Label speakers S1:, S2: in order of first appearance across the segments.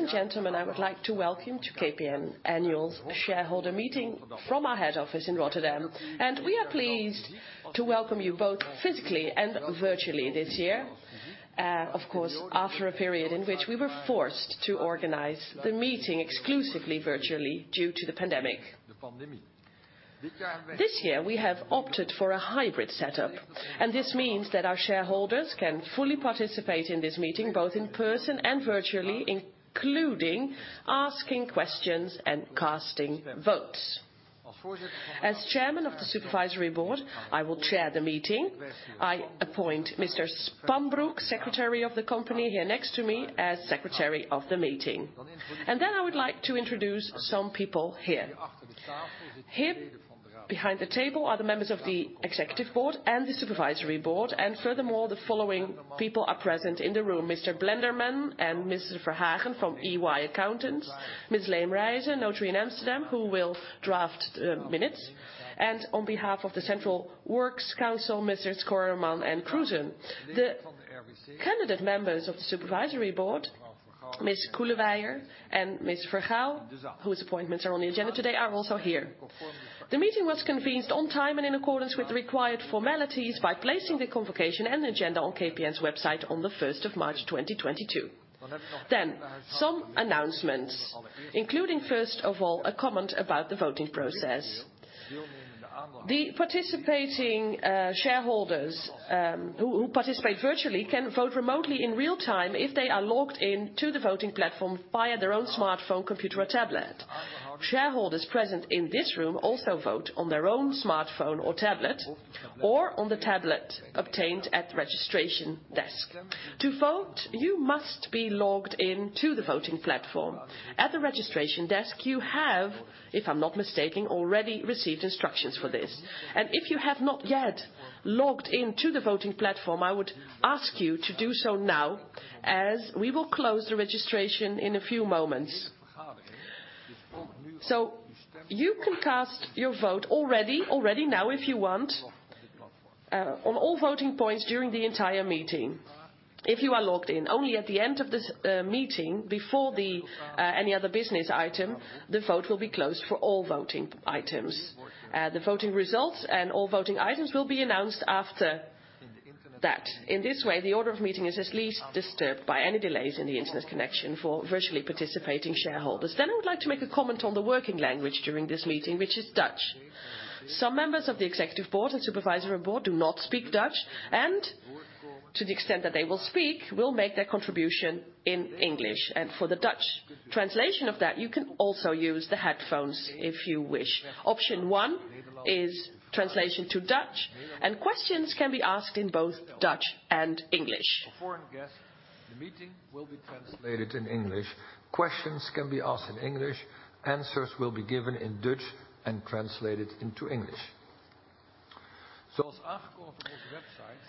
S1: Ladies and gentlemen, I would like to welcome you to KPN's Annual Shareholders' Meeting from our head office in Rotterdam. We are pleased to welcome you both physically and virtually this year, of course, after a period in which we were forced to organize the meeting exclusively virtually due to the pandemic. This year, we have opted for a hybrid setup, and this means that our shareholders can fully participate in this meeting, both in person and virtually, including asking questions and casting votes. As Chairman of the Supervisory Board, I will chair the meeting. I appoint Mr. Spanbroek, Secretary of the Company here next to me, as Secretary of the meeting. Then I would like to introduce some people here. Here behind the table are the members of the Executive Board and the Supervisory Board. Furthermore, the following people are present in the room: Mr. Blenderman and Mr. Verhagen from EY Accountants, Ms. Leemrijse, notary in Amsterdam, who will draft the minutes, and on behalf of the Central Works Council, Mrs. Koreman and Kroese. The candidate members of the supervisory board, Ms. Koelemeijer and Ms. Vergouw, whose appointments are on the agenda today, are also here. The meeting was convened on time and in accordance with the required formalities by placing the convocation and agenda on KPN's website on the 1st of March 2022. Some announcements, including, first of all, a comment about the voting process. The participating shareholders who participate virtually can vote remotely in real-time if they are logged in to the voting platform via their own smartphone, computer, or tablet. Shareholders present in this room also vote on their own smartphone or tablet or on the tablet obtained at the registration desk. To vote, you must be logged in to the voting platform. At the registration desk, you have, if I'm not mistaken, already received instructions for this. If you have not yet logged in to the voting platform, I would ask you to do so now, as we will close the registration in a few moments. You can cast your vote already now, if you want, on all voting points during the entire meeting, if you are logged in. Only at the end of this meeting, before any other business item, the vote will be closed for all voting items. The voting results and all voting items will be announced after that. In this way, the order of meeting is least disturbed by any delays in the internet connection for virtually participating shareholders. I would like to make a comment on the working language during this meeting, which is Dutch. Some members of the executive board and supervisory board do not speak Dutch and, to the extent that they will speak, will make their contribution in English. For the Dutch translation of that, you can also use the headphones if you wish. Option one is translation to Dutch, and questions can be asked in both Dutch and English. For our guests, the meeting will be translated in English. Questions can be asked in English. Answers will be given in Dutch and translated into English.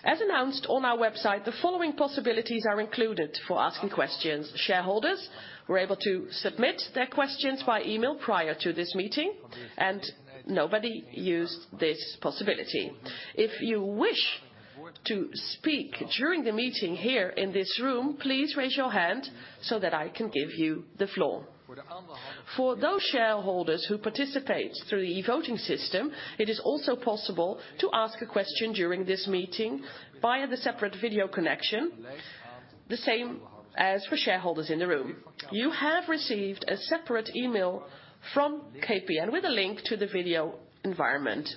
S1: As announced on our website, the following possibilities are included for asking questions. Shareholders were able to submit their questions by email prior to this meeting, and nobody used this possibility. If you wish to speak during the meeting here in this room, please raise your hand so that I can give you the floor. For those shareholders who participate through the e-voting system, it is also possible to ask a question during this meeting via the separate video connection, the same as for shareholders in the room. You have received a separate email from KPN with a link to the video environment.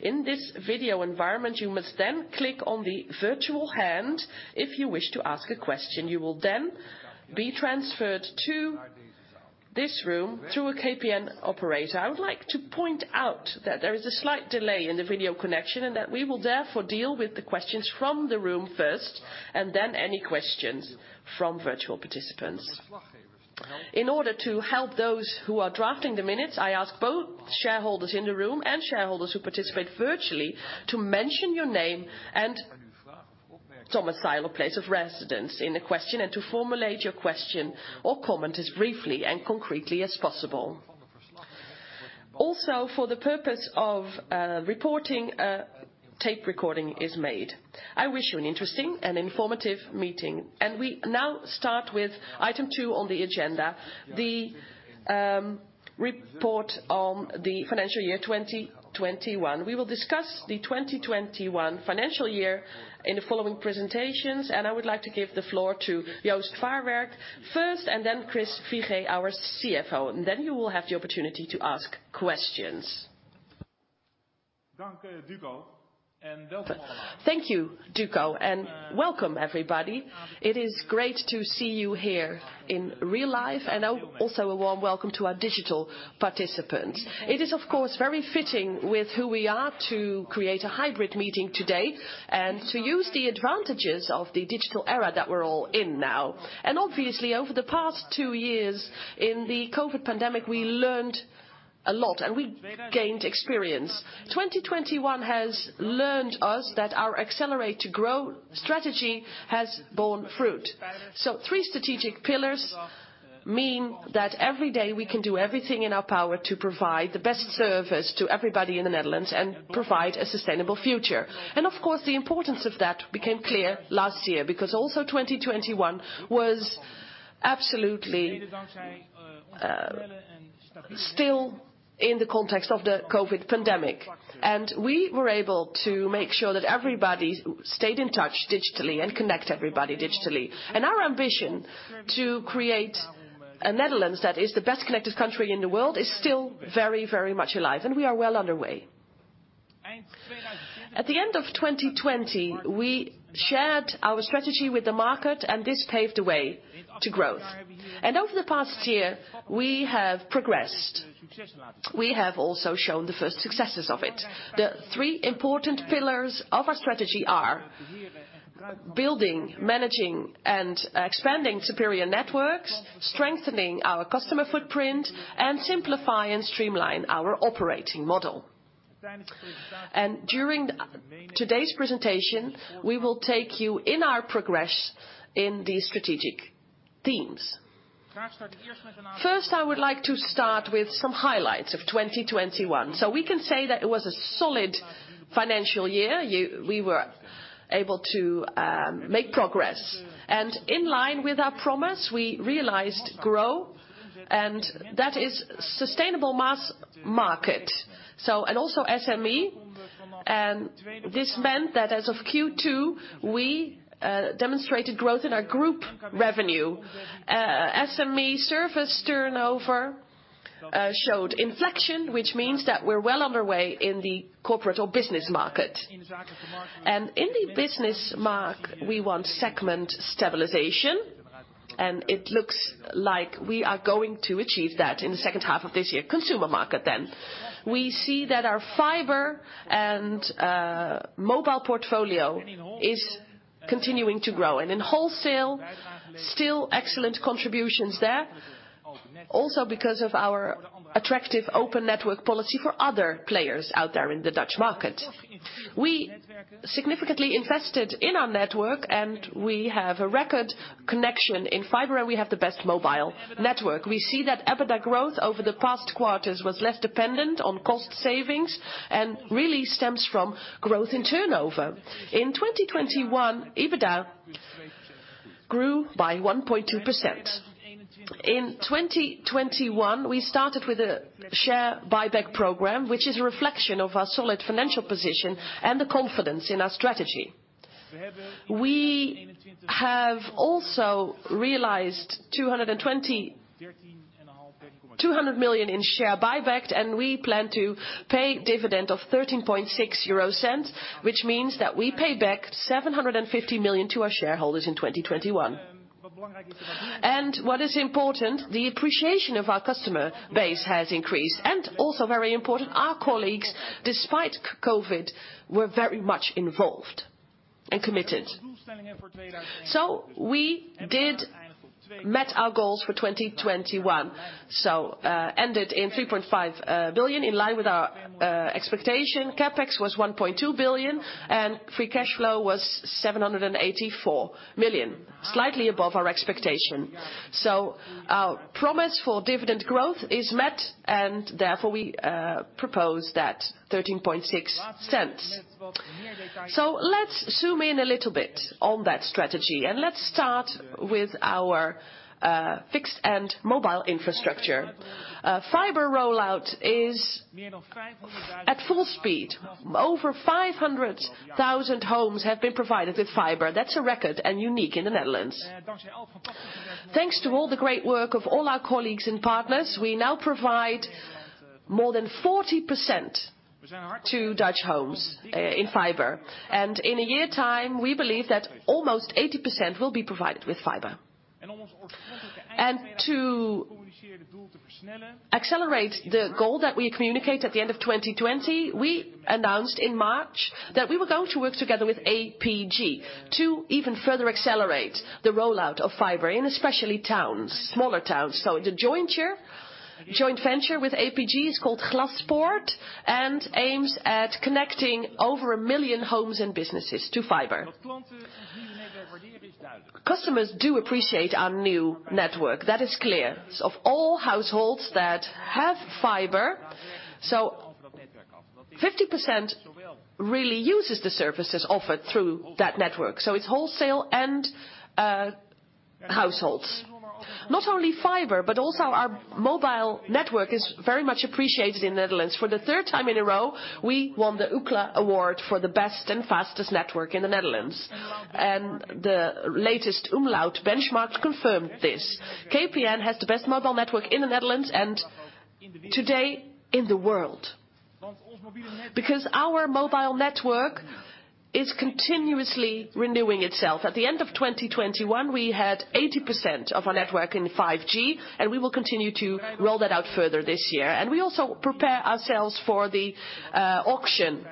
S1: In this video environment, you must then click on the virtual hand if you wish to ask a question. You will then be transferred to this room through a KPN operator. I would like to point out that there is a slight delay in the video connection and that we will therefore deal with the questions from the room first and then any questions from virtual participants. In order to help those who are drafting the minutes, I ask both shareholders in the room and shareholders who participate virtually to mention your name and domicile or place of residence in the question and to formulate your question or comment as briefly and concretely as possible. Also, for the purpose of reporting, a tape recording is made. I wish you an interesting and informative meeting. We now start with item two on the agenda, the report on the financial year 2021. We will discuss the 2021 financial year in the following presentations, and I would like to give the floor to Joost Farwerck first and then Chris Figee, our CFO. Then you will have the opportunity to ask questions.
S2: Thank you, Duco, and welcome, everybody. It is great to see you here in real life, and also a warm welcome to our digital participants. It is, of course, very fitting with who we are to create a hybrid meeting today and to use the advantages of the digital era that we're all in now. Obviously, over the past two years in the COVID pandemic, we learned a lot, and we gained experience. 2021 has learned us that our Accelerate to Grow strategy has borne fruit. Three strategic pillars mean that every day we can do everything in our power to provide the best service to everybody in the Netherlands and provide a sustainable future. Of course, the importance of that became clear last year because also 2021 was absolutely still in the context of the COVID pandemic, and we were able to make sure that everybody stayed in touch digitally and connect everybody digitally. Our ambition to create a Netherlands that is the best connected country in the world is still very, very much alive, and we are well underway. At the end of 2020, we shared our strategy with the market and this paved the way to growth. Over the past year, we have progressed. We have also shown the first successes of it. The three important pillars of our strategy are building, managing, and expanding superior networks, strengthening our customer footprint, and simplify and streamline our operating model. During today's presentation, we will take you in our progress in these strategic themes. First, I would like to start with some highlights of 2021. We can say that it was a solid financial year. We were able to make progress. In line with our promise, we realized growth, and that is sustainable mass market, and also SME, and this meant that as of Q2, we demonstrated growth in our group revenue. SME service turnover showed inflection, which means that we're well underway in the corporate or business market. In the business market, we want segment stabilization, and it looks like we are going to achieve that in the second half of this year. Consumer market. We see that our fiber and mobile portfolio is continuing to grow. In wholesale, still excellent contributions there, also because of our attractive open network policy for other players out there in the Dutch market. We significantly invested in our network, and we have a record connection in fiber, and we have the best mobile network. We see that EBITDA growth over the past quarters was less dependent on cost savings and really stems from growth in turnover. In 2021, EBITDA grew by 1.2%. In 2021, we started with a share buyback program, which is a reflection of our solid financial position and the confidence in our strategy. We have also realized 200 million in share buyback, and we plan to pay dividend of 0.136, which means that we pay back 750 million to our shareholders in 2021. What is important, the appreciation of our customer base has increased. Also very important, our colleagues, despite COVID, were very much involved and committed. We did meet our goals for 2021. Ended in 3.5 billion in line with our expectation. CapEx was 1.2 billion, and free cash flow was 784 million, slightly above our expectation. Our promise for dividend growth is met and therefore we propose that 0.136. Let's zoom in a little bit on that strategy, and let's start with our fixed and mobile infrastructure. Fiber rollout is at full speed. Over 500,000 homes have been provided with fiber. That's a record and unique in the Netherlands. Thanks to all the great work of all our colleagues and partners, we now provide more than 40% to Dutch homes in fiber. In a year time, we believe that almost 80% will be provided with fiber. To accelerate the goal that we communicate at the end of 2020, we announced in March that we were going to work together with APG to even further accelerate the rollout of fiber in especially towns, smaller towns. The joint venture with APG is called Glaspoort and aims at connecting over a million homes and businesses to fiber. Customers do appreciate our new network. That is clear. Of all households that have fiber, 50% really uses the services offered through that network. It's wholesale and households. Not only fiber, but also our mobile network is very much appreciated in Netherlands. For the third time in a row, we won the Umlaut Award for the best and fastest network in the Netherlands. The latest Umlaut Benchmark confirmed this. KPN has the best mobile network in the Netherlands and today in the world. Because our mobile network is continuously renewing itself. At the end of 2021, we had 80% of our network in 5G, and we will continue to roll that out further this year. We also prepare ourselves for the auction,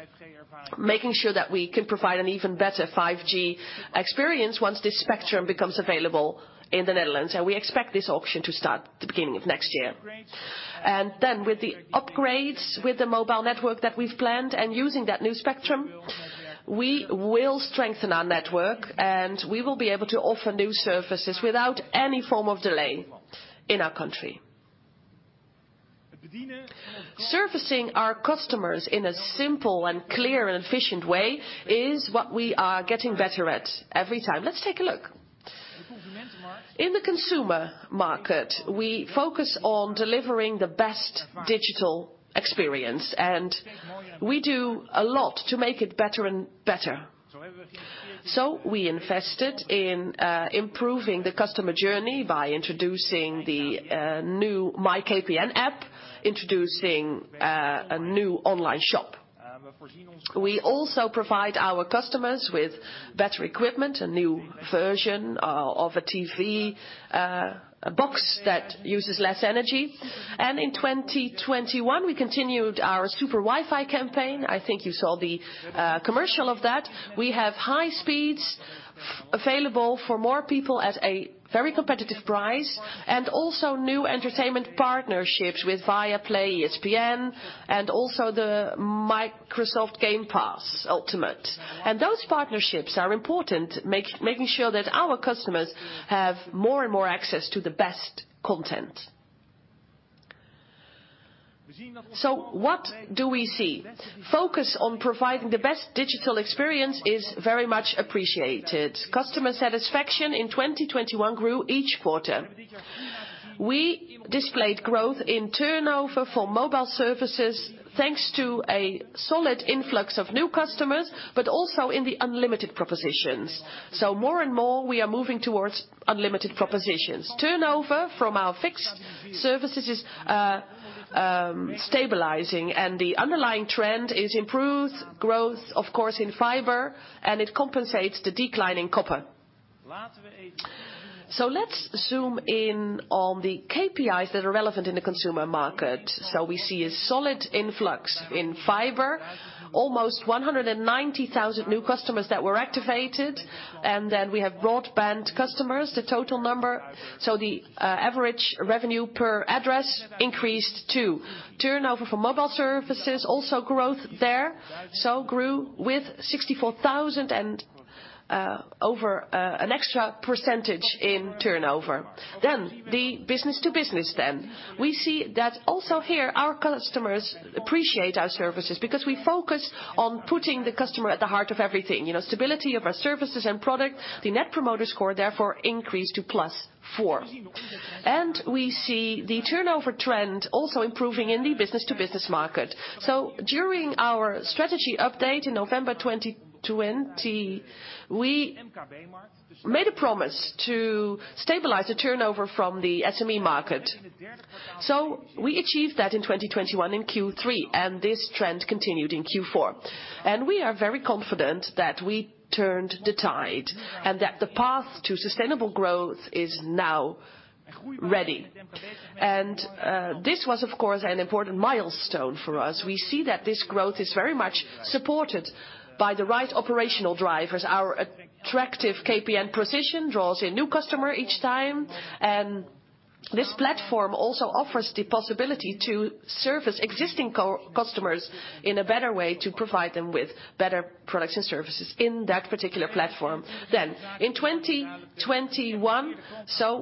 S2: making sure that we can provide an even better 5G experience once this spectrum becomes available in the Netherlands. We expect this auction to start the beginning of next year. Then with the upgrades with the mobile network that we've planned and using that new spectrum, we will strengthen our network, and we will be able to offer new services without any form of delay in our country. Servicing our customers in a simple and clear and efficient way is what we are getting better at every time. Let's take a look. In the consumer market, we focus on delivering the best digital experience, and we do a lot to make it better and better. We invested in improving the customer journey by introducing the new MijnKPN app, introducing a new online shop. We also provide our customers with better equipment, a new version of a TV box that uses less energy. In 2021, we continued our SuperWifi campaign. I think you saw the commercial of that. We have high speeds available for more people at a very competitive price, and also new entertainment partnerships with Viaplay, ESPN, and also the Microsoft Game Pass Ultimate. Those partnerships are important, making sure that our customers have more and more access to the best content. What do we see? Focus on providing the best digital experience is very much appreciated. Customer satisfaction in 2021 grew each quarter. We displayed growth in turnover for mobile services, thanks to a solid influx of new customers, but also in the unlimited propositions. More and more we are moving towards unlimited propositions. Turnover from our fixed services is stabilizing, and the underlying trend is improved growth, of course, in fiber, and it compensates the decline in copper. Let's zoom in on the KPIs that are relevant in the consumer market. We see a solid influx in fiber. Almost 190,000 new customers that were activated. We have broadband customers, the total number. The average revenue per address increased too. Turnover for mobile services also grew with 64,000 and over an extra percentage in turnover. Then, business-to-business. We see that also here our customers appreciate our services because we focus on putting the customer at the heart of everything. You know, stability of our services and product. The Net Promoter Score therefore increased to +4. We see the turnover trend also improving in the business-to-business market. During our strategy update in November 2020, we made a promise to stabilize the turnover from the SME market. We achieved that in 2021 in Q3, and this trend continued in Q4. We are very confident that we turned the tide and that the path to sustainable growth is now ready. This was of course an important milestone for us. We see that this growth is very much supported by the right operational drivers. Our attractive KPN precision draws in new customers each time. This platform also offers the possibility to service existing customers in a better way to provide them with better products and services in that particular platform. In 2021,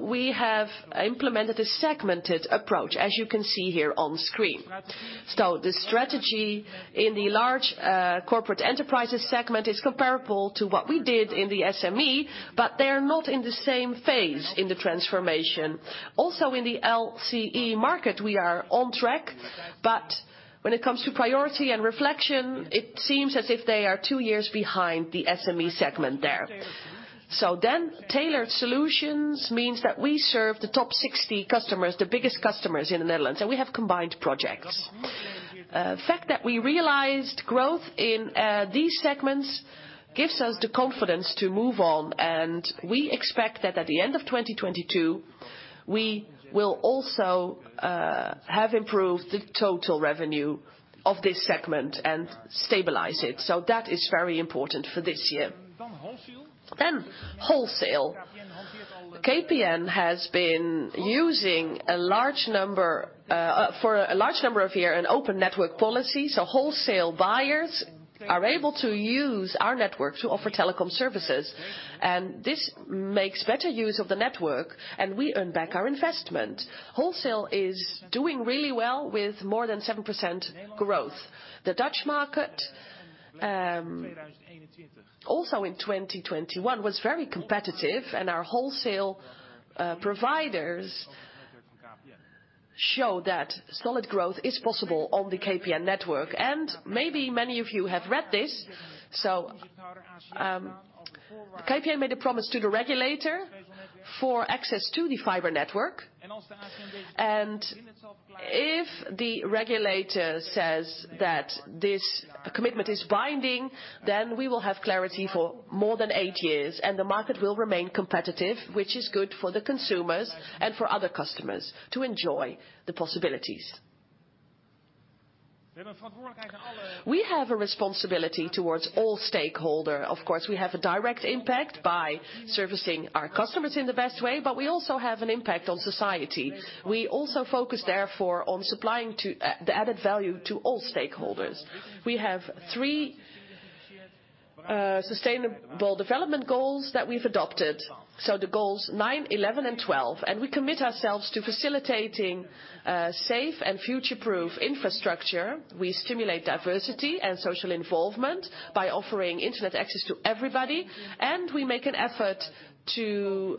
S2: we have implemented a segmented approach, as you can see here on screen. The strategy in the large corporate enterprises segment is comparable to what we did in the SME, but they're not in the same phase in the transformation. Also in the LCE market, we are on track, but when it comes to priority and reflection, it seems as if they are two years behind the SME segment there. Tailored solutions means that we serve the top 60 customers, the biggest customers in the Netherlands, and we have combined projects. The fact that we realized growth in these segments gives us the confidence to move on, and we expect that at the end of 2022, we will also have improved the total revenue of this segment and stabilize it. That is very important for this year. Wholesale. KPN has been using for a large number of years an open network policy, so wholesale buyers are able to use our network to offer telecom services. This makes better use of the network, and we earn back our investment. Wholesale is doing really well with more than 7% growth. The Dutch market also in 2021 was very competitive, and our wholesale providers show that solid growth is possible on the KPN network. Maybe many of you have read this. KPN made a promise to the regulator for access to the fiber network. If the regulator says that this commitment is binding, then we will have clarity for more than eight years and the market will remain competitive, which is good for the consumers and for other customers to enjoy the possibilities. We have a responsibility towards all stakeholders. Of course, we have a direct impact by servicing our customers in the best way, but we also have an impact on society. We also focus therefore on supplying the added value to all stakeholders. We have three sustainable development goals that we've adopted, so the goals nine, 11, and 12. We commit ourselves to facilitating safe and future-proof infrastructure. We stimulate diversity and social involvement by offering internet access to everybody, and we make an effort to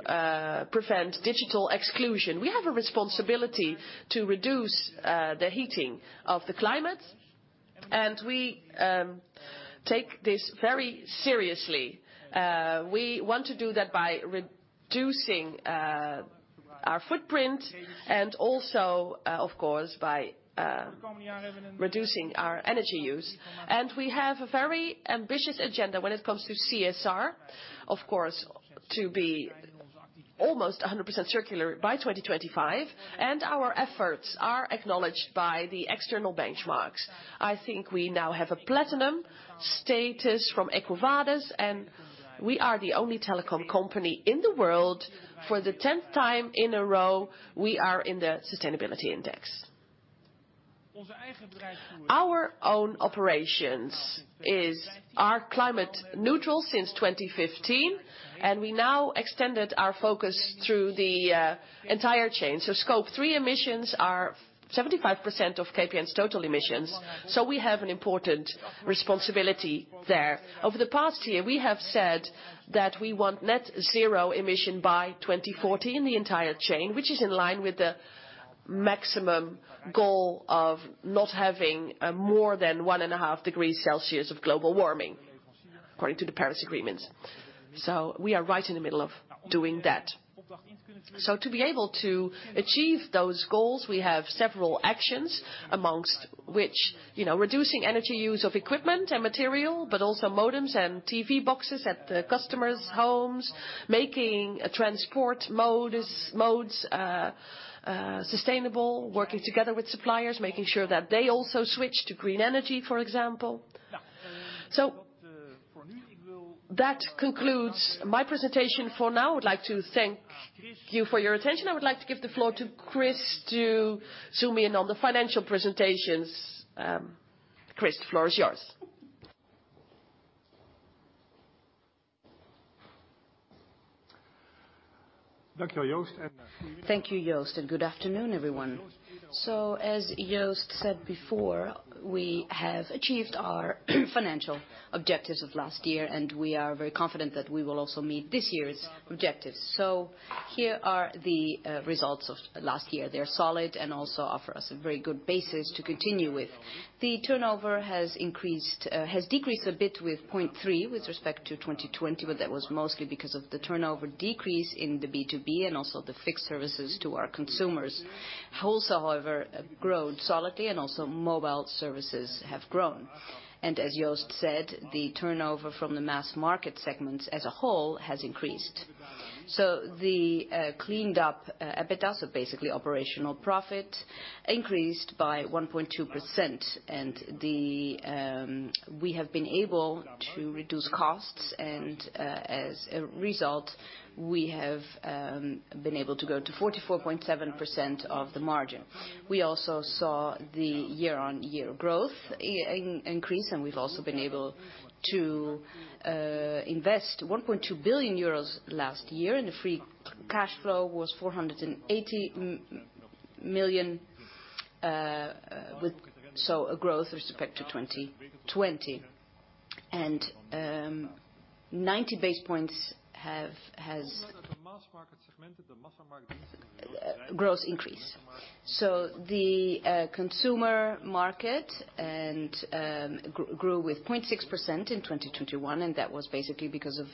S2: prevent digital exclusion. We have a responsibility to reduce the heating of the climate, and we take this very seriously. We want to do that by reducing our footprint and also, of course, by reducing our energy use. We have a very ambitious agenda when it comes to CSR, of course, to be almost 100% circular by 2025, and our efforts are acknowledged by the external benchmarks. I think we now have a platinum status from EcoVadis, and we are the only telecom company in the world for the 10th time in a row. We are in the sustainability index. Our own operations are climate neutral since 2015, and we now extended our focus through the entire chain. Scope 3 emissions are 75% of KPN's total emissions, so we have an important responsibility there. Over the past year, we have said that we want net zero emission by 2040 in the entire chain, which is in line with the maximum goal of not having more than 1.5 degrees Celsius of global warming according to the Paris Agreement. We are right in the middle of doing that. To be able to achieve those goals, we have several actions, among which, you know, reducing energy use of equipment and material, but also modems and TV boxes at the customers' homes, making transport modes sustainable, working together with suppliers, making sure that they also switch to green energy, for example. That concludes my presentation for now. I would like to thank you for your attention. I would like to give the floor to Chris to zoom in on the financial presentations. Chris, the floor is yours.
S3: Thank you, Joost, and good afternoon, everyone. As Joost said before, we have achieved our financial objectives of last year, and we are very confident that we will also meet this year's objectives. Here are the results of last year. They're solid and also offer us a very good basis to continue with. The turnover has decreased a bit by 0.3% with respect to 2020, but that was mostly because of the turnover decrease in the B2B and also the fixed services to our consumers. Wholesale, however, has grown solidly and also mobile services have grown. As Joost said, the turnover from the mass market segments as a whole has increased. The cleaned up EBITDA, so basically operational profit, increased by 1.2%. We have been able to reduce costs and, as a result, we have been able to go to 44.7% of the margin. We also saw the year-on-year growth increase, and we've also been able to invest 1.2 billion euros last year, and the free cash flow was 480 million with a growth with respect to 2020. 90 basis points has gross increase. The consumer market grew with 0.6% in 2021, and that was basically because of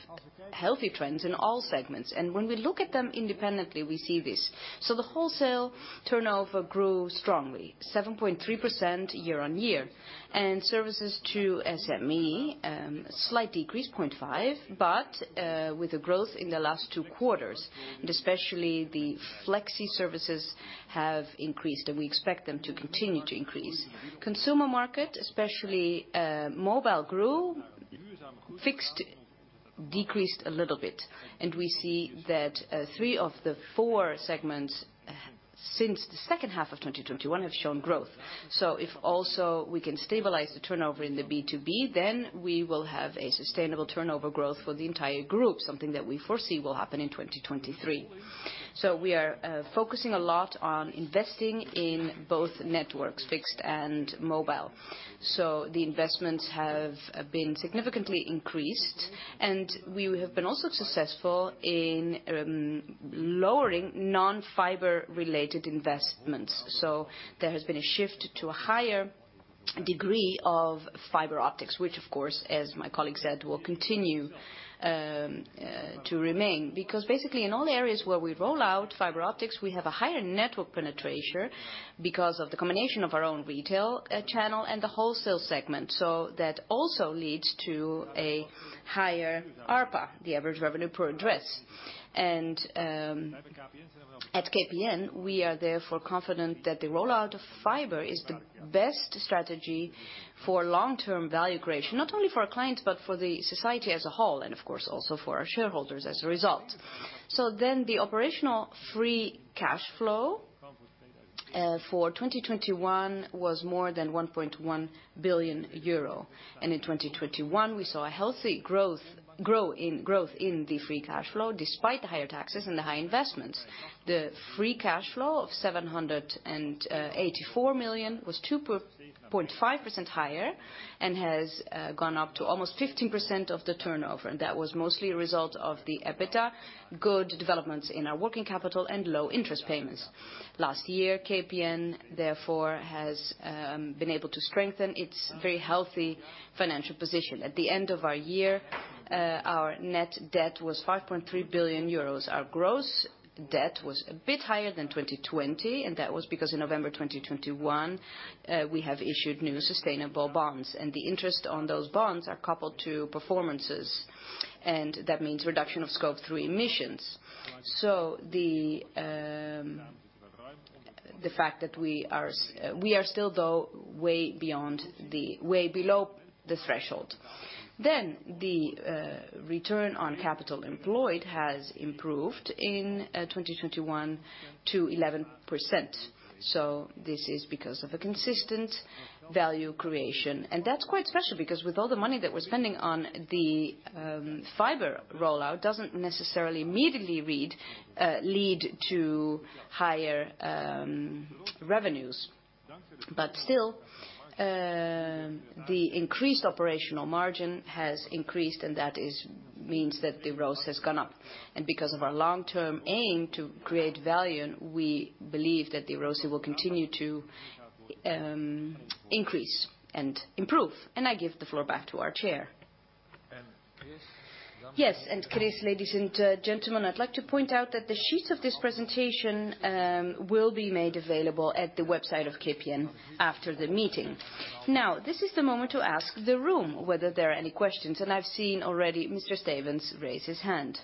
S3: healthy trends in all segments. When we look at them independently, we see this. The wholesale turnover grew strongly, 7.3% year on year. Services to SME, slight decrease, 0.5%, but with a growth in the last two quarters, and especially the flexi services have increased, and we expect them to continue to increase. Consumer market, especially, mobile grew. Fixed decreased a little bit. We see that three of the four segments since the second half of 2021 have shown growth. If also we can stabilize the turnover in the B2B, then we will have a sustainable turnover growth for the entire group, something that we foresee will happen in 2023. We are focusing a lot on investing in both networks, fixed and mobile. The investments have been significantly increased, and we have been also successful in lowering non-fiber related investments. There has been a shift to a higher degree of fiber optics, which of course, as my colleague said, will continue to remain. Because basically, in all areas where we roll out fiber optics, we have a higher network penetration because of the combination of our own retail channel and the wholesale segment. That also leads to a higher ARPA, the average revenue per address. At KPN, we are therefore confident that the rollout of fiber is the best strategy for long-term value creation, not only for our clients, but for the society as a whole and of course, also for our shareholders as a result. The operational free cash flow for 2021 was more than 1.1 billion euro. In 2021 we saw a healthy growth in the free cash flow despite the higher taxes and the high investments. The free cash flow of 784 million was 2.5% higher and has gone up to almost 15% of the turnover, and that was mostly a result of the EBITDA, good developments in our working capital and low interest payments. Last year, KPN therefore has been able to strengthen its very healthy financial position. At the end of our year, our net debt was 5.3 billion euros. Our gross debt was a bit higher than 2020, and that was because in November 2021, we have issued new sustainable bonds, and the interest on those bonds are coupled to performances, and that means reduction of scope 3 emissions. The fact that we are still way below the threshold. The return on capital employed has improved in 2021 to 11%. This is because of a consistent value creation. That's quite special because with all the money that we're spending on the fiber rollout doesn't necessarily immediately lead to higher revenues. Still, the increased operational margin has increased, and that means that the ROCE has gone up. Because of our long-term aim to create value, we believe that the ROCE will continue to increase and improve. I give the floor back to our chair.
S1: Yes. Chris, ladies and gentlemen, I'd like to point out that the sheets of this presentation will be made available at the website of KPN after the meeting. Now, this is the moment to ask the room whether there are any questions. I've seen already Mr. Stevense raise his hand.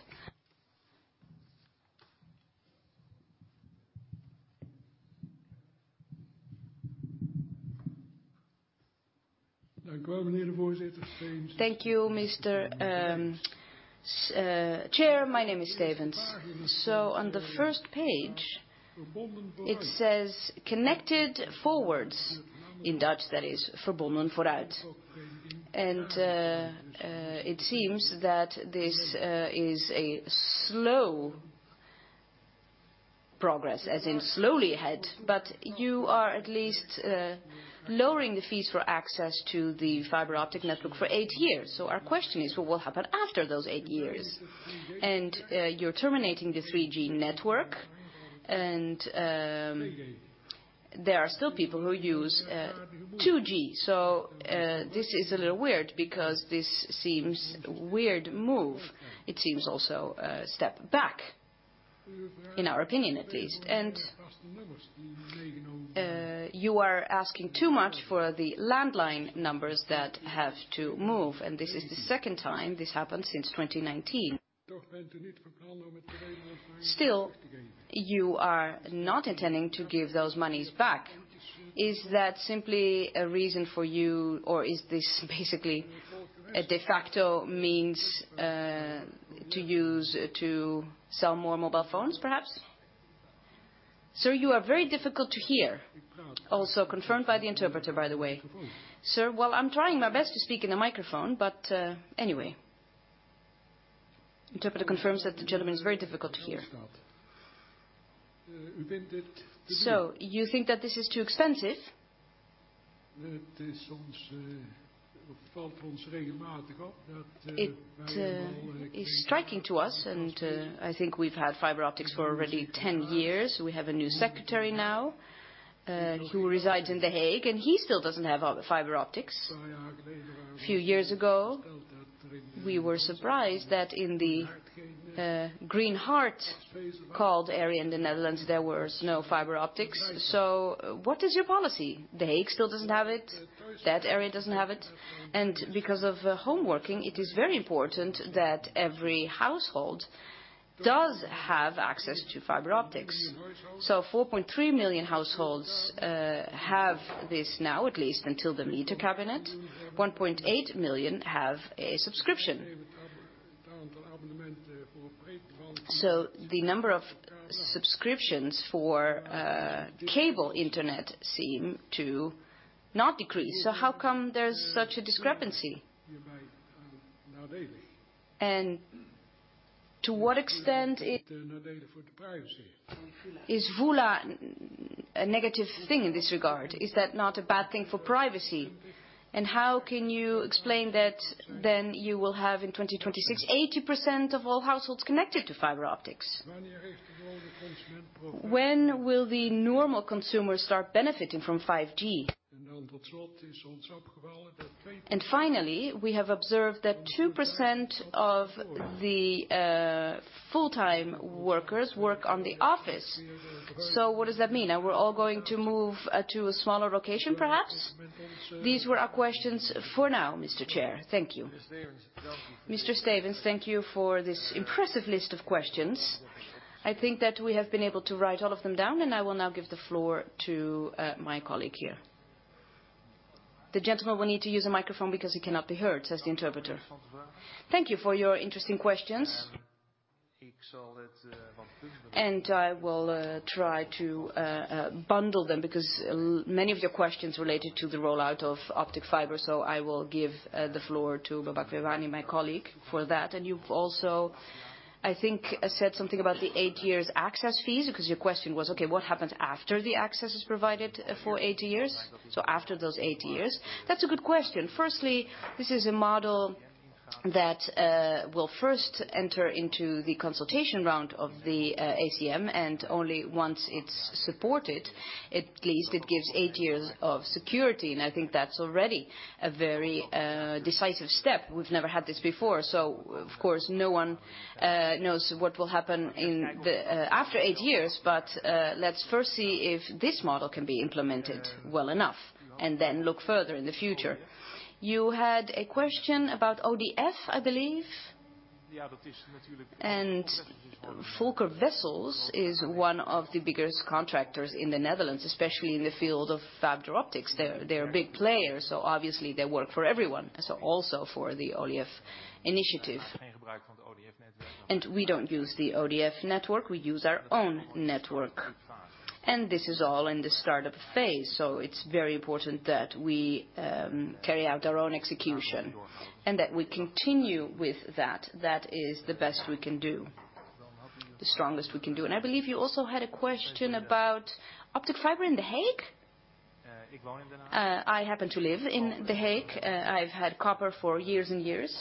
S4: Thank you, Mr. Chair. My name is Stevense. On the first page it says, "Connected Forwards," in Dutch that is Verbonden Vooruit. It seems that this is a slow progress, as in slowly ahead, but you are at least lowering the fees for access to the fiber optic network for eight years. Our question is, what will happen after those eight years? You're terminating the 3G network and there are still people who use 2G. This is a little weird because this seems a weird move. It seems also a step back, in our opinion at least. You are asking too much for the landline numbers that have to move, and this is the second time this happened since 2019. Still, you are not intending to give those money back. Is that simply a reason for you or is this basically a de facto means to use to sell more mobile phones, perhaps? Sir, you are very difficult to hear. Also confirmed by the interpreter, by the way.
S2: Sir, well, I'm trying my best to speak in the microphone, but anyway.
S4: Interpreter confirms that the gentleman is very difficult to hear. You think that this is too expensive? It is striking to us and I think we've had fiber optics for already 10 years. We have a new secretary now, who resides in The Hague, and he still doesn't have fiber optics. Few years ago, we were surprised that in the Green Heart called area in the Netherlands, there was no fiber optics. What is your policy? The Hague still doesn't have it. That area doesn't have it. Because of the homeworking, it is very important that every household does have access to fiber optics. 4.3 million households have this now, at least until the meter cabinet. 1.8 million have a subscription. The number of subscriptions for cable internet seem to not decrease. How come there's such a discrepancy? To what extent is VULA a negative thing in this regard? Is that not a bad thing for privacy? How can you explain that then you will have in 2026 80% of all households connected to fiber optics? When will the normal consumer start benefiting from 5G? Finally, we have observed that 2% of the full-time workers work in the office. What does that mean? Are we all going to move to a smaller location, perhaps? These were our questions for now, Mr. Chair. Thank you.
S1: Mr. Stevense, thank you for this impressive list of questions. I think that we have been able to write all of them down, and I will now give the floor to my colleague here. The gentleman will need to use a microphone because he cannot be heard, says the interpreter.
S2: Thank you for your interesting questions. I will try to bundle them because many of your questions related to the rollout of optical fiber, so I will give the floor to Babak Fouladi, my colleague, for that. You've also, I think, said something about the 8 years access fees, because your question was, okay, what happens after the access is provided for eight years? After those eight years. That's a good question. Firstly, this is a model that will first enter into the consultation round of the ACM, and only once it's supported, at least it gives eight years of security. I think that's already a very decisive step. We've never had this before. Of course, no one knows what will happen in the after eight years. Let's first see if this model can be implemented well enough and then look further in the future. You had a question about ODF, I believe. VolkerWessels is one of the biggest contractors in the Netherlands, especially in the field of fiber optics. They're a big player, so obviously they work for everyone. Also for the ODF initiative. We don't use the ODF network. We use our own network. This is all in the startup phase, so it's very important that we carry out our own execution and that we continue with that. That is the best we can do, the strongest we can do. I believe you also had a question about optic fiber in The Hague? I happen to live in The Hague. I've had copper for years and years.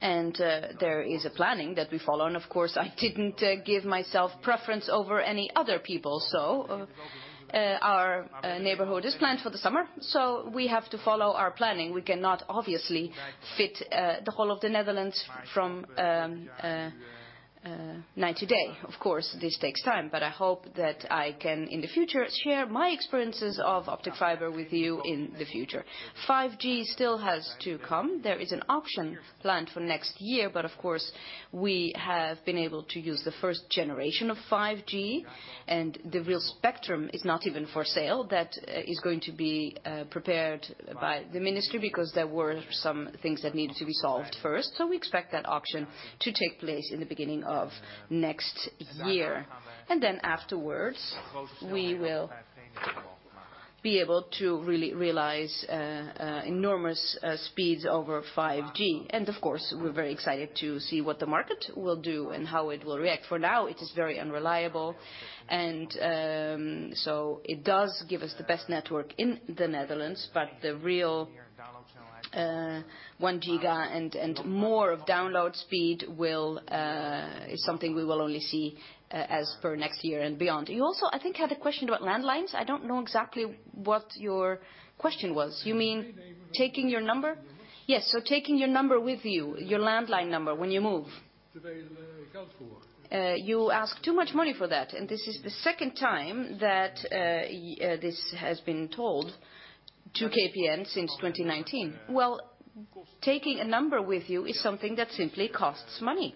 S2: There is a planning that we follow. Of course, I didn't give myself preference over any other people. Our neighborhood is planned for the summer, so we have to follow our planning. We cannot obviously fit the whole of the Netherlands from night to day. Of course, this takes time, but I hope that I can in the future share my experiences of optic fiber with you in the future. 5G still has to come. There is an auction planned for next year. Of course, we have been able to use the first generation of 5G, and the real spectrum is not even for sale. That is going to be prepared by the ministry because there were some things that needed to be solved first. We expect that auction to take place in the beginning of next year. Then afterwards, we will be able to re-realize enormous speeds over 5G. Of course, we're very excited to see what the market will do and how it will react. For now, it is very unreliable and so it does give us the best network in the Netherlands. The real 1 Gb and more of download speed is something we will only see as per next year and beyond. You also, I think, had a question about landlines. I don't know exactly what your question was. You mean taking your number?
S4: Yes. Taking your number with you, your landline number, when you move. You ask too much money for that. This is the second time that this has been told to KPN since 2019.
S2: Well, taking a number with you is something that simply costs money.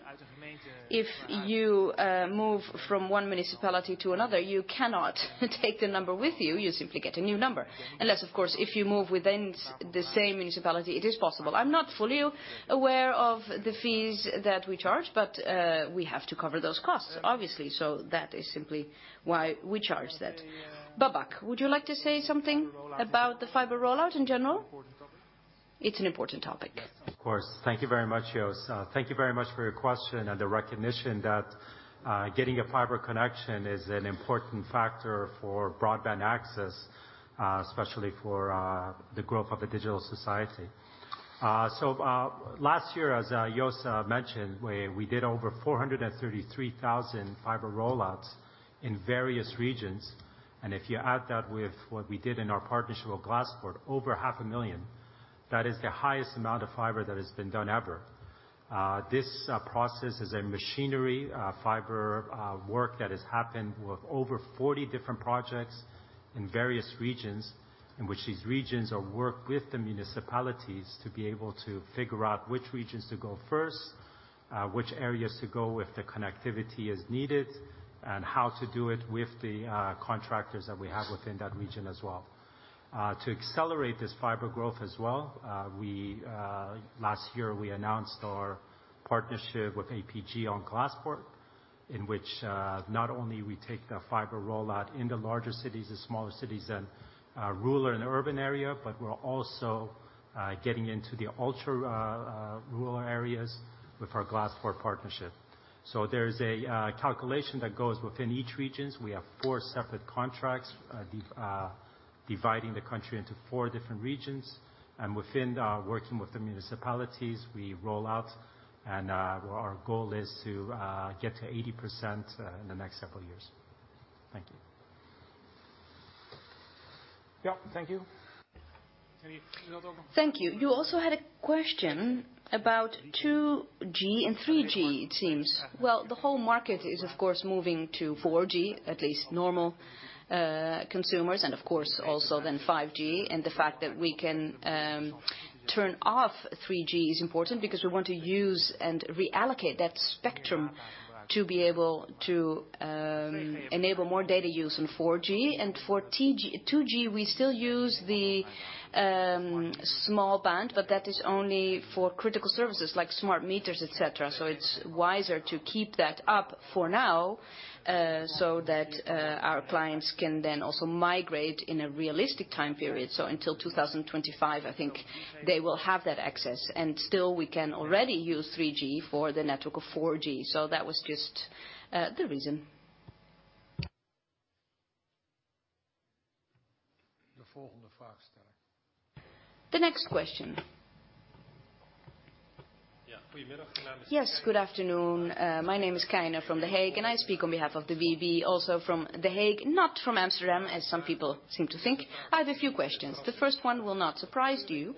S2: If you move from one municipality to another, you cannot take the number with you. You simply get a new number. Unless of course, if you move within the same municipality, it is possible. I'm not fully aware of the fees that we charge, but we have to cover those costs, obviously. That is simply why we charge that. Babak, would you like to say something about the fiber rollout in general? It's an important topic.
S5: Of course. Thank you very much, Joost. Thank you very much for your question and the recognition that getting a fiber connection is an important factor for broadband access, especially for the growth of a digital society. Last year, as Joost mentioned, we did over 433,000 fiber rollouts in various regions. If you add that with what we did in our partnership with Glaspoort, over 500,000, that is the highest amount of fiber that has been done ever. This process is a massive fiber work that has happened with over 40 different projects in various regions in which these regions work with the municipalities to be able to figure out which regions to go first, which areas to go if the connectivity is needed, and how to do it with the contractors that we have within that region as well. To accelerate this fiber growth as well, last year we announced our partnership with APG on Glaspoort, in which not only we take the fiber rollout in the larger cities, the smaller cities, and rural and urban area, but we're also getting into the ultra-rural areas with our Glaspoort partnership. There is a calculation that goes within each regions. We have four separate contracts, dividing the country into four different regions. Within working with the municipalities, we roll out and our goal is to get to 80% in the next several years. Thank you.
S2: Yep. Thank you. You also had a question about 2G and 3G, it seems. Well, the whole market is of course moving to 4G, at least normal consumers, and of course also then 5G. The fact that we can turn off 3G is important because we want to use and reallocate that spectrum to be able to enable more data use in 4G. For 2G, we still use the small band, but that is only for critical services like smart meters, et cetera. It's wiser to keep that up for now, so that our clients can then also migrate in a realistic time period. Until 2025, I think they will have that access. Still, we can already use 3G for the network of 4G. So that was just the reason.
S1: The next question.
S6: Good afternoon. My name is Keyner from The Hague, and I speak on behalf of the VEB, also from The Hague, not from Amsterdam, as some people seem to think. I have a few questions. The first one will not surprise you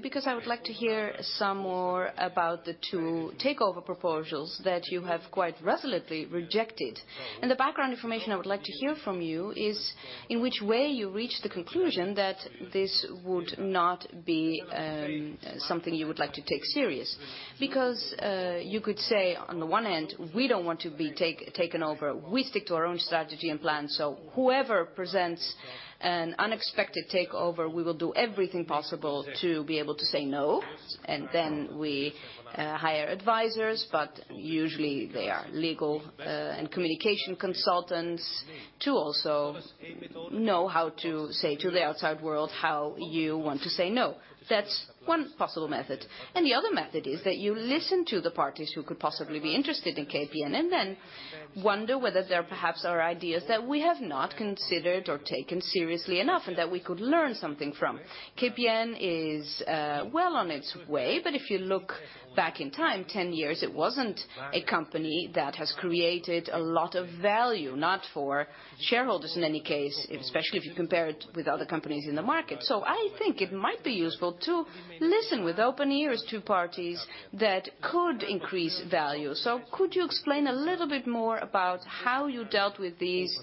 S6: because I would like to hear some more about the two takeover proposals that you have quite resolutely rejected. The background information I would like to hear from you is in which way you reached the conclusion that this would not be something you would like to take seriously. Because you could say on the one end, we don't want to be taken over. We stick to our own strategy and plan. Whoever presents an unexpected takeover, we will do everything possible to be able to say no. We hire advisors, but usually they are legal and communication consultants to also know how to say to the outside world how you want to say no. That's one possible method. The other method is that you listen to the parties who could possibly be interested in KPN and then wonder whether there perhaps are ideas that we have not considered or taken seriously enough and that we could learn something from. KPN is well on its way, but if you look back in time, 10 years, it wasn't a company that has created a lot of value, not for shareholders in any case, especially if you compare it with other companies in the market. I think it might be useful to listen with open ears to parties that could increase value. Could you explain a little bit more about how you dealt with these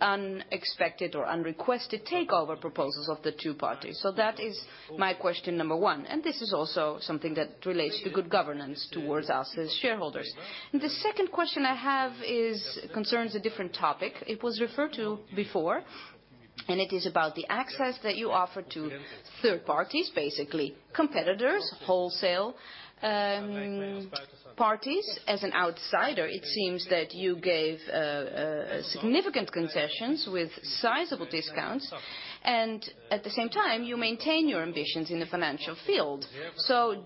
S6: unexpected or unrequested takeover proposals of the two parties? That is my question number one, and this is also something that relates to good governance towards us as shareholders. The second question I have concerns a different topic. It was referred to before, and it is about the access that you offer to third parties, basically competitors, wholesale, parties. As an outsider, it seems that you gave significant concessions with sizable discounts, and at the same time you maintain your ambitions in the financial field.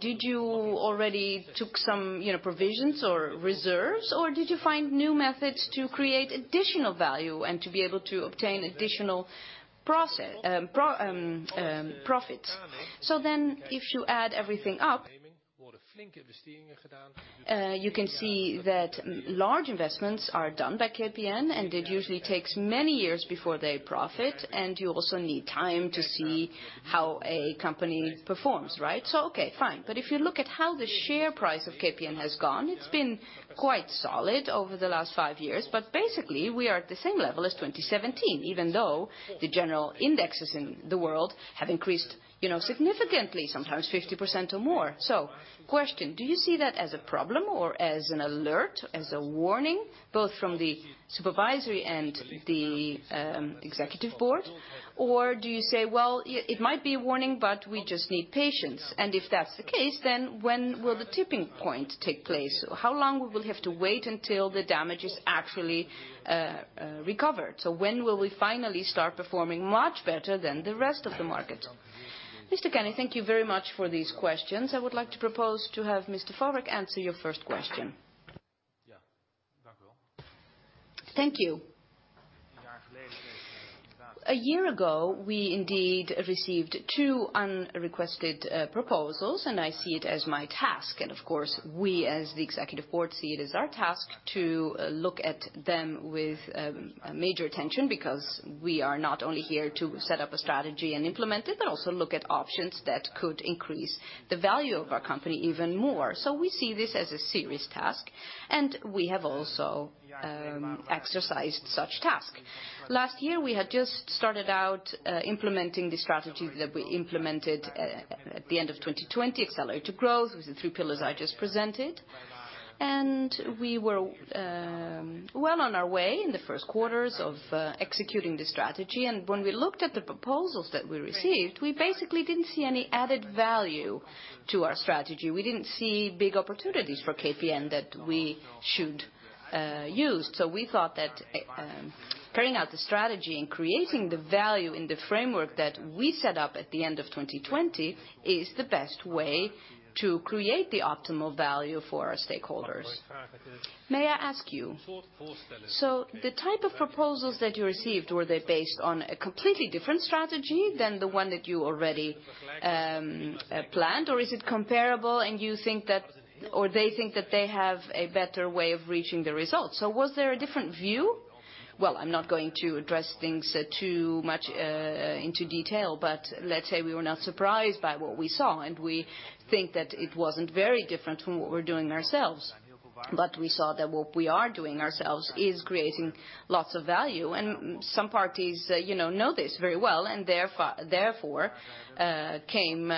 S6: Did you already took some, you know, provisions or reserves, or did you find new methods to create additional value and to be able to obtain additional profits? If you add everything up, you can see that large investments are done by KPN, and it usually takes many years before they profit, and you also need time to see how a company performs, right? Okay, fine. If you look at how the share price of KPN has gone, it's been quite solid over the last five years. Basically, we are at the same level as 2017, even though the general indexes in the world have increased, you know, significantly, sometimes 50% or more. Question, do you see that as a problem or as an alert, as a warning, both from the Supervisory and the Executive Board? Or do you say, "Well, it might be a warning, but we just need patience." If that's the case, then when will the tipping point take place? How long will we have to wait until the damage is actually recovered? When will we finally start performing much better than the rest of the market?
S1: Mr. Keyner, thank you very much for these questions. I would like to propose to have Mr. Farwerck answer your first question.
S2: Thank you. A year ago, we indeed received two unrequested proposals, and I see it as my task, and of course we as the Executive Board see it as our task to look at them with major attention because we are not only here to set up a strategy and implement it but also look at options that could increase the value of our company even more. We see this as a serious task, and we have also exercised such task. Last year, we had just started out implementing the strategy that we implemented at the end of 2020, Accelerate to Grow with the three pillars I just presented. We were well on our way in the first quarters of executing the strategy, and when we looked at the proposals that we received, we basically didn't see any added value to our strategy. We didn't see big opportunities for KPN that we should use. We thought that carrying out the strategy and creating the value in the framework that we set up at the end of 2020 is the best way to create the optimal value for our stakeholders.
S6: May I ask you, so the type of proposals that you received, were they based on a completely different strategy than the one that you already planned, or is it comparable and you think that or they think that they have a better way of reaching the results? Was there a different view?
S2: Well, I'm not going to address things too much into detail, but let's say we were not surprised by what we saw, and we think that it wasn't very different from what we're doing ourselves. We saw that what we are doing ourselves is creating lots of value, and some parties, you know this very well and therefore came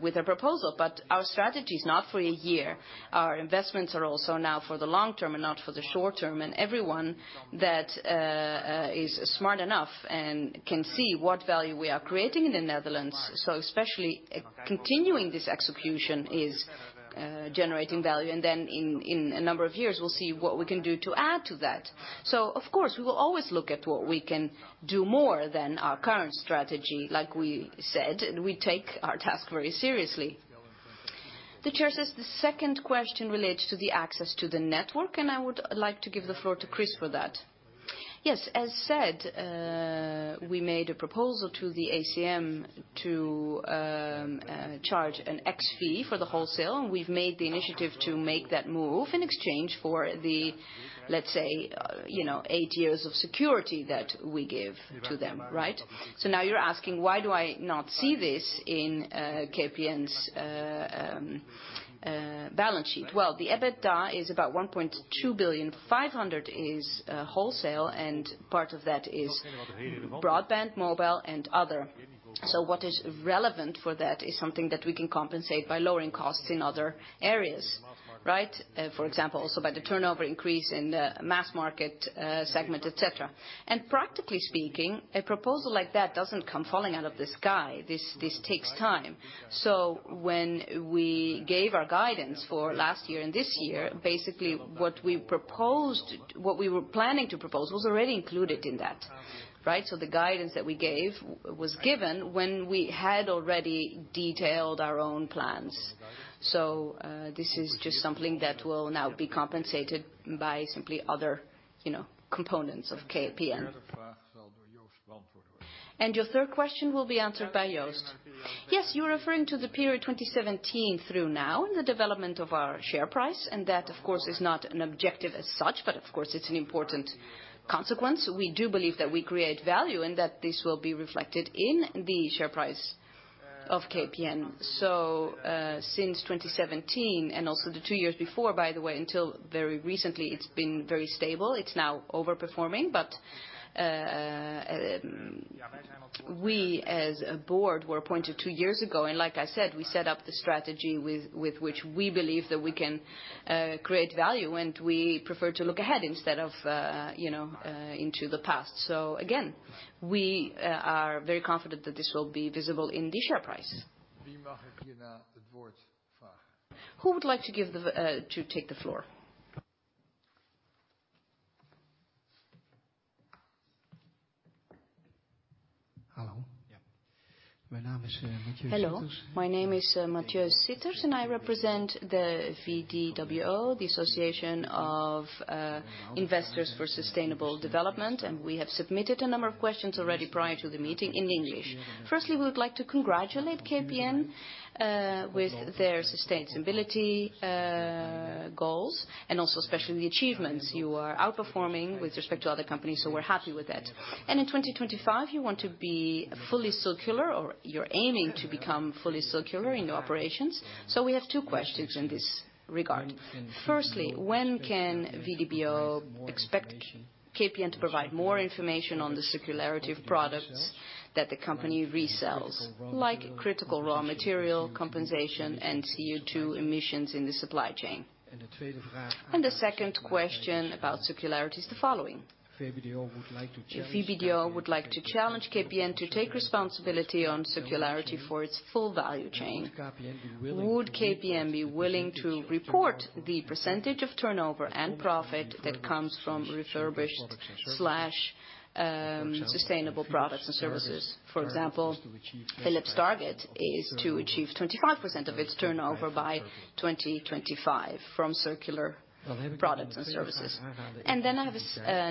S2: with a proposal. Our strategy is not for a year. Our investments are also now for the long term and not for the short term, everyone that is smart enough and can see what value we are creating in the Netherlands. Especially continuing this execution is generating value. Then in a number of years, we'll see what we can do to add to that. Of course, we will always look at what we can do more than our current strategy. Like we said, we take our task very seriously. The chair says the second question relates to the access to the network, and I would like to give the floor to Chris for that.
S3: Yes. As said, we made a proposal to the ACM to charge an access fee for the wholesale. We've made the initiative to make that move in exchange for the, let's say, you know, eight years of security that we give to them, right? Now you're asking, why do I not see this in KPN's balance sheet? Well, the EBITDA is about 1.2 billion, 500 billion is wholesale, and part of that is broadband, mobile, and other. What is relevant for that is something that we can compensate by lowering costs in other areas, right? For example, also by the turnover increase in the mass market segment, et cetera. Practically speaking, a proposal like that doesn't come falling out of the sky. This takes time. When we gave our guidance for last year and this year, basically what we proposed, what we were planning to propose was already included in that, right? The guidance that we gave was given when we had already detailed our own plans. This is just something that will now be compensated by simply other, you know, components of KPN. Your third question will be answered by Joost.
S2: Yes. You're referring to the period 2017 through now in the development of our share price, and that, of course, is not an objective as such, but of course it's an important consequence. We do believe that we create value and that this will be reflected in the share price of KPN. Since 2017 and also the two years before, by the way, until very recently, it's been very stable. It's now overperforming, but we as a board were appointed two years ago, and like I said, we set up the strategy with which we believe that we can create value, and we prefer to look ahead instead of into the past. We are very confident that this will be visible in the share price.
S1: Who would like to take the floor?
S7: Hello. My name is Mathieu Sueters, and I represent the VBDO, the Association of Investors for Sustainable Development, and we have submitted a number of questions already prior to the meeting in English. Firstly, we would like to congratulate KPN with their sustainability goals and also especially the achievements. You are outperforming with respect to other companies, so we're happy with that. In 2025, you want to be fully circular, or you're aiming to become fully circular in your operations. We have two questions in this regard. Firstly, when can VBDO expect KPN to provide more information on the circularity of products that the company resells, like critical raw material compensation and CO2 emissions in the supply chain? The second question about circularity is the following: VBDO would like to challenge KPN to take responsibility on circularity for its full value chain. Would KPN be willing to report the percentage of turnover and profit that comes from refurbished/sustainable products and services? For example, Philips' target is to achieve 25% of its turnover by 2025 from circular products and services. Then I have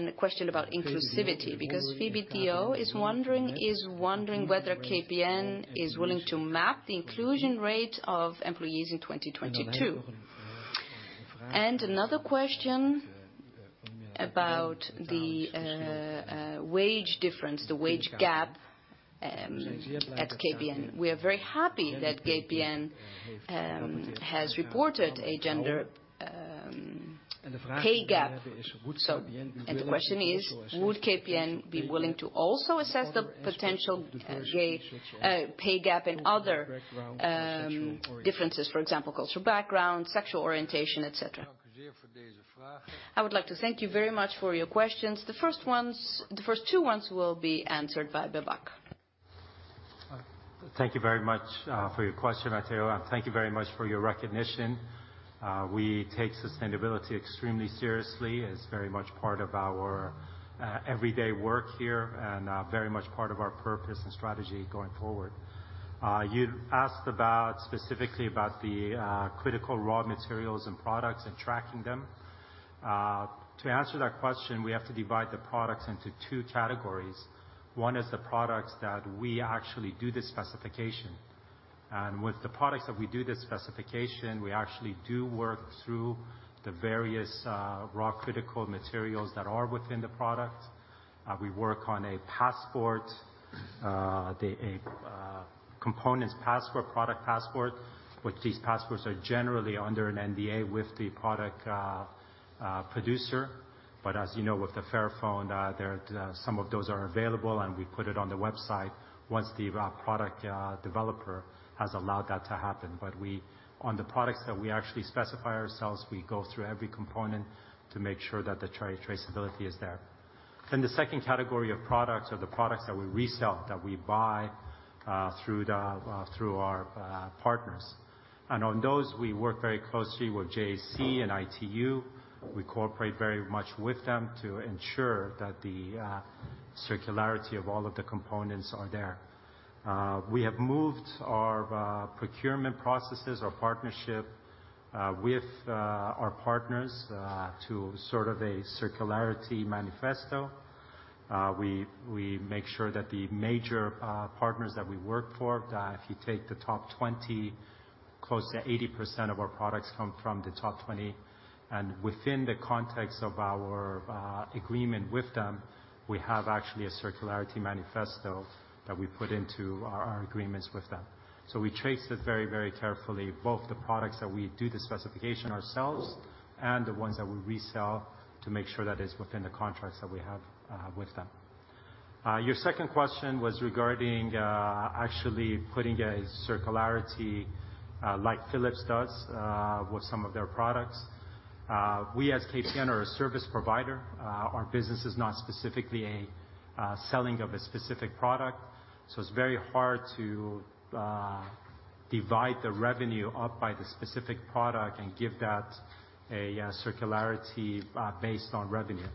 S7: a question about inclusivity because VBDO is wondering whether KPN is willing to map the inclusion rate of employees in 2022. Another question about the wage difference, the wage gap, at KPN. We are very happy that KPN has reported a gender pay gap. The question is: Would KPN be willing to also assess the potential pay gap in other differences, for example, cultural background, sexual orientation, et cetera?
S2: I would like to thank you very much for your questions. The first two ones will be answered by Babak.
S5: Thank you very much for your question, Matteo. Thank you very much for your recognition. We take sustainability extremely seriously. It's very much part of our everyday work here and very much part of our purpose and strategy going forward. You asked about, specifically about the critical raw materials in products and tracking them. To answer that question, we have to divide the products into two categories. One is the products that we actually do the specification. With the products that we do the specification, we actually do work through the various raw critical materials that are within the product. We work on a components passport, product passport, which these passports are generally under an NDA with the product producer. As you know, with the Fairphone, there, some of those are available, and we put it on the website once the raw product developer has allowed that to happen. We, on the products that we actually specify ourselves, go through every component to make sure that the traceability is there. The second category of products are the products that we resell, that we buy through our partners. On those, we work very closely with JAC and ITU. We cooperate very much with them to ensure that the circularity of all of the components are there. We have moved our procurement processes, our partnership with our partners, to sort of a circularity manifesto. We make sure that the major partners that we work for, if you take the top 20, close to 80% of our products come from the top 20. Within the context of our agreement with them, we have actually a circularity manifesto that we put into our agreements with them. We trace it very, very carefully, both the products that we do the specification ourselves and the ones that we resell to make sure that it's within the contracts that we have with them. Your second question was regarding actually putting a circularity like Philips does with some of their products. We as KPN are a service provider. Our business is not specifically a selling of a specific product, so it's very hard to divide the revenue up by the specific product and give that a circularity based on revenue.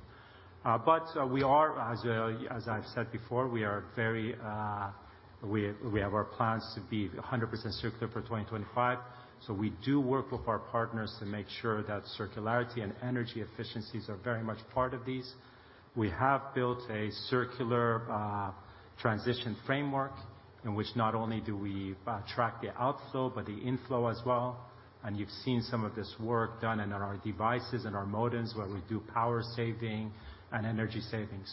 S5: As I've said before, we have our plans to be 100% circular for 2025, so we do work with our partners to make sure that circularity and energy efficiencies are very much part of these. We have built a circular transition framework in which not only do we track the outflow but the inflow as well, and you've seen some of this work done in our devices and our modems where we do power saving and energy saving.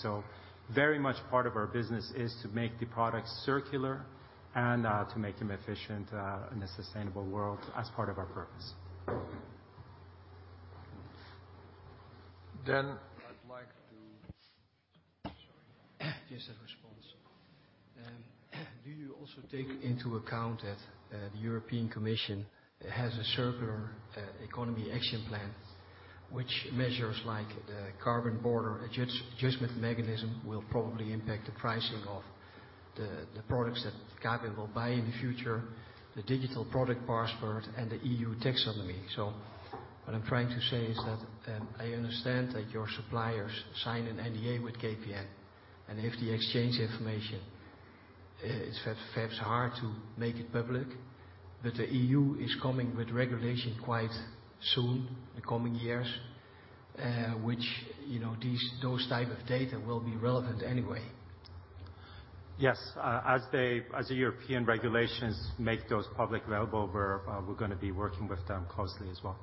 S5: Very much part of our business is to make the products circular and to make them efficient in a sustainable world as part of our purpose.
S7: I'd like to. Sorry. Just a response. Do you also take into account that the European Commission has a Circular Economy Action Plan which measures like Carbon Border Adjustment Mechanism will probably impact the pricing of the products that KPN will buy in the future, the Digital Product Passport and the EU Taxonomy? What I'm trying to say is that I understand that your suppliers sign an NDA with KPN, and if they exchange information, it's very hard to make it public. The EU is coming with regulation quite soon in the coming years, which, you know, these, those type of data will be relevant anyway.
S5: Yes. As the European regulations make those publicly available, we're gonna be working with them closely as well.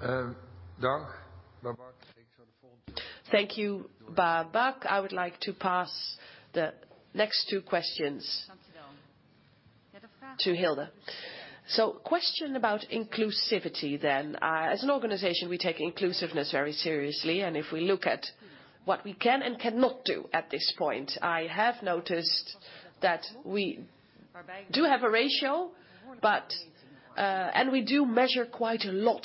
S2: Dank, Babak. Thank you, Babak. I would like to pass the next two questions to Hilde.
S8: Question about inclusivity then. As an organization we take inclusiveness very seriously, and if we look at what we can and cannot do at this point, I have noticed that we do have a ratio, but and we do measure quite a lot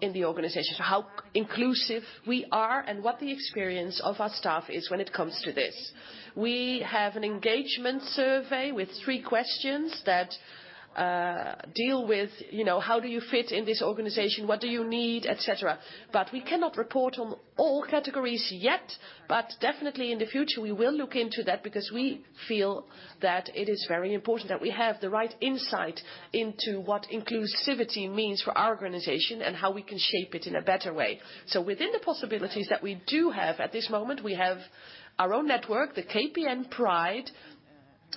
S8: in the organization how inclusive we are and what the experience of our staff is when it comes to this. We have an engagement survey with three questions that deal with, you know, how do you fit in this organization? What do you need? Et cetera. We cannot report on all categories yet. Definitely in the future we will look into that because we feel that it is very important that we have the right insight into what inclusivity means for our organization and how we can shape it in a better way. Within the possibilities that we do have at this moment, we have our own network, the KPN Pride,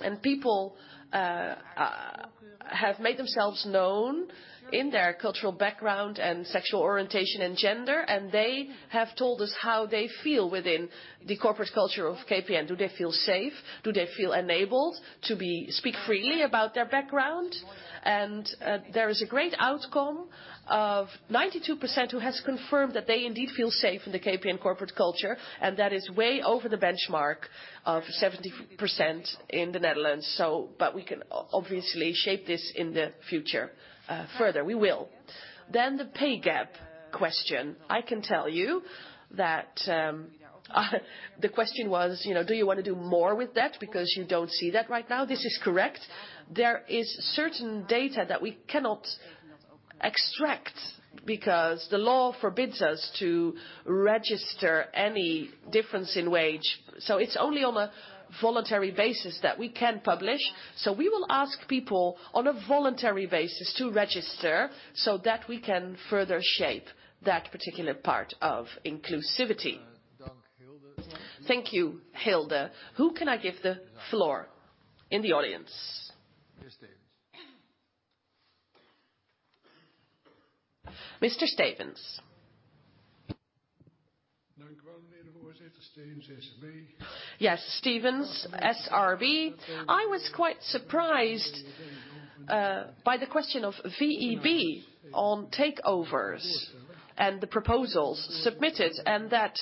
S8: and people have made themselves known in their cultural background and sexual orientation and gender, and they have told us how they feel within the corporate culture of KPN. Do they feel safe? Do they feel enabled to speak freely about their background? And there is a great outcome of 92% who has confirmed that they indeed feel safe in the KPN corporate culture, and that is way over the benchmark of 70% in the Netherlands, so. We can obviously shape this in the future, further. We will. The pay gap question. I can tell you that, the question was, you know, do you wanna do more with that because you don't see that right now? This is correct. There is certain data that we cannot extract because the law forbids us to register any difference in wage. It's only on a voluntary basis that we can publish. We will ask people on a voluntary basis to register so that we can further shape that particular part of inclusivity.
S1: Dank, Hilde. Thank you, Hilde. Who can I give the floor in the audience? Mr. Stevense. Mr. Stevense.
S4: Thank you. Yes. Stevense, SRB. I was quite surprised by the question of VEB on takeovers and the proposals submitted, and that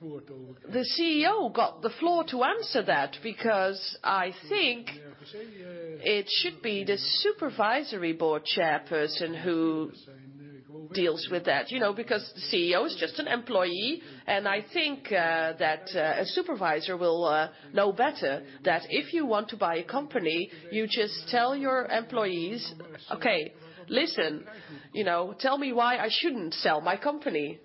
S4: the CEO got the floor to answer that, because I think it should be the Supervisory Board chairperson who deals with that. You know, because the CEO is just an employee, and I think that a supervisor will know better that if you want to buy a company, you just tell your employees, "Okay, listen, you know, tell me why I shouldn't sell my company."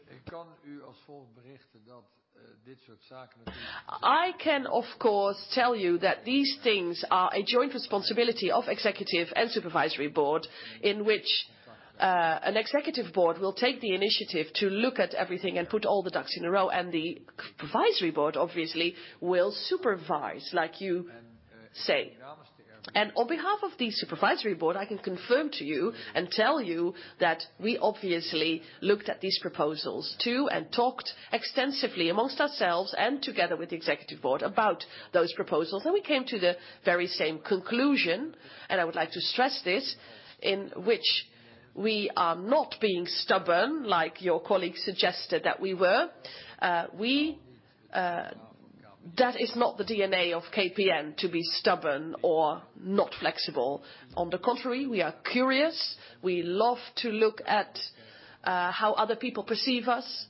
S1: I can of course tell you that these things are a joint responsibility of executive and Supervisory Board, in which an executive board will take the initiative to look at everything and put all the ducks in a row, and the Supervisory Board obviously will supervise, like you say. On behalf of the supervisory board, I can confirm to you and tell you that we obviously looked at these proposals too, and talked extensively amongst ourselves and together with the executive board about those proposals. We came to the very same conclusion, and I would like to stress this, in which we are not being stubborn like your colleague suggested that we were. That is not the DNA of KPN to be stubborn or not flexible. On the contrary, we are curious. We love to look at how other people perceive us.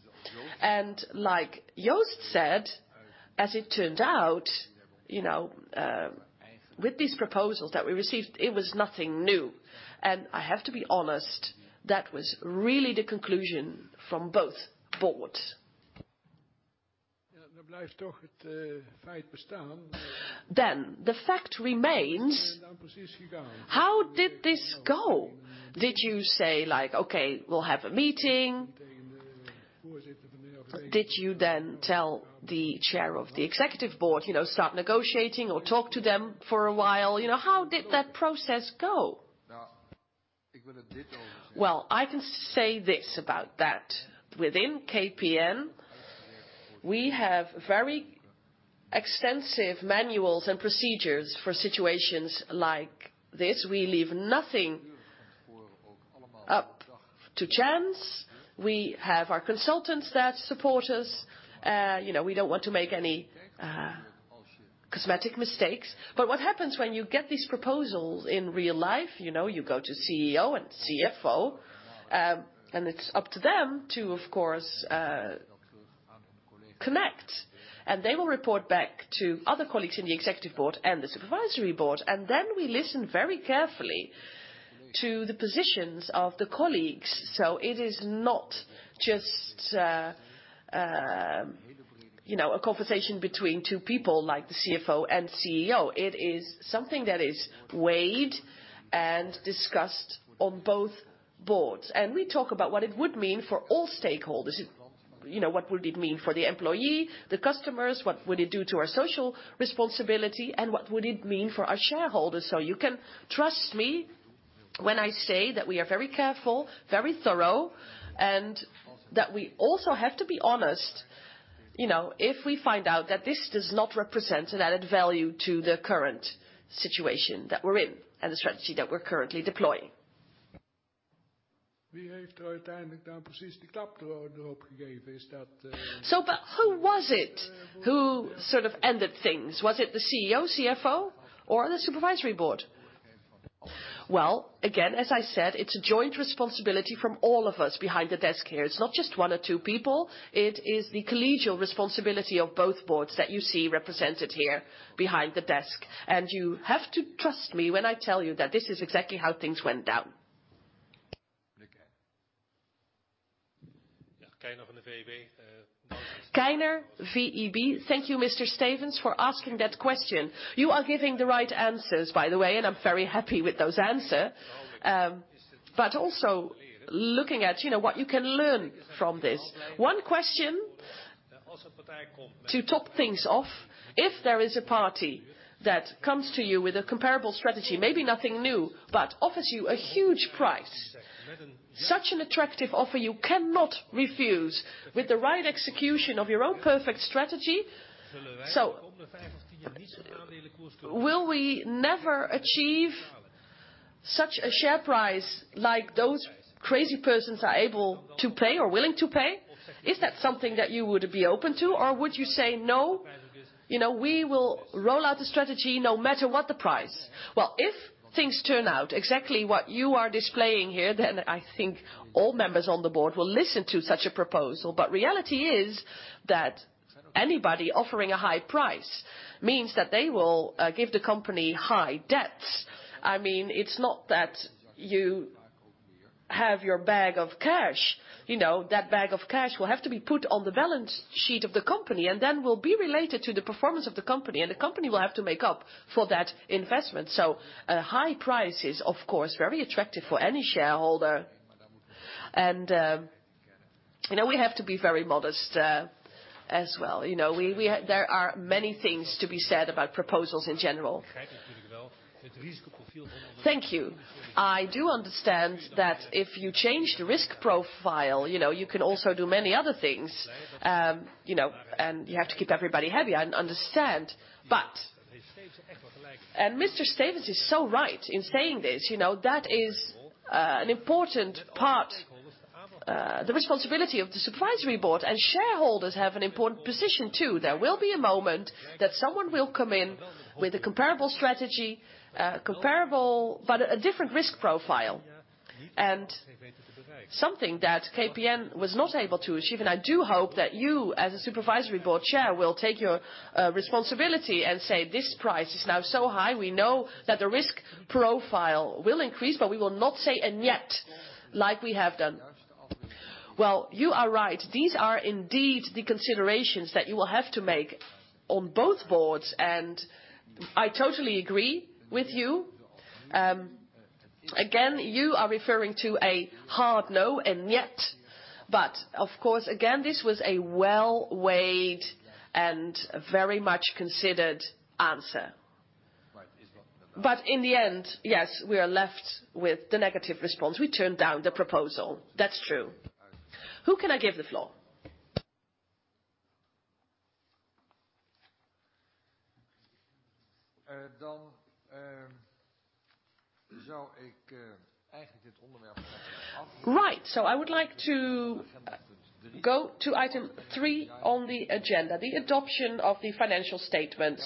S1: Like Joost said, as it turned out, with these proposals that we received, it was nothing new. I have to be honest, that was really the conclusion from both boards.
S4: The fact remains, how did this go? Did you say like, "Okay, we'll have a meeting?" Did you then tell the chair of the executive board, you know, "Start negotiating," or talk to them for a while? You know, how did that process go?
S1: Well, I can say this about that. Within KPN, we have very extensive manuals and procedures for situations like this. We leave nothing up to chance. We have our consultants that support us. You know, we don't want to make any cosmetic mistakes. What happens when you get these proposals in real life, you know, you go to CEO and CFO, and it's up to them to, of course, connect, and they will report back to other colleagues in the executive board and the supervisory board, and then we listen very carefully to the positions of the colleagues. It is not just, you know, a conversation between two people like the CFO and CEO. It is something that is weighed and discussed on both boards. We talk about what it would mean for all stakeholders. You know, what would it mean for the employee, the customers? What would it do to our social responsibility, and what would it mean for our shareholders? You can trust me when I say that we are very careful, very thorough, and that we also have to be honest, you know, if we find out that this does not represent an added value to the current situation that we're in and the strategy that we're currently deploying.
S4: Who was it who sort of ended things? Was it the CEO, CFO, or the supervisory board?
S1: Well, again, as I said, it's a joint responsibility from all of us behind the desk here. It's not just one or two people. It is the collegial responsibility of both boards that you see represented here behind the desk. You have to trust me when I tell you that this is exactly how things went down.
S6: Mr. Keyner, VEB, thank you, Mr. Stevense, for asking that question. You are giving the right answers, by the way, and I'm very happy with those answers. But also looking at, you know, what you can learn from this. One question to top things off. If there is a party that comes to you with a comparable strategy, maybe nothing new, but offers you a huge price, such an attractive offer you cannot refuse with the right execution of your own perfect strategy. Will we never achieve such a share price like those crazy persons are able to pay or willing to pay? Is that something that you would be open to, or would you say, "No, you know, we will roll out the strategy no matter what the price"?
S1: Well, if things turn out exactly what you are displaying here, then I think all members on the board will listen to such a proposal. Reality is that anybody offering a high price means that they will give the company high debts. I mean, it's not that you have your bag of cash. You know, that bag of cash will have to be put on the balance sheet of the company and then will be related to the performance of the company, and the company will have to make up for that investment. A high price is, of course, very attractive for any shareholder. You know, we have to be very modest, as well. You know, there are many things to be said about proposals in general.
S6: Thank you. I do understand that if you change the risk profile, you know, you can also do many other things. You know, you have to keep everybody happy, I understand. Mr. Stevense is so right in saying this, you know, that is, an important part, the responsibility of the supervisory board, and shareholders have an important position, too. There will be a moment that someone will come in with a comparable strategy, comparable but a different risk profile, and something that KPN was not able to achieve. I do hope that you, as the Supervisory Board Chair, will take your responsibility and say, "This price is now so high. We know that the risk profile will increase, but we will not say 'and yet' like we have done."
S1: Well, you are right. These are indeed the considerations that you will have to make on both boards, and I totally agree with you. Again, you are referring to a hard no, and yet. Of course, again, this was a well-weighed and very much considered answer. Right. In the end, yes, we are left with the negative response. We turned down the proposal. That's true. Who can I give the floor? Toon, I think, Right. I would like to go to item three on the agenda, the adoption of the financial statements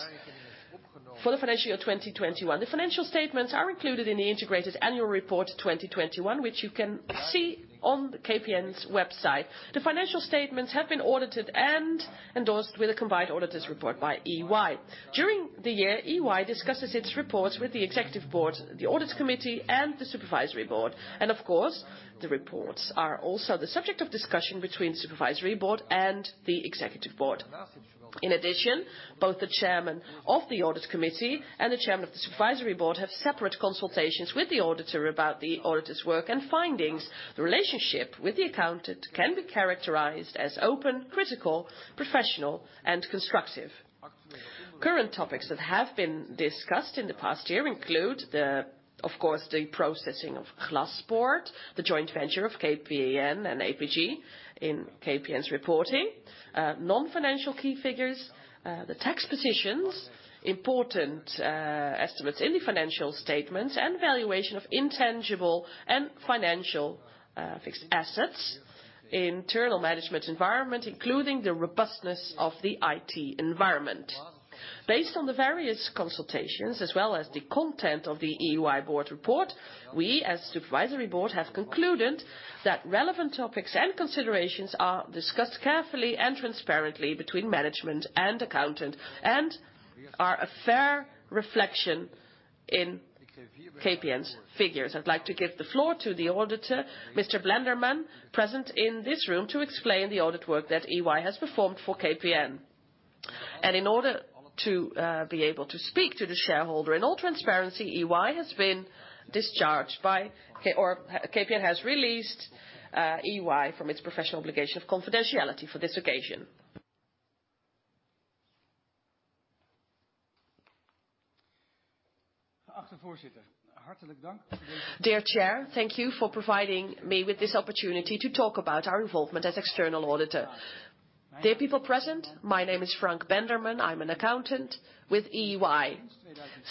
S1: for the financial year 2021. The financial statements are included in the integrated annual report 2021, which you can see on KPN's website. The financial statements have been audited and endorsed with a combined auditor's report by EY. During the year, EY discusses its reports with the Executive Board, the Audit Committee, and the Supervisory Board. Of course, the reports are also the subject of discussion between Supervisory Board and the Executive Board. In addition, both the Chairman of the Audit Committee and the Chairman of the Supervisory Board have separate consultations with the auditor about the auditor's work and findings. The relationship with the accountant can be characterized as open, critical, professional and constructive. Current topics that have been discussed in the past year include, of course, the processing of Glaspoort, the joint venture of KPN and APG in KPN's reporting, non-financial key figures, the tax positions, important estimates in the financial statements and valuation of intangible and financial fixed assets, internal management environment, including the robustness of the IT environment. Based on the various consultations, as well as the content of the EY board report, we, as Supervisory Board, have concluded that relevant topics and considerations are discussed carefully and transparently between management and accountant and are a fair reflection in KPN's figures. I'd like to give the floor to the auditor, Mr. Blenderman, present in this room to explain the audit work that EY has performed for KPN. In order to be able to speak to the shareholder in all transparency, KPN has released EY from its professional obligation of confidentiality for this occasion.
S9: After four years. Dear Chair, thank you for providing me with this opportunity to talk about our involvement as external auditor. Dear people present, my name is Frank Blenderman. I'm an accountant with EY.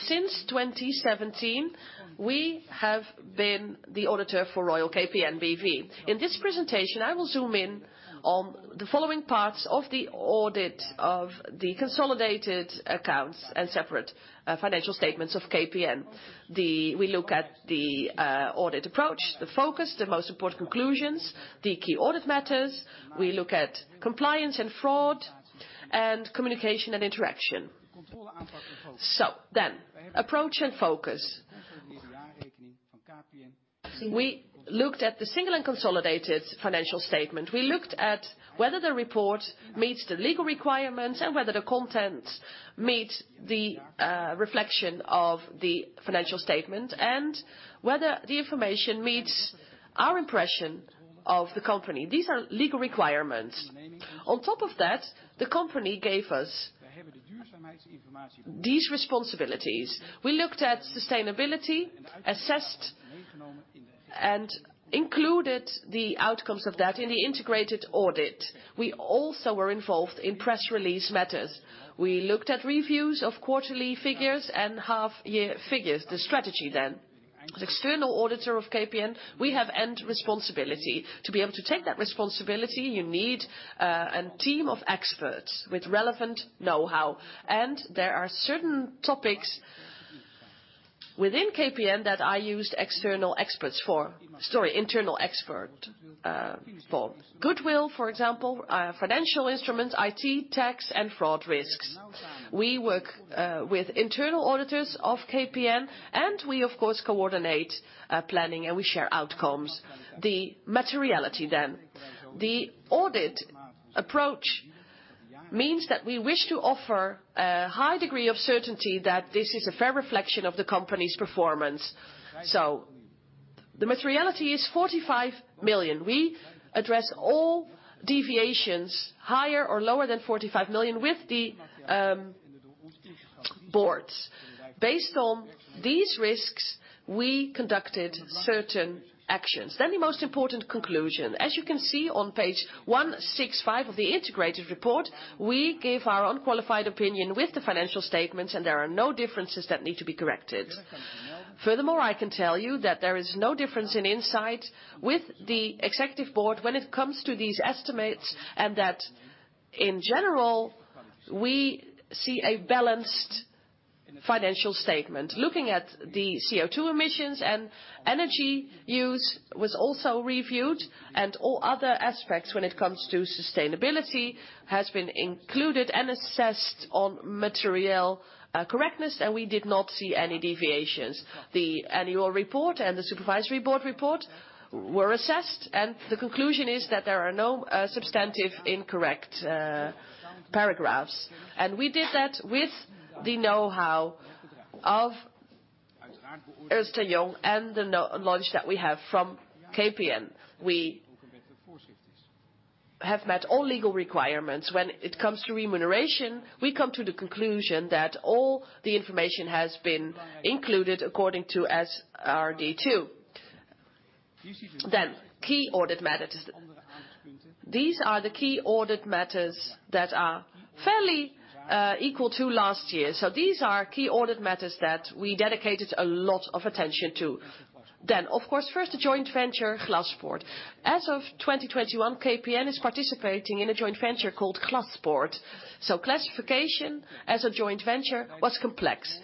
S9: Since 2017, we have been the auditor for Koninklijke KPN N.V. In this presentation, I will zoom in on the following parts of the audit of the consolidated accounts and separate financial statements of KPN. We look at the audit approach, the focus, the most important conclusions, the key audit matters. We look at compliance and fraud and communication and interaction. Approach and focus. We looked at the single and consolidated financial statement. We looked at whether the report meets the legal requirements and whether the content meets the reflection of the financial statement and whether the information meets our impression of the company. These are legal requirements. On top of that, the company gave us these responsibilities. We looked at sustainability, assessed and included the outcomes of that in the integrated audit. We also were involved in press release matters. We looked at reviews of quarterly figures and half-year figures. The strategy then. As external auditor of KPN, we have end responsibility. To be able to take that responsibility, you need a team of experts with relevant know-how, and there are certain topics within KPN that I used external experts for. Sorry, internal expert for. Goodwill, for example, financial instruments, IT, tax and fraud risks. We work with internal auditors of KPN, and we of course coordinate planning, and we share outcomes. The materiality then. The audit approach means that we wish to offer a high degree of certainty that this is a fair reflection of the company's performance. The materiality is 45 million. We address all deviations higher or lower than 45 million with the boards. Based on these risks, we conducted certain actions. The most important conclusion. As you can see on page 165 of the integrated report, we give our unqualified opinion with the financial statements and there are no differences that need to be corrected. Furthermore, I can tell you that there is no difference in insight with the executive board when it comes to these estimates, and that in general we see a balanced financial statement. Looking at the CO₂ emissions and energy use was also reviewed, and all other aspects when it comes to sustainability has been included and assessed on material correctness, and we did not see any deviations. The annual report and the supervisory board report were assessed, and the conclusion is that there are no substantive incorrect paragraphs. We did that with the know-how of Ernst & Young and the knowledge that we have from KPN. We have met all legal requirements. When it comes to remuneration, we come to the conclusion that all the information has been included according to SRD II. Key audit matters. These are the key audit matters that are fairly equal to last year. These are key audit matters that we dedicated a lot of attention to. Of course, first, the joint venture Glaspoort. As of 2021, KPN is participating in a joint venture called Glaspoort, so classification as a joint venture was complex.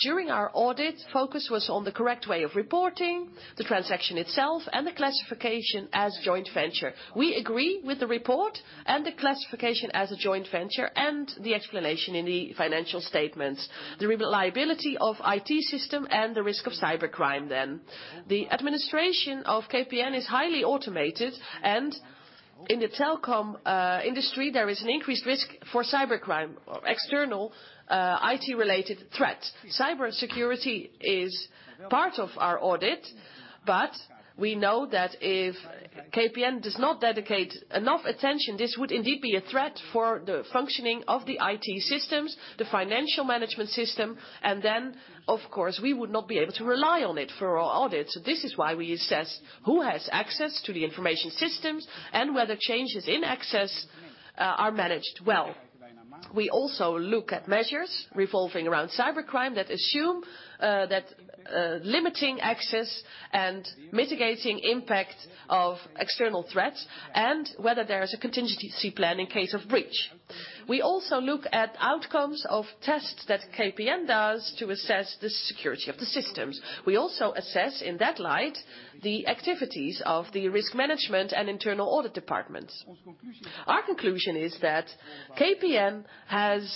S9: During our audit, focus was on the correct way of reporting the transaction itself and the classification as joint venture. We agree with the report and the classification as a joint venture and the explanation in the financial statements. The reliability of the IT system and the risk of cybercrime. The administration of KPN is highly automated, and in the telecom industry, there is an increased risk for cybercrime or external IT-related threats. Cybersecurity is part of our audit, but we know that if KPN does not dedicate enough attention, this would indeed be a threat for the functioning of the IT systems, the financial management system, and then, of course, we would not be able to rely on it for our audit. This is why we assess who has access to the information systems and whether changes in access are managed well. We also look at measures revolving around cybercrime that assume that limiting access and mitigating impact of external threats and whether there is a contingency plan in case of breach. We also look at outcomes of tests that KPN does to assess the security of the systems. We also assess, in that light, the activities of the risk management and internal audit departments. Our conclusion is that KPN has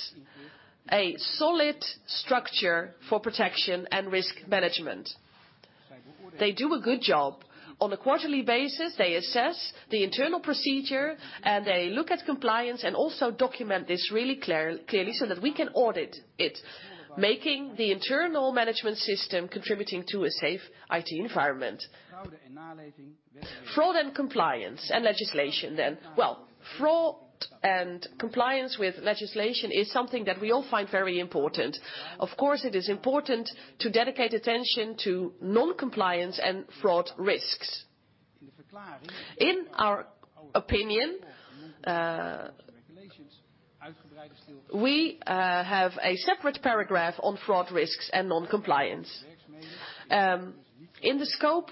S9: a solid structure for protection and risk management. They do a good job. On a quarterly basis, they assess the internal procedure, and they look at compliance and also document this really clearly so that we can audit it, making the internal management system contributing to a safe IT environment. Fraud and compliance with legislation is something that we all find very important. Of course, it is important to dedicate attention to non-compliance and fraud risks. In our opinion, we have a separate paragraph on fraud risks and non-compliance. In the scope,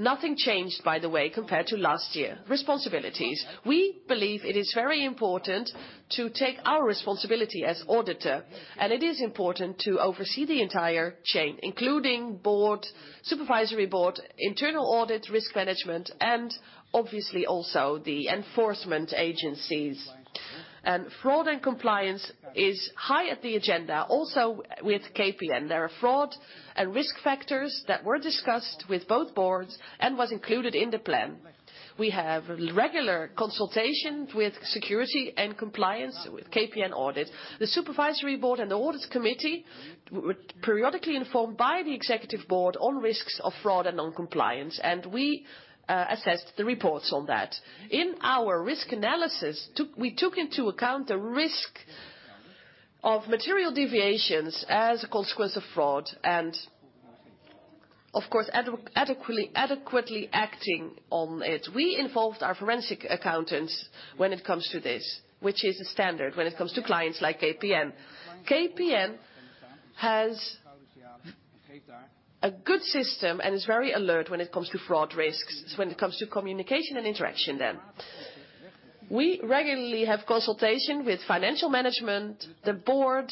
S9: nothing changed, by the way, compared to last year. Responsibilities. We believe it is very important to take our responsibility as auditor, and it is important to oversee the entire chain, including Board, Supervisory Board, internal audit, risk management, and obviously also the enforcement agencies. Fraud and compliance is high on the agenda also with KPN. There are fraud and risk factors that were discussed with both boards and was included in the plan. We have regular consultations with security and compliance with KPN Audit. The Supervisory Board and the audit committee were periodically informed by the Executive Board on risks of fraud and non-compliance, and we assessed the reports on that. In our risk analysis, we took into account the risk of material deviations as a consequence of fraud and, of course, adequately acting on it. We involved our forensic accountants when it comes to this, which is a standard when it comes to clients like KPN. KPN has a good system and is very alert when it comes to fraud risks. When it comes to communication and interaction, we regularly have consultation with financial management, the board,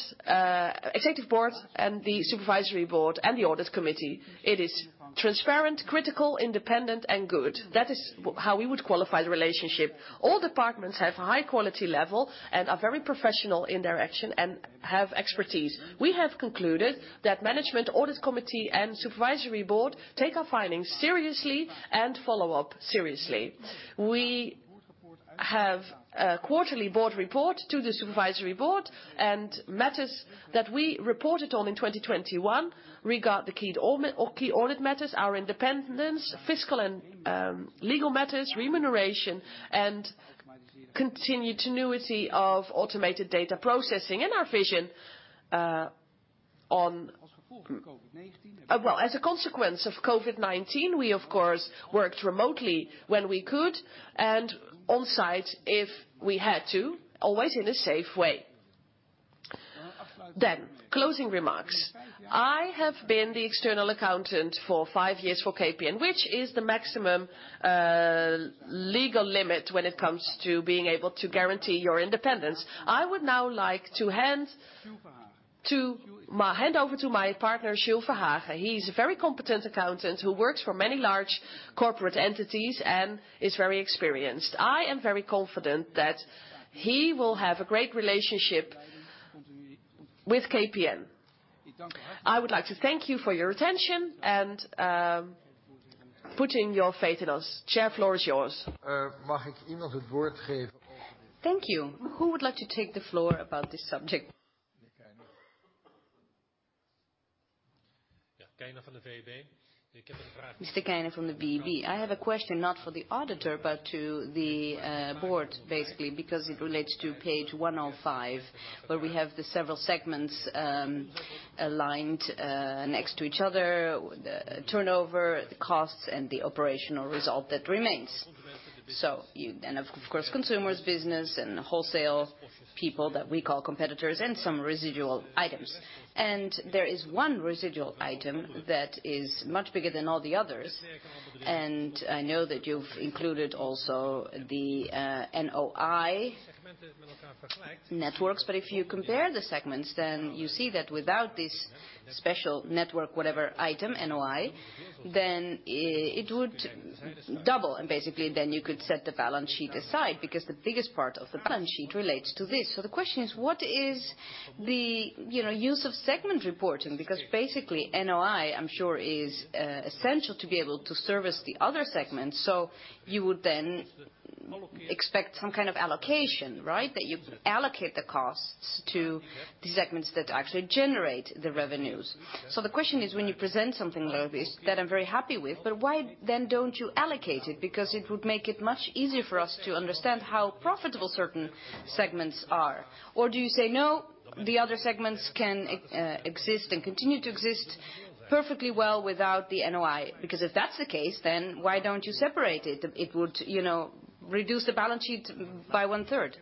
S9: Executive Board, and the Supervisory Board, and the Audit Committee. It is transparent, critical, independent, and good. That is how we would qualify the relationship. All departments have high quality level and are very professional in their action and have expertise. We have concluded that management, Audit Committee, and Supervisory Board take our findings seriously and follow up seriously. We have a quarterly board report to the supervisory board, and matters that we reported on in 2021 regard the key audit matters, our independence, fiscal and legal matters, remuneration, and continuity of automated data processing. Our vision. Well, as a consequence of COVID-19, we of course worked remotely when we could and on-site if we had to, always in a safe way. Closing remarks. I have been the external accountant for five years for KPN, which is the maximum legal limit when it comes to being able to guarantee your independence. I would now like to hand over to my partner, Jules Verhagen. He's a very competent accountant who works for many large corporate entities and is very experienced. I am very confident that he will have a great relationship with KPN. I would like to thank you for your attention and putting your faith in us. Chair, floor is yours.
S1: Thank you. Who would like to take the floor about this subject?
S6: Mr. Keyner from the VEB. I have a question not for the auditor, but to the Board, basically, because it relates to page 105, where we have the several segments aligned next to each other, the turnover, the costs, and the operational result that remains. Of course, consumer business and wholesale people that we call competitors and some residual items. There is one residual item that is much bigger than all the others. I know that you've included also the NOI networks. If you compare the segments, then you see that without this special network, whatever item, NOI, then it would double. Basically then you could set the balance sheet aside because the biggest part of the balance sheet relates to this. The question is, what is the, you know, use of segment reporting? Because basically NOI, I'm sure, is essential to be able to service the other segments. You would then expect some kind of allocation, right? That you allocate the costs to the segments that actually generate the revenues. The question is when you present something like this, that I'm very happy with, but why then don't you allocate it? Because it would make it much easier for us to understand how profitable certain segments are. Or do you say, "No, the other segments can exist and continue to exist perfectly well without the NOI"? Because if that's the case, then why don't you separate it? It would, you know, reduce the balance sheet by 1/3.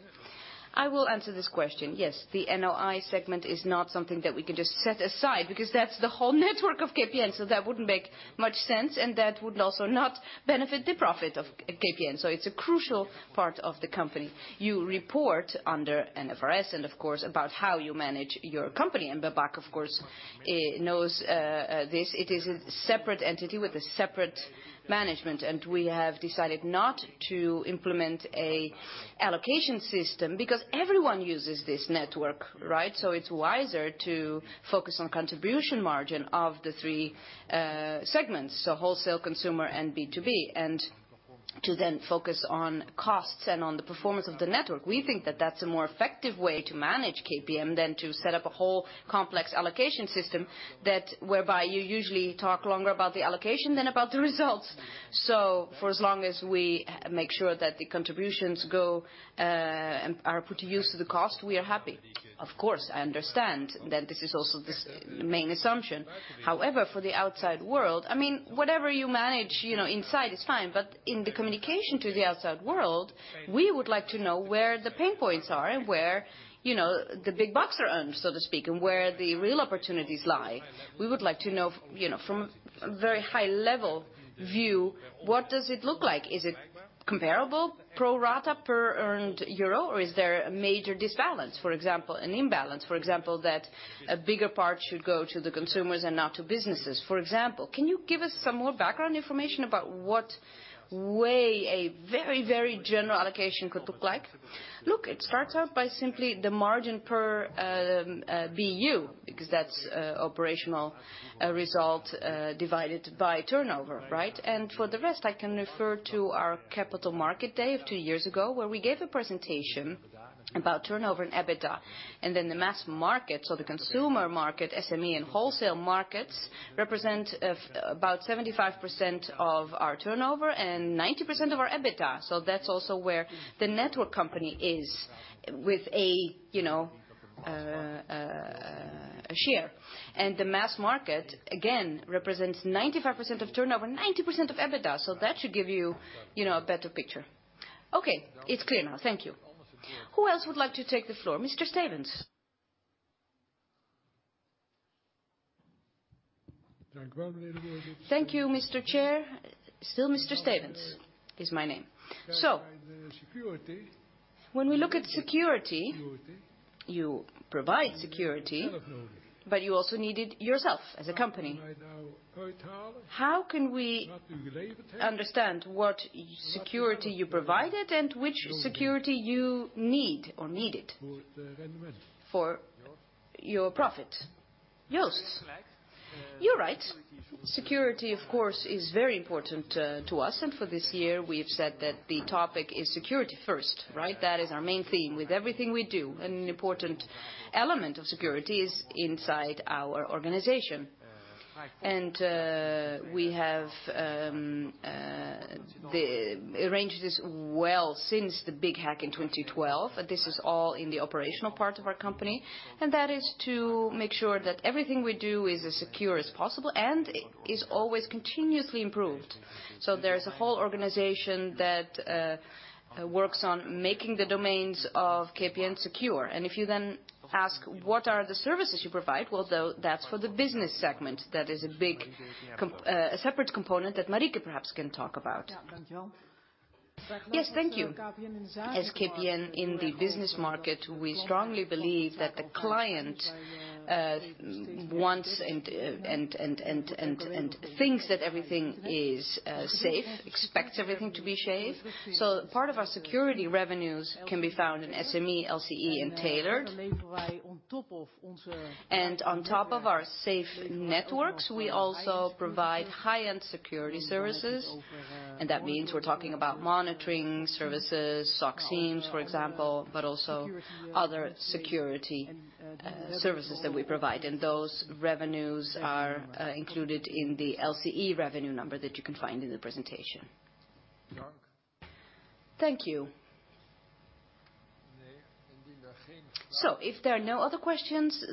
S3: I will answer this question. Yes, the NOI segment is not something that we can just set aside because that's the whole network of KPN, so that wouldn't make much sense, and that would also not benefit the profit of KPN. It's a crucial part of the company. You report under IFRS and, of course, about how you manage your company. Babak, of course, knows this. It is a separate entity with a separate management. We have decided not to implement an allocation system because everyone uses this network, right? It's wiser to focus on contribution margin of the three segments, so wholesale, consumer, and B2B, and to then focus on costs and on the performance of the network. We think that that's a more effective way to manage KPN than to set up a whole complex allocation system that, whereby you usually talk longer about the allocation than about the results. For as long as we make sure that the contributions go, and are put to use to the cost, we are happy.
S6: Of course, I understand that this is also the main assumption. However, for the outside world, I mean, whatever you manage, you know, inside is fine, but in the communication to the outside world, we would like to know where the pain points are and where, you know, the big bucks are earned, so to speak, and where the real opportunities lie. We would like to know, you know, from a very high level view, what does it look like? Is it comparable pro rata per earned euro or is there a major imbalance, for example, that a bigger part should go to the consumers and not to businesses, for example? Can you give us some more background information about what way a very, very general allocation could look like?
S3: Look, it starts out by simply the margin per BU because that's operational result divided by turnover, right? For the rest, I can refer to our capital market day of two years ago, where we gave a presentation about turnover and EBITDA. Then the mass market, so the consumer market, SME, and wholesale markets represent about 75% of our turnover and 90% of our EBITDA. That's also where the network company is with a, you know, a share. The mass market, again, represents 95% of turnover, 90% of EBITDA. So that should give you know, a better picture.
S6: Okay. It's clear now. Thank you.
S1: Who else would like to take the floor? Mr. Stevense.
S4: Thank you, Mr. Chair. Still Mr. Stevense is my name. So when we look at security, you provide security, but you also need it yourself as a company. How can we understand what security you provided and which security you need or needed for your profit?
S1: Joost.
S2: You're right. Security, of course, is very important to us. For this year, we have said that the topic is security first, right? That is our main theme with everything we do. An important element of security is inside our organization. We have arranged this well since the big hack in 2012. This is all in the operational part of our company, and that is to make sure that everything we do is as secure as possible and is always continuously improved. There's a whole organization that works on making the domains of KPN secure. If you then ask, what are the services you provide? Well, that's for the business segment. That is a separate component that Marieke perhaps can talk about.
S10: Yes, thank you. As KPN in the business market, we strongly believe that the client wants and thinks that everything is safe, expects everything to be safe. Part of our security revenues can be found in SME, LCE, and Tailored. On top of our safe networks, we also provide high-end security services, and that means we're talking about monitoring services, SOC teams, for example, but also other security services that we provide. Those revenues are included in the LCE revenue number that you can find in the presentation.
S1: Thank you. If there are no other questions,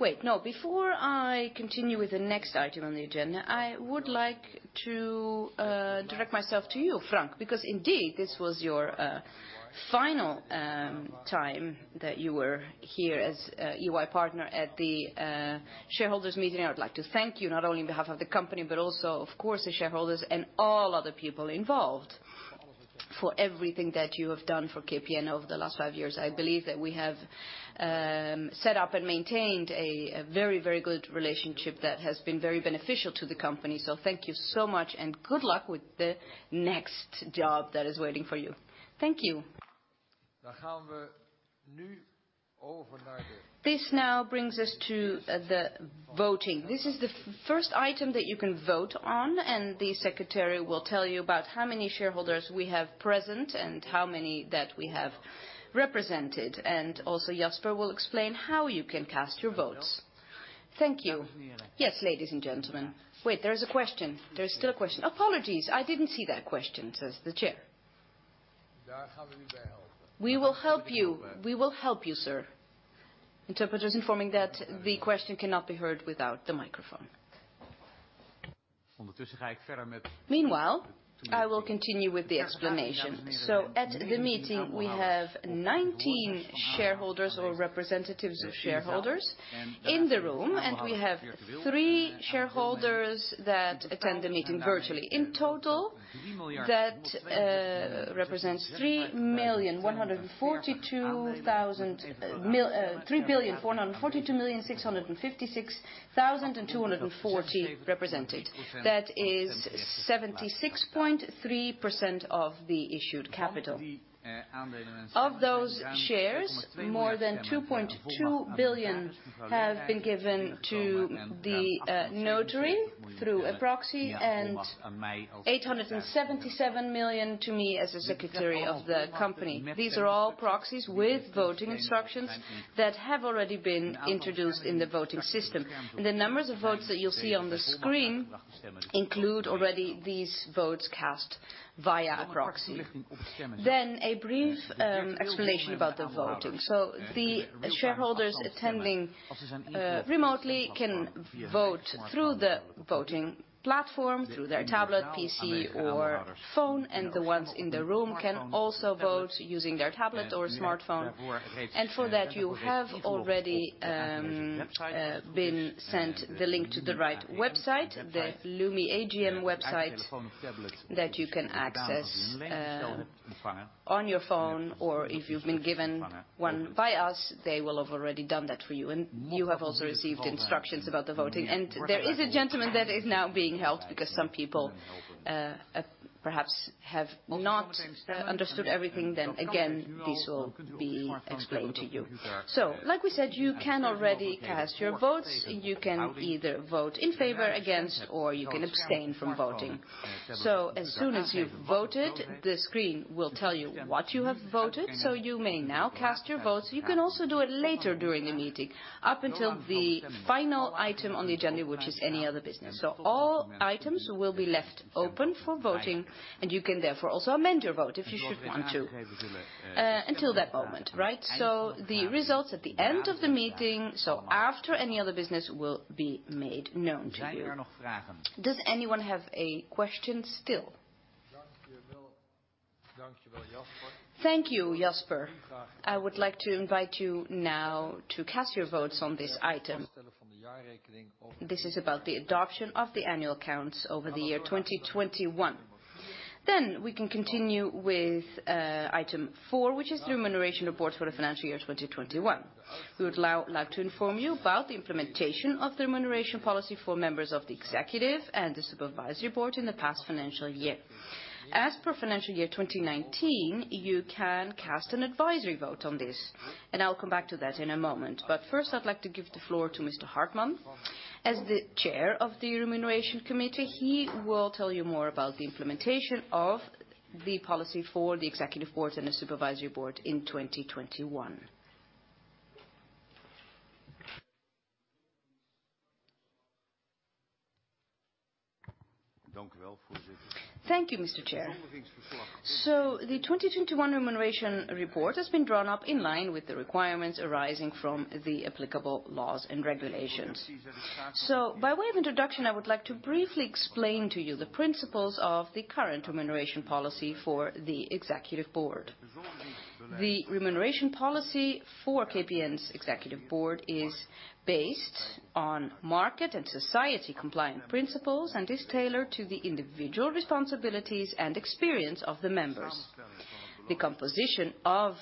S1: wait, no. Before I continue with the next item on the agenda, I would like to direct myself to you, Frank, because indeed this was your final time that you were here as a EY partner at the shareholders meeting. I would like to thank you not only on behalf of the company, but also, of course, the shareholders and all other people involved for everything that you have done for KPN over the last five years. I believe that we have set up and maintained a very good relationship that has been very beneficial to the company. Thank you so much and good luck with the next job that is waiting for you. Thank you. This now brings us to the voting. This is the first item that you can vote on, and the secretary will tell you about how many shareholders we have present and how many that we have represented. Also Jasper will explain how you can cast your votes.
S11: Thank you. Yes, ladies and gentlemen. Wait, there is a question. There is still a question. Apologies, I didn't see that question, says the chair. We will help you. We will help you, sir. Interpreter's informing that the question cannot be heard without the microphone. Meanwhile, I will continue with the explanation. At the meeting, we have 19 shareholders or representatives of shareholders in the room, and we have three shareholders that attend the meeting virtually. In total, that represents 3,442,656,240 represented. That is 76.3% of the issued capital. Of those shares, more than 2.2 billion have been given to the notary through a proxy, and 877 million to me as the secretary of the company. These are all proxies with voting instructions that have already been introduced in the voting system. The numbers of votes that you'll see on the screen include already these votes cast via proxy. A brief explanation about the voting. The shareholders attending remotely can vote through the voting platform, through their tablet, PC, or phone, and the ones in the room can also vote using their tablet or smartphone. For that, you have already been sent the link to the right website, the Lumi AGM website, that you can access on your phone, or if you've been given one by us, they will have already done that for you. You have also received instructions about the voting. There is a gentleman that is now being helped because some people perhaps have not understood everything. Then again, this will be explained to you. Like we said, you can already cast your votes. You can either vote in favor, against, or you can abstain from voting. As soon as you've voted, the screen will tell you what you have voted. You may now cast your votes. You can also do it later during the meeting, up until the final item on the agenda, which is any other business. All items will be left open for voting, and you can therefore also amend your vote if you should want to, until that moment, right? The results at the end of the meeting, after any other business, will be made known to you. Does anyone have a question still?
S1: Thank you, Jasper. I would like to invite you now to cast your votes on this item. This is about the adoption of the annual accounts over the year 2021. Then we can continue with item four, which is the remuneration report for the financial year 2021. We would now like to inform you about the implementation of the remuneration policy for members of the Executive Board and the Supervisory Board in the past financial year. As per financial year 2019, you can cast an advisory vote on this, and I'll come back to that in a moment. First, I'd like to give the floor to Mr. Hartman. As the Chair of the Remuneration Committee, he will tell you more about the implementation of the policy for the Executive Board and the Supervisory Board in 2021.
S12: Thank you, Mr. Chair. The 2021 remuneration report has been drawn up in line with the requirements arising from the applicable laws and regulations. By way of introduction, I would like to briefly explain to you the principles of the current remuneration policy for the Executive Board. The remuneration policy for KPN's executive board is based on market and society compliant principles, and is tailored to the individual responsibilities and experience of the members. The composition of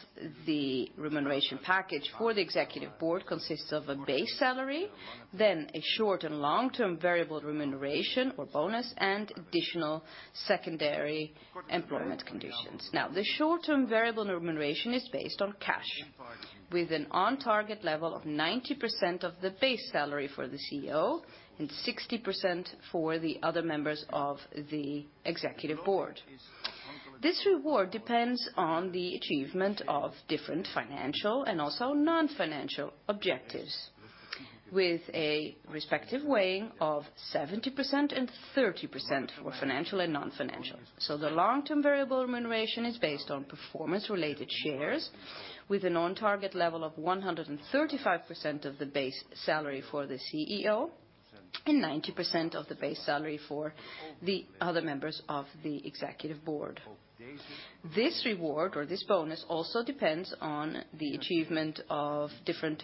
S12: the remuneration package for the executive board consists of a base salary, then a short and long-term variable remuneration or bonus, and additional secondary employment conditions. Now, the short-term variable remuneration is based on cash, with an on-target level of 90% of the base salary for the CEO and 60% for the other members of the executive board. This reward depends on the achievement of different financial and also non-financial objectives, with a respective weighting of 70% and 30% for financial and non-financial. The long-term variable remuneration is based on performance-related shares with an on-target level of 135% of the base salary for the CEO and 90% of the base salary for the other members of the executive board. This reward or this bonus also depends on the achievement of different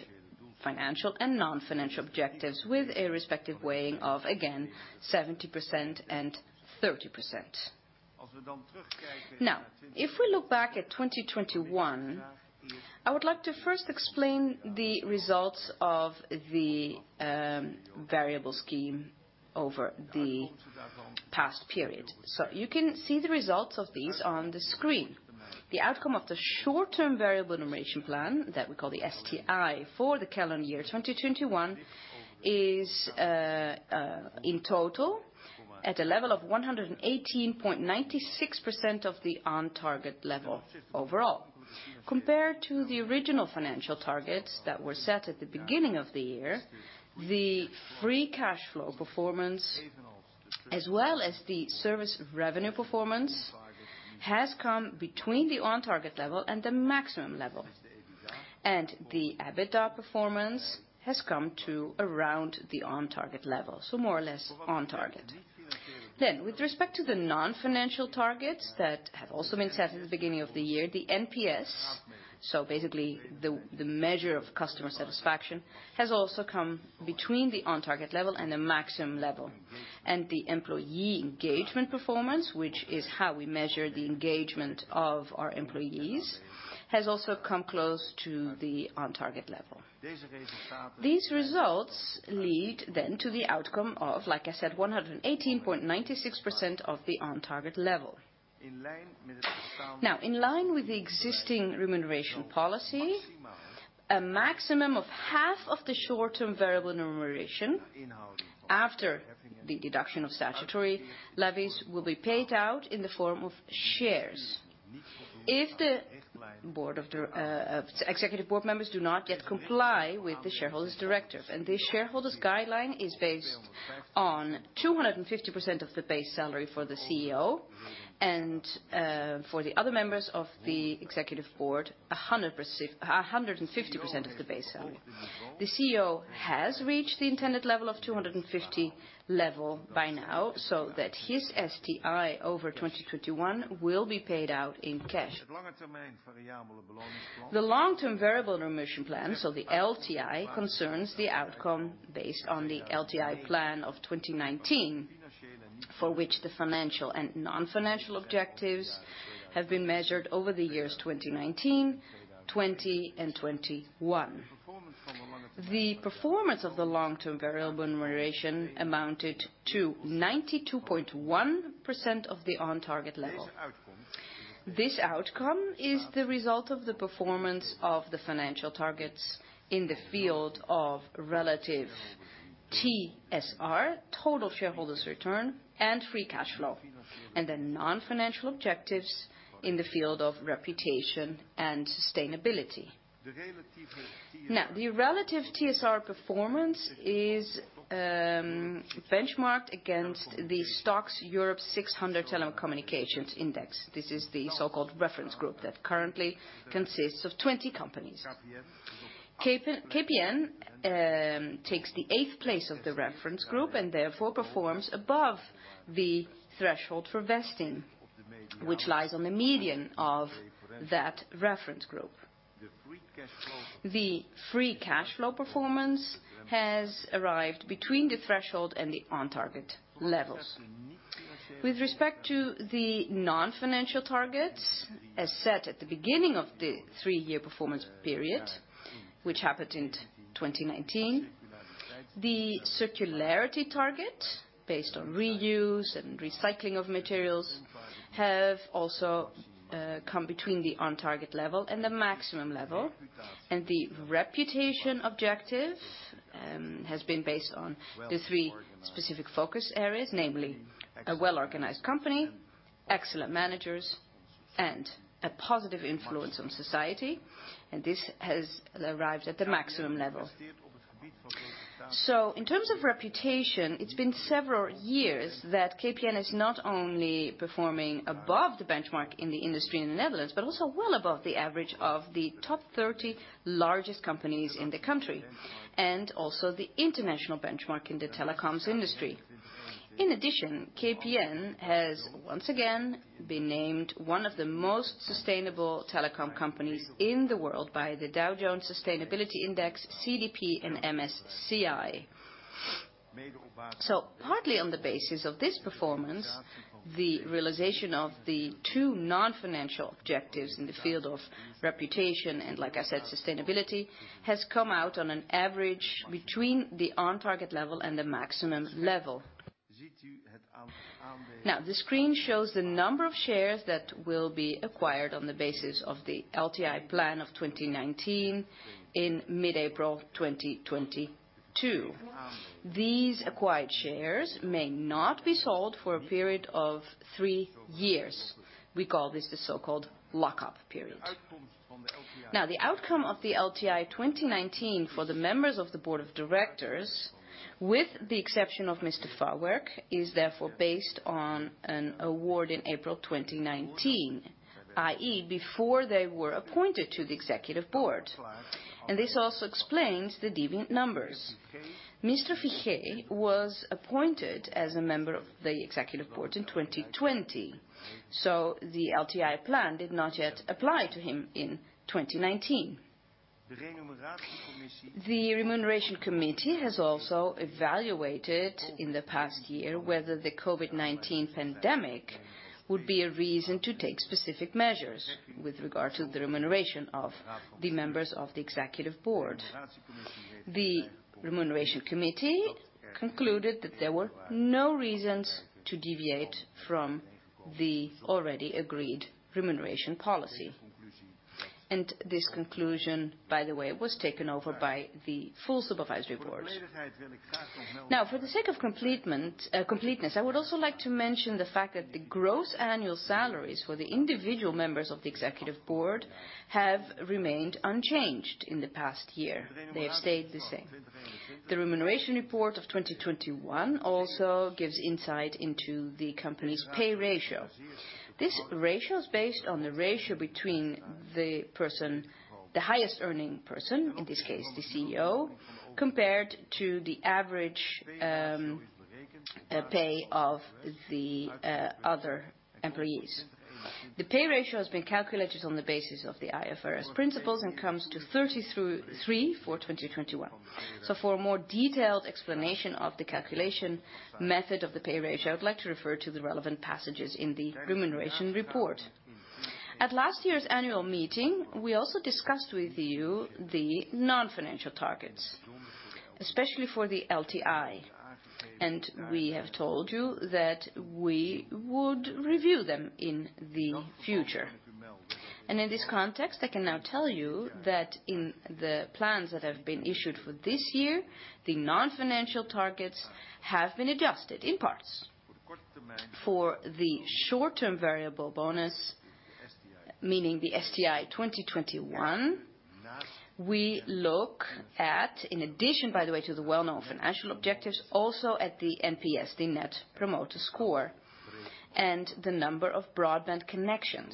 S12: financial and non-financial objectives with a respective weighing of, again, 70% and 30%. Now, if we look back at 2021, I would like to first explain the results of the variable scheme over the past period. You can see the results of these on the screen. The outcome of the short-term variable remuneration plan that we call the STI for the calendar year 2021 is in total at a level of 118.96% of the on-target level overall. Compared to the original financial targets that were set at the beginning of the year, the free cash flow performance, as well as the service revenue performance, has come between the on-target level and the maximum level. The EBITDA performance has come to around the on-target level, so more or less on target. With respect to the non-financial targets that have also been set at the beginning of the year, the NPS, so basically the measure of customer satisfaction, has also come between the on-target level and the maximum level. The employee engagement performance, which is how we measure the engagement of our employees, has also come close to the on-target level. These results lead then to the outcome of, like I said, 118.96% of the on-target level. Now, in line with the existing remuneration policy, a maximum of half of the short-term variable remuneration after the deduction of statutory levies will be paid out in the form of shares. If the ex-Executive Board members do not yet comply with the shareholders' directive, and this shareholders' guideline is based on 250% of the base salary for the CEO and for the other members of the Executive Board, 150% of the base salary. The CEO has reached the intended level of 250% by now, so that his STI over 2021 will be paid out in cash. The long-term variable remuneration plan, so the LTI, concerns the outcome based on the LTI plan of 2019, for which the financial and non-financial objectives have been measured over the years 2019, 2020, and 2021. The performance of the long-term variable remuneration amounted to 92.1% of the on-target level. This outcome is the result of the performance of the financial targets in the field of relative TSR, total shareholders return, and free cash flow, and the non-financial objectives in the field of reputation and sustainability. Now, the relative TSR performance is benchmarked against the STOXX Europe 600 Telecommunications Index. This is the so-called reference group that currently consists of 20 companies. KPN takes the eighth place of the reference group and therefore performs above the threshold for vesting, which lies on the median of that reference group. The free cash flow performance has arrived between the threshold and the on-target levels. With respect to the non-financial targets, as set at the beginning of the three-year performance period, which happened in 2019, the circularity target, based on reuse and recycling of materials, have also come between the on-target level and the maximum level. The reputation objective has been based on the three specific focus areas, namely a well-organized company, excellent managers and a positive influence on society, and this has arrived at the maximum level. In terms of reputation, it's been several years that KPN is not only performing above the benchmark in the industry in the Netherlands, but also well above the average of the top 30 largest companies in the country, and also the international benchmark in the telecoms industry. In addition, KPN has once again been named one of the most sustainable telecom companies in the world by the Dow Jones Sustainability Index, CDP and MSCI. Partly on the basis of this performance, the realization of the two non-financial objectives in the field of reputation and, like I said, sustainability, has come out on an average between the on target level and the maximum level. Now, the screen shows the number of shares that will be acquired on the basis of the LTI plan of 2019 in mid-April 2022. These acquired shares may not be sold for a period of three years. We call this the so-called lock-up period. Now, the outcome of the LTI 2019 for the members of the board of directors, with the exception of Mr. Farwerck's is therefore based on an award in April 2019, i.e., before they were appointed to the Executive Board, and this also explains the deviant numbers. Mr. Figee was appointed as a member of the Executive Board in 2020, so the LTI plan did not yet apply to him in 2019. The Remuneration Committee has also evaluated in the past year whether the COVID-19 pandemic would be a reason to take specific measures with regard to the remuneration of the members of the Executive Board. The Remuneration Committee concluded that there were no reasons to deviate from the already agreed remuneration policy. This conclusion, by the way, was taken over by the full Supervisory Board. Now, for the sake of completeness, I would also like to mention the fact that the gross annual salaries for the individual members of the Executive Board have remained unchanged in the past year. They have stayed the same. The remuneration report of 2021 also gives insight into the company's pay ratio. This ratio is based on the ratio between the person, the highest earning person, in this case, the CEO, compared to the average pay of the other employees. The pay ratio has been calculated on the basis of the IFRS principles and comes to 30:3 for 2021. For a more detailed explanation of the calculation method of the pay ratio, I would like to refer to the relevant passages in the remuneration report. At last year's annual meeting, we also discussed with you the non-financial targets, especially for the LTI. We have told you that we would review them in the future. In this context, I can now tell you that in the plans that have been issued for this year, the non-financial targets have been adjusted in parts. For the short-term variable bonus, meaning the STI 2021, we look at, in addition, by the way, to the well-known financial objectives, also at the NPS, the Net Promoter Score, and the number of broadband connections.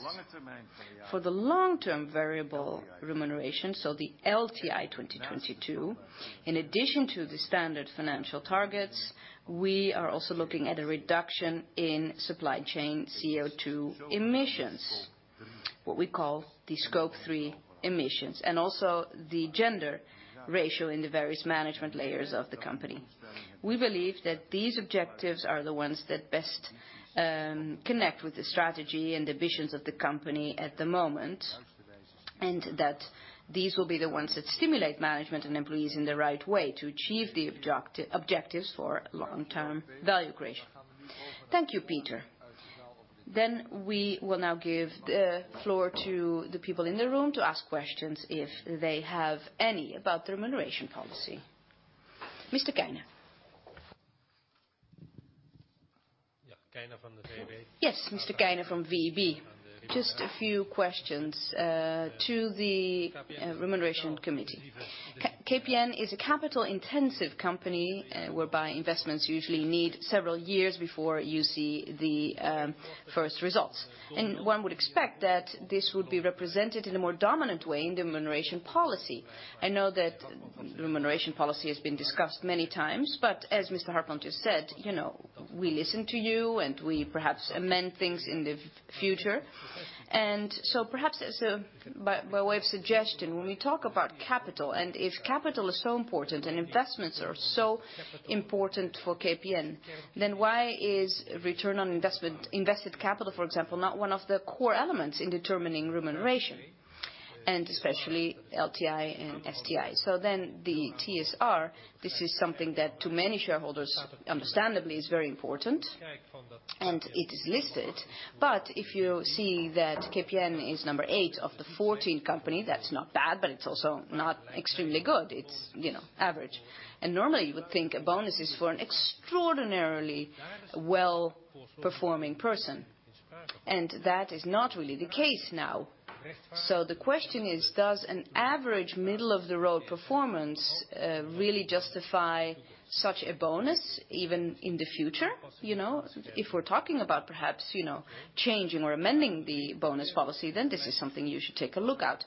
S12: For the long-term variable remuneration, so the LTI 2022, in addition to the standard financial targets, we are also looking at a reduction in supply chain CO2 emissions, what we call the scope 3 emissions, and also the gender ratio in the various management layers of the company. We believe that these objectives are the ones that best connect with the strategy and the visions of the company at the moment, and that these will be the ones that stimulate management and employees in the right way to achieve the objectives for long-term value creation.
S1: Thank you, Peter. We will now give the floor to the people in the room to ask questions if they have any about the remuneration policy. Mr. Keyner.
S6: Yeah, Keyner from the VEB. Yes, Mr. Keyner from VEB. Just a few questions to the remuneration committee. KPN is a capital-intensive company, whereby investments usually need several years before you see the first results. One would expect that this would be represented in a more dominant way in the remuneration policy. I know that remuneration policy has been discussed many times, but as Mr. Peter Hartman just said, you know, we listen to you, and we perhaps amend things in the future. Perhaps as a by way of suggestion, when we talk about capital, and if capital is so important and investments are so important for KPN, then why is return on investment, invested capital, for example, not one of the core elements in determining remuneration, and especially LTI and STI? The TSR, this is something that to many shareholders, understandably, is very important and it is listed. If you see that KPN is number eight of the 14 companies, that's not bad, but it's also not extremely good. It's, you know, average. Normally, you would think a bonus is for an extraordinarily well-performing person. That is not really the case now. The question is, does an average middle-of-the-road performance really justify such a bonus even in the future? You know, if we're talking about perhaps, you know, changing or amending the bonus policy, then this is something you should take a look at.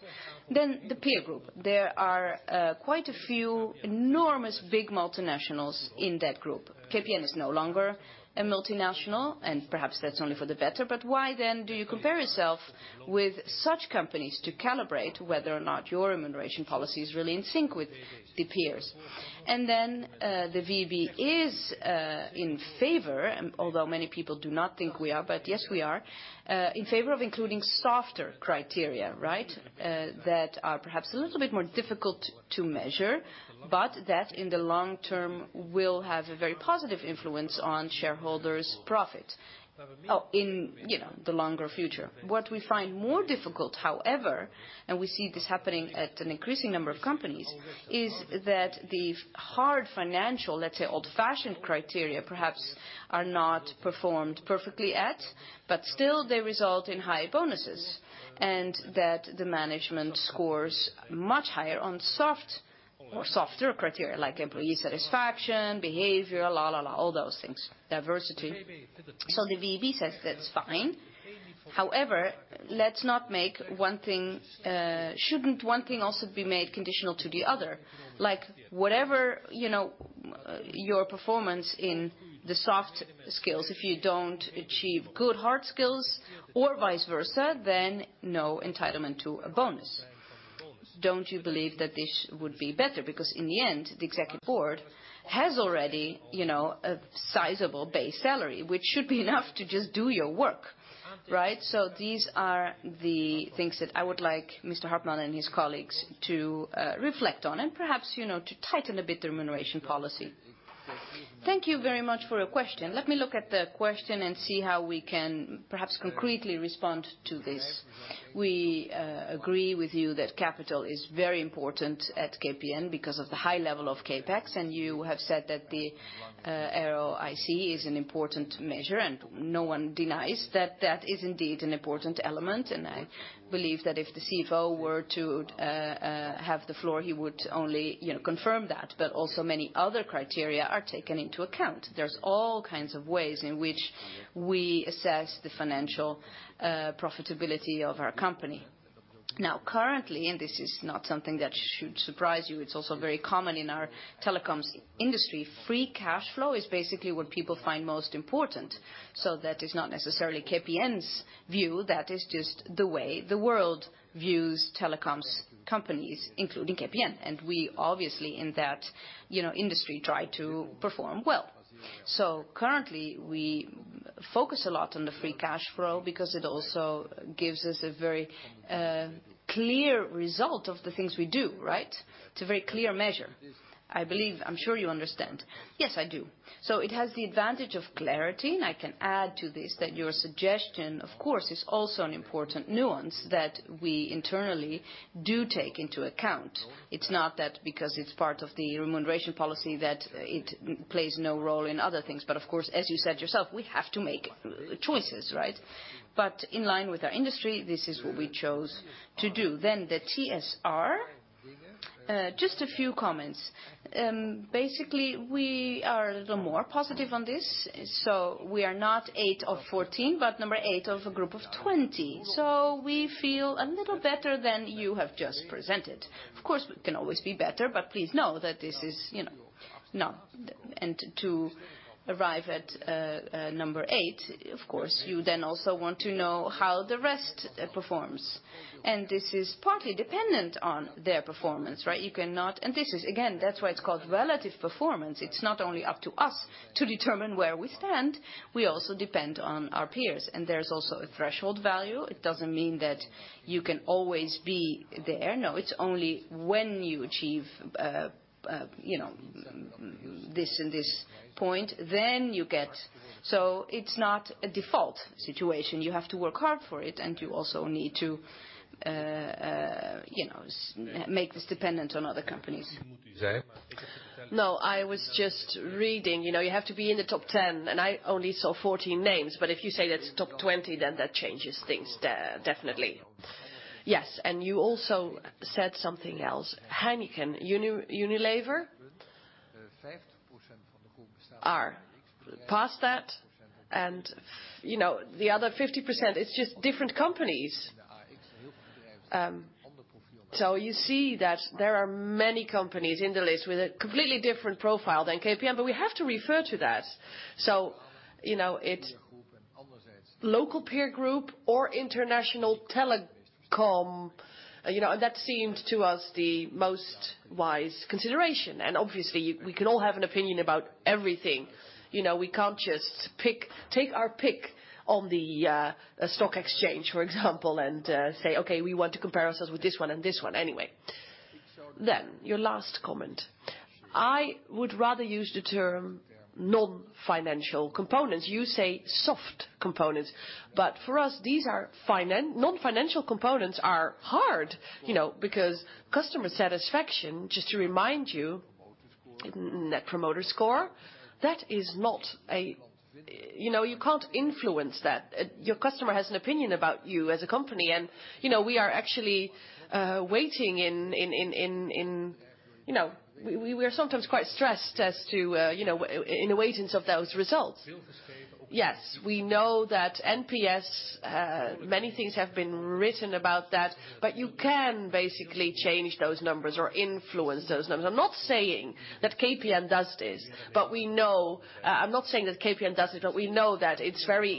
S6: The peer group. There are quite a few enormous, big multinationals in that group. KPN is no longer a multinational, and perhaps that's only for the better, but why then do you compare yourself with such companies to calibrate whether or not your remuneration policy is really in sync with the peers? The VEB is in favor, and although many people do not think we are, but yes, we are in favor of including softer criteria, right? That are perhaps a little bit more difficult to measure, but that, in the long term, will have a very positive influence on shareholders' profit, in, you know, the longer future. What we find more difficult, however, and we see this happening at an increasing number of companies, is that the hard financial, let's say, old-fashioned criteria perhaps are not performed perfectly at, but still they result in high bonuses, and that the management scores much higher on soft or softer criteria like employee satisfaction, behavior, all those things, diversity. The VEB says that's fine. However, let's not make one thing. Shouldn't one thing also be made conditional to the other? Like, whatever, you know, your performance in the soft skills, if you don't achieve good hard skills or vice versa, then no entitlement to a bonus. Don't you believe that this would be better? Because in the end, the executive board has already, you know, a sizable base salary, which should be enough to just do your work, right? So these are the things that I would like Mr. Hartman and his colleagues to reflect on and perhaps, you know, to tighten a bit the remuneration policy.
S12: Thank you very much for your question. Let me look at the question and see how we can perhaps concretely respond to this. We agree with you that capital is very important at KPN because of the high level of CapEx, and you have said that the ROIC is an important measure, and no one denies that that is indeed an important element. I believe that if the CFO were to have the floor, he would only, you know, confirm that. Also many other criteria are taken into account. There's all kinds of ways in which we assess the financial profitability of our company. Now, currently, and this is not something that should surprise you, it's also very common in our telecoms industry, free cash flow is basically what people find most important. That is not necessarily KPN's view. That is just the way the world views telecoms companies, including KPN. We obviously, in that, you know, industry try to perform well. Currently, we focus a lot on the free cash flow because it also gives us a very clear result of the things we do, right? It's a very clear measure. I believe, I'm sure you understand.
S6: Yes, I do.
S12: It has the advantage of clarity, and I can add to this that your suggestion, of course, is also an important nuance that we internally do take into account. It's not that because it's part of the remuneration policy that it plays no role in other things. Of course, as you said yourself, we have to make choices, right? In line with our industry, this is what we chose to do. The TSR, just a few comments. Basically, we are a little more positive on this. We are not eight of 14, but number eight of a group of 20. We feel a little better than you have just presented. Of course, we can always be better, but please know that this is, you know, not. To arrive at number eight, of course, you then also want to know how the rest performs. This is partly dependent on their performance, right? This is, again, that's why it's called relative performance. It's not only up to us to determine where we stand. We also depend on our peers. There's also a threshold value. It doesn't mean that you can always be there. No, it's only when you achieve, you know, this and this point, then you get. It's not a default situation. You have to work hard for it, and you also need to, you know, make this dependent on other companies.
S6: No, I was just reading, you know, you have to be in the top 10, and I only saw 14 names. If you say that's top 20, then that changes things definitely.
S12: Yes, you also said something else. Heineken, Unilever are past that, and you know, the other 50%, it's just different companies. You see that there are many companies in the list with a completely different profile than KPN, but we have to refer to that. You know, it's local peer group or international telecom. You know, that seemed to us the most wise consideration. Obviously, we can all have an opinion about everything. You know, we can't just pick, take our pick on the stock exchange, for example, and say, "Okay, we want to compare ourselves with this one and this one." Anyway. Your last comment. I would rather use the term non-financial components. You say soft components, but for us, these are finan... Non-financial components are hard, you know, because customer satisfaction, just to remind you. Net Promoter Score, that is not. You know, you can't influence that. Your customer has an opinion about you as a company, and, you know, we are actually waiting in anticipation of those results.
S6: Yes, we know that NPS, many things have been written about that, but you can basically change those numbers or influence those numbers. I'm not saying that KPN does this, but we know that it's very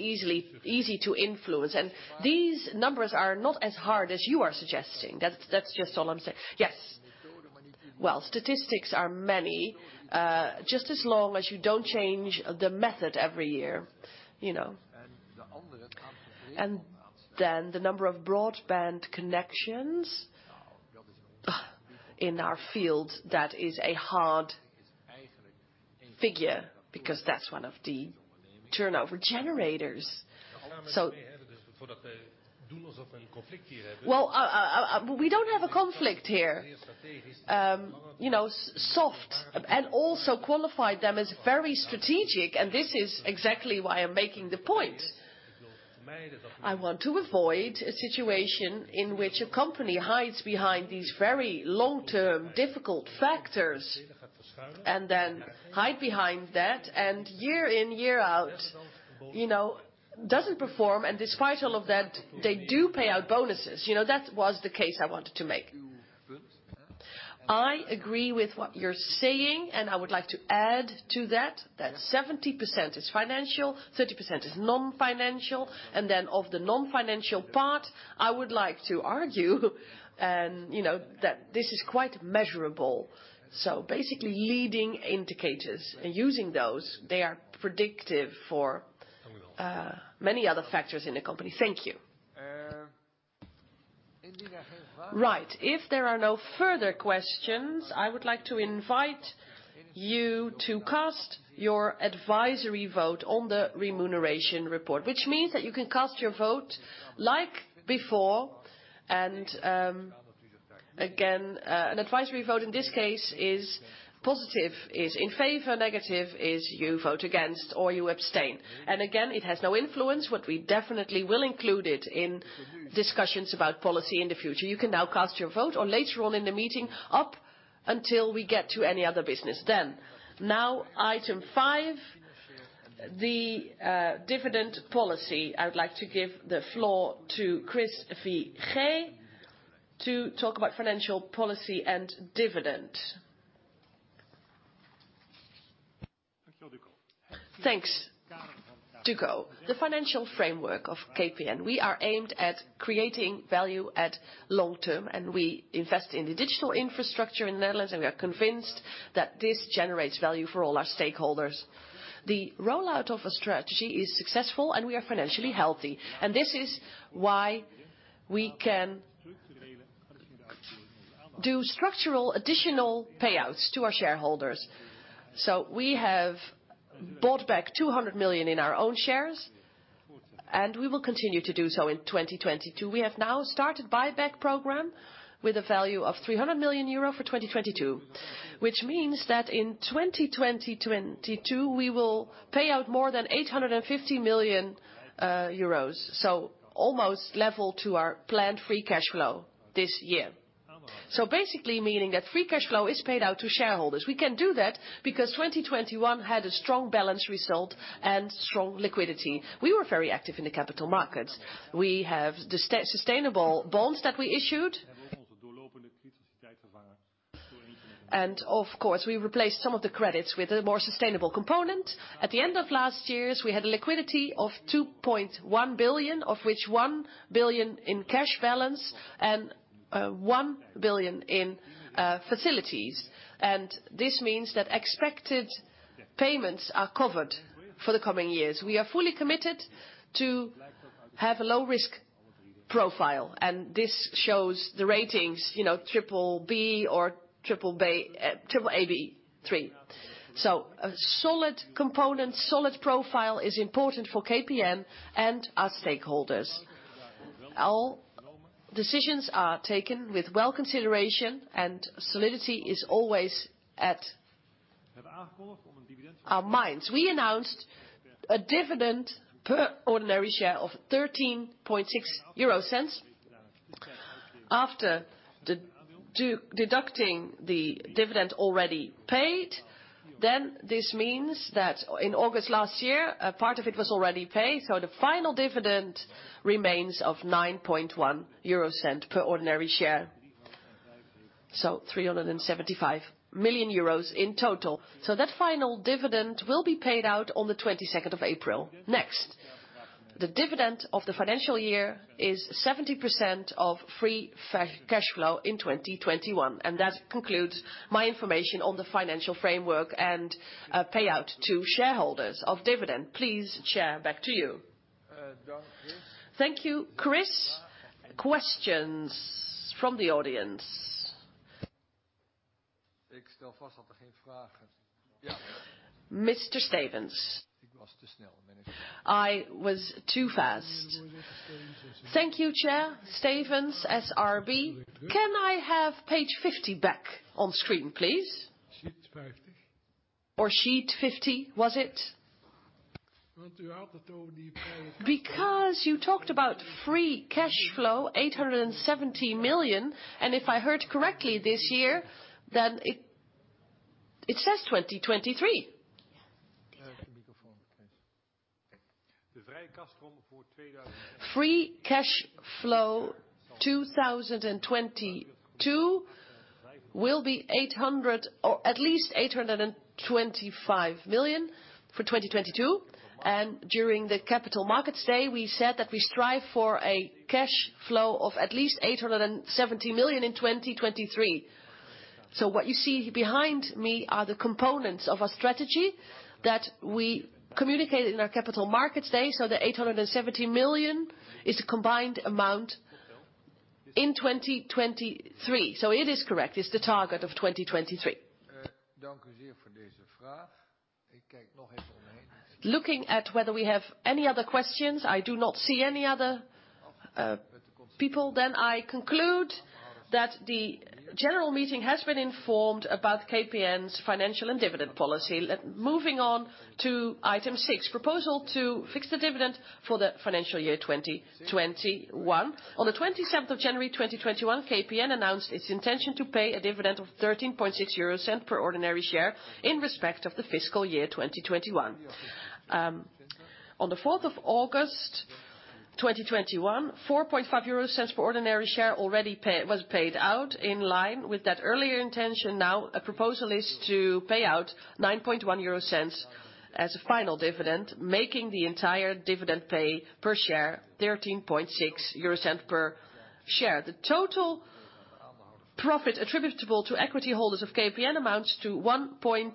S6: easy to influence. These numbers are not as hard as you are suggesting. That's just all I'm saying.
S12: Yes. Well, statistics are many, just as long as you don't change the method every year, you know? The number of broadband connections, in our field, that is a hard figure because that's one of the turnover generators.
S6: Well, we don't have a conflict here. You know, soft and also qualified them as very strategic, and this is exactly why I'm making the point. I want to avoid a situation in which a company hides behind these very long-term, difficult factors, and then hide behind that, and year in, year out, you know, doesn't perform, and despite all of that, they do pay out bonuses. You know, that was the case I wanted to make.
S12: I agree with what you're saying, and I would like to add to that 70% is financial, 30% is non-financial. Of the non-financial part, I would like to argue, you know, that this is quite measurable. Basically, leading indicators and using those, they are predictive for many other factors in the company. Thank you.
S1: Right. If there are no further questions, I would like to invite you to cast your advisory vote on the remuneration report. Which means that you can cast your vote like before. Again, an advisory vote in this case is positive is in favor, negative is you vote against or you abstain. Again, it has no influence, but we definitely will include it in discussions about policy in the future. You can now cast your vote or later on in the meeting up until we get to any other business then. Now, item five, the dividend policy. I would like to give the floor to Chris Figee to talk about financial policy and dividend.
S3: Thanks, Duco. The financial framework of KPN, we are aimed at creating value at long term, and we invest in the digital infrastructure in the Netherlands, and we are convinced that this generates value for all our stakeholders. The rollout of a strategy is successful, and we are financially healthy. This is why we can do structural additional payouts to our shareholders. We have bought back 200 million in our own shares, and we will continue to do so in 2022. We have now started buyback program with a value of 300 million euro for 2022, which means that in 2022, we will pay out more than 850 million euros, so almost level to our planned free cash flow this year. Basically, meaning that free cash flow is paid out to shareholders. We can do that because 2021 had a strong balanced result and strong liquidity. We were very active in the capital markets. We have the sustainable bonds that we issued. Of course, we replaced some of the credits with a more sustainable component. At the end of last year, we had a liquidity of 2.1 billion, of which 1 billion in cash balance and 1 billion in facilities. This means that expected payments are covered for the coming years. We are fully committed to have a low risk profile, and this shows the ratings, you know, BBB or Baa3. A solid component, solid profile is important for KPN and our stakeholders. All decisions are taken with due consideration, and solidity is always on our minds. We announced a dividend per ordinary share of 0.136. After deducting the dividend already paid, this means that in August last year, a part of it was already paid, so the final dividend remains of 0.091 per ordinary share. 375 million euros in total. That final dividend will be paid out on the 22nd of April. Next, the dividend of the financial year is 70% of free cash flow in 2021. That concludes my information on the financial framework and payout to shareholders of dividend. Please, Chair, back to you.
S1: Thank you, Chris. Questions from the audience. Mr. Stevense?
S4: I was too fast. Thank you, Chair. Stevense, SRB. Can I have page 50 back on screen, please? Or sheet 50, was it? Because you talked about free cash flow, 870 million, and if I heard correctly this year, then it says 2023.
S3: Free cash flow 2022 will be 800 or at least 825 million for 2022. During the Capital Markets Day, we said that we strive for a cash flow of at least 870 million in 2023. What you see behind me are the components of a strategy that we communicated in our Capital Markets Day. The 870 million is a combined amount in 2023, so it is correct. It's the target of 2023.
S1: Looking at whether we have any other questions, I do not see any other people. I conclude that the general meeting has been informed about KPN's financial and dividend policy. Moving on to item six, proposal to fix the dividend for the financial year 2021. On the 27th of January 2021, KPN announced its intention to pay a dividend of 0.136 per ordinary share in respect of the fiscal year 2021. On the 4th of August 2021, 0.045 per ordinary share already was paid out in line with that earlier intention. Now a proposal is to pay out 0.091 as a final dividend, making the entire dividend per share 0.136. The total profit attributable to equity holders of KPN amounts to 1.288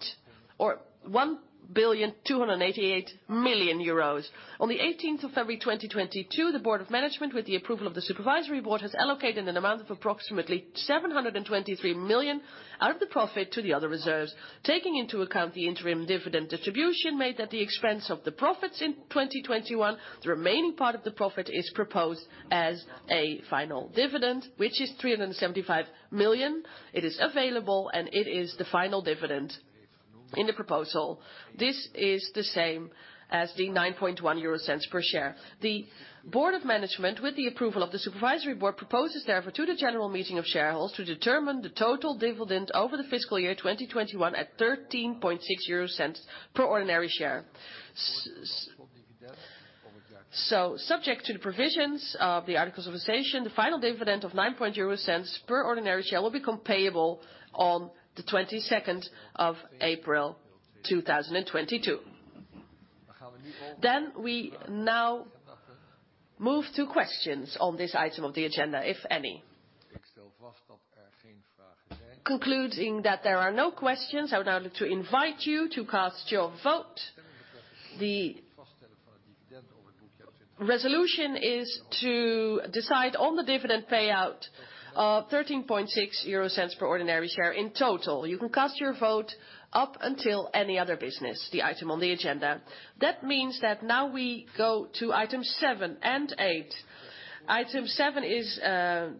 S1: billion. On the 18th of February, 2022, the Board of Management, with the approval of the Supervisory Board, has allocated an amount of approximately 723 million out of the profit to the other reserves. Taking into account the interim dividend distribution made at the expense of the profits in 2021, the remaining part of the profit is proposed as a final dividend, which is 375 million. It is available, and it is the final dividend in the proposal. This is the same as 0.091 per share. The Board of Management, with the approval of the Supervisory Board, proposes therefore to the general meeting of shareholders to determine the total dividend over the fiscal year 2021 at 0.136 per ordinary share. Subject to the provisions of the articles of association, the final dividend of 0.09 per ordinary share will become payable on the 22nd of April, 2022. We now move to questions on this item of the agenda, if any. Concluding that there are no questions, I would now like to invite you to cast your vote. The resolution is to decide on the dividend payout of 0.136 per ordinary share in total. You can cast your vote up until any other business, the item on the agenda. That means we go to item seven and eight. Item seven is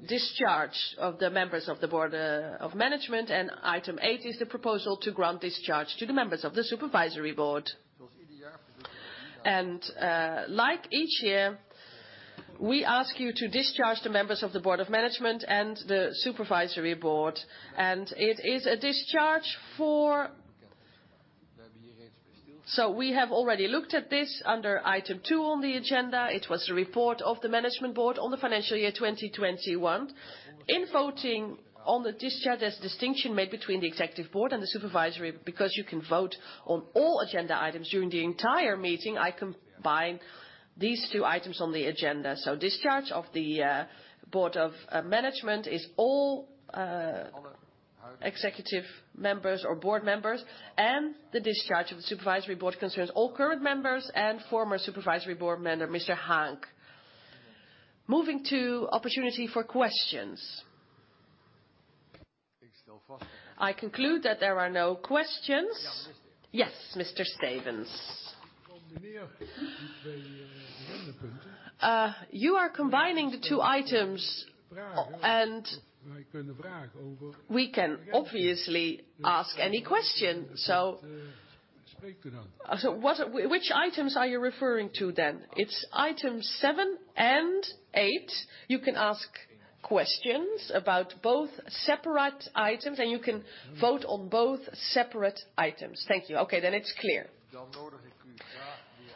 S1: discharge of the members of the Board of Management, and item eight is the proposal to grant discharge to the members of the Supervisory Board. Like each year, we ask you to discharge the members of the Board of Management and the Supervisory Board. It is a discharge. We have already looked at this under item two on the agenda. It was the report of the Management Board on the financial year, 2021. In voting on the discharge, there's a distinction made between the Executive Board and the Supervisory Board, because you can vote on all agenda items during the entire meeting. I combine these two items on the agenda. Discharge of the Board of Management is all executive members or Board members. The discharge of the Supervisory Board concerns all current members and former Supervisory Board member, Mr. Haank. Moving to opportunity for questions. I conclude that there are no questions. Yes, Mr. Stevense.
S4: You are combining the two items, and we can obviously ask any question. What, which items are you referring to then?
S1: It's items seven and eight. You can ask questions about both separate items, and you can vote on both separate items.
S4: Thank you. Okay, it's clear.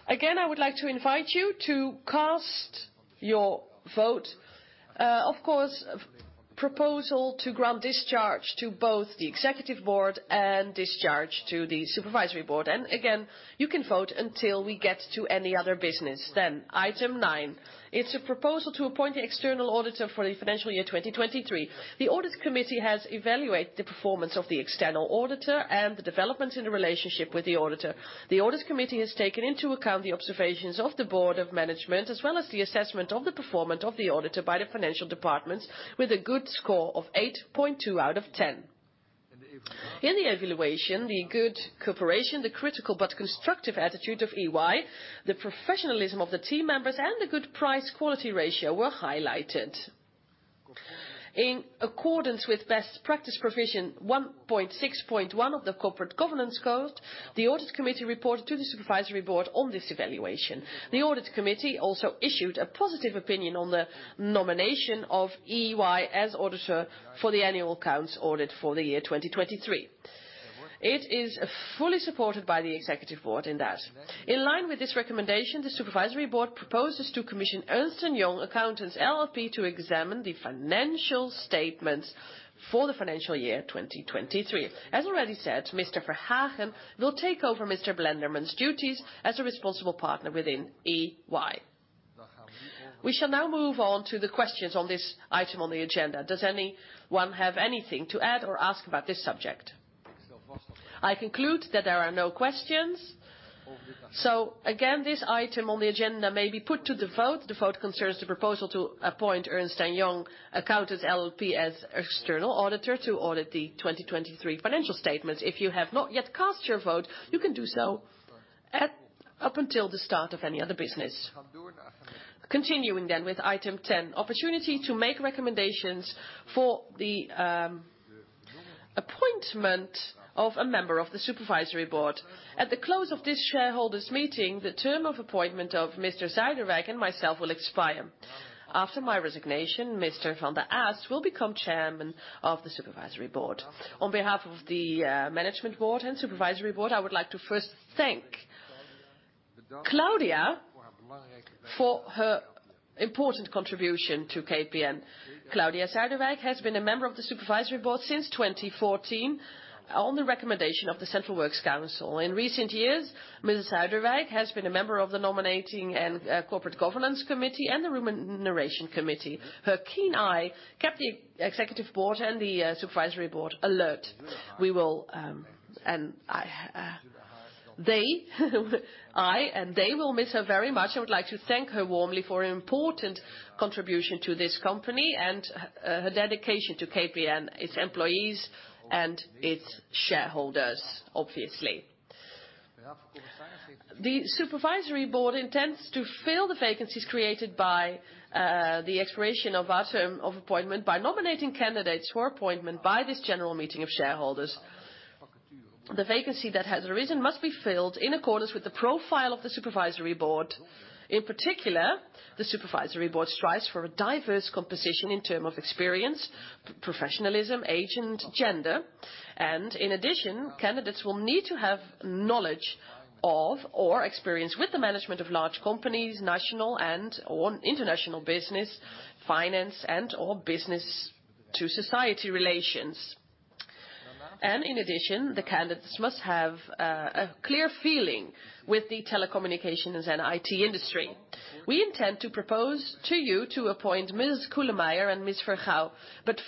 S1: Again, I would like to invite you to cast your vote. Of course, proposal to grant discharge to both the Executive Board and discharge to the Supervisory Board. You can vote until we get to any other business. Item nine, it's a proposal to appoint an external auditor for the financial year 2023. The Audit Committee has evaluated the performance of the external auditor and the developments in the relationship with the auditor. The Audit Committee has taken into account the observations of the Board of Management, as well as the assessment of the performance of the auditor by the financial departments with a good score of 8.2 out of 10. In the evaluation, the good cooperation, the critical but constructive attitude of EY, the professionalism of the team members, and the good price quality ratio were highlighted. In accordance with best practice provision 1.6.1 of the Dutch Corporate Governance Code, the Audit Committee reported to the Supervisory Board on this evaluation. The Audit Committee also issued a positive opinion on the nomination of EY as auditor for the annual accounts audit for the year 2023. It is fully supported by the Executive Board in that. In line with this recommendation, the Supervisory Board proposes to commission Ernst & Young Accountants LLP to examine the financial statements for the financial year 2023. As already said, Mr. Verhagen will take over Mr. Blenderman's duties as a responsible partner within EY. We shall now move on to the questions on this item on the agenda. Does anyone have anything to add or ask about this subject? I conclude that there are no questions. Again, this item on the agenda may be put to the vote. The vote concerns the proposal to appoint Ernst & Young Accountants LLP as external auditor to audit the 2023 financial statements. If you have not yet cast your vote, you can do so up until the start of any other business. Continuing with item ten, opportunity to make recommendations for the appointment of a member of the Supervisory Board. At the close of this shareholders' meeting, the term of appointment of Ms. Zuiderwijk and myself will expire. After my resignation, Mr. Van der Aast will become Chairman of the Supervisory Board. On behalf of the Management Board and Supervisory Board, I would like to first thank Claudia for her important contribution to KPN. Claudia Zuiderwijk has been a member of the Supervisory Board since 2014 on the recommendation of the Central Works Council. In recent years, Ms. Zuiderwijk has been a member of the Nominating and Corporate Governance Committee and the Remuneration Committee. Her keen eye kept the Executive Board and the Supervisory Board alert. We will miss her very much. I would like to thank her warmly for her important contribution to this company and her dedication to KPN, its employees, and its shareholders, obviously. The Supervisory Board intends to fill the vacancies created by the expiration of our term of appointment by nominating candidates for appointment by this General Meeting of Shareholders. The vacancy that has arisen must be filled in accordance with the profile of the Supervisory Board. In particular, the Supervisory Board strives for a diverse composition in terms of experience, professionalism, age, and gender. In addition, candidates will need to have knowledge of or experience with the management of large companies, national and/or international business, finance and/or business to society relations. In addition, the candidates must have a clear feeling with the telecommunications and IT industry. We intend to propose to you to appoint Ms. Koelemeijer and Ms. Vergouw.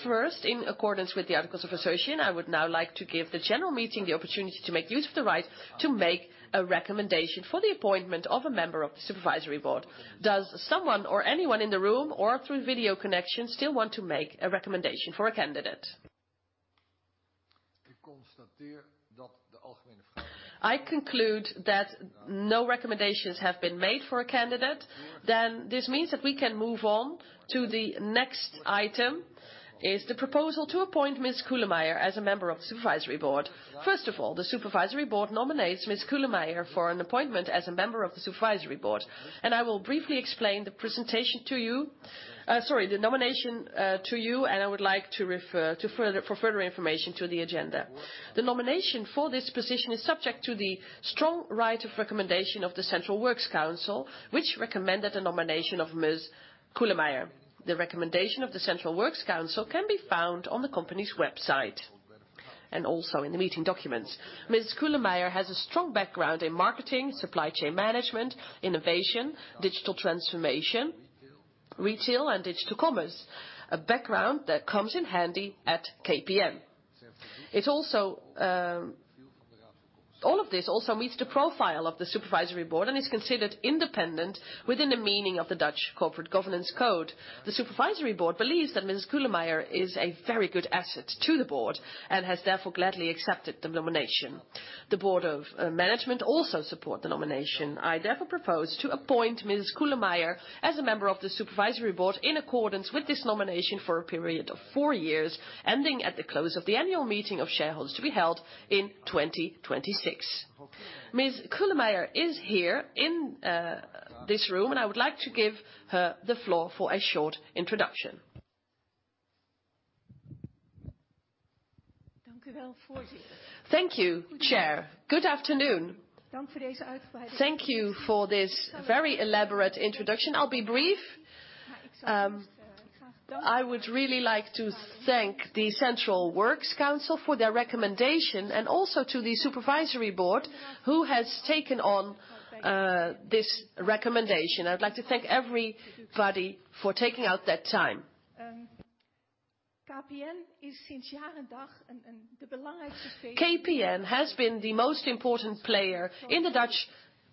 S1: First, in accordance with the articles of association, I would now like to give the general meeting the opportunity to make use of the right to make a recommendation for the appointment of a member of the Supervisory Board. Does someone or anyone in the room or through video connection still want to make a recommendation for a candidate? I conclude that no recommendations have been made for a candidate. This means that we can move on to the next item, which is the proposal to appoint Ms. Koelemeijer as a member of the Supervisory Board. First of all, the Supervisory Board nominates Ms. Koelemeijer for an appointment as a member of the Supervisory Board. I will briefly explain the nomination to you, and I would like to refer you to the agenda for further information. The nomination for this position is subject to the strong right of recommendation of the Central Works Council, which recommended the nomination of Ms. Koelemeijer. The recommendation of the Central Works Council can be found on the company's website and also in the meeting documents. Ms. Koelemeijer has a strong background in marketing, supply chain management, innovation, digital transformation, retail, and digital commerce, a background that comes in handy at KPN. It also, all of this also meets the profile of the Supervisory Board and is considered independent within the meaning of the Dutch Corporate Governance Code. The Supervisory Board believes that Ms. Koelemeijer is a very good asset to the board and has therefore gladly accepted the nomination. The Board of Management also support the nomination. I therefore propose to appoint Ms. Koelemeijer as a member of the Supervisory Board in accordance with this nomination for a period of four years, ending at the close of the Annual Meeting of Shareholders to be held in 2026. Ms. Koelemeijer is here in this room, and I would like to give her the floor for a short introduction.
S13: Thank you, Chair. Good afternoon. Thank you for this very elaborate introduction. I'll be brief. I would really like to thank the Central Works Council for their recommendation and also to the Supervisory Board who has taken on this recommendation. I would like to thank everybody for taking out that time. KPN has been the most important player in the Dutch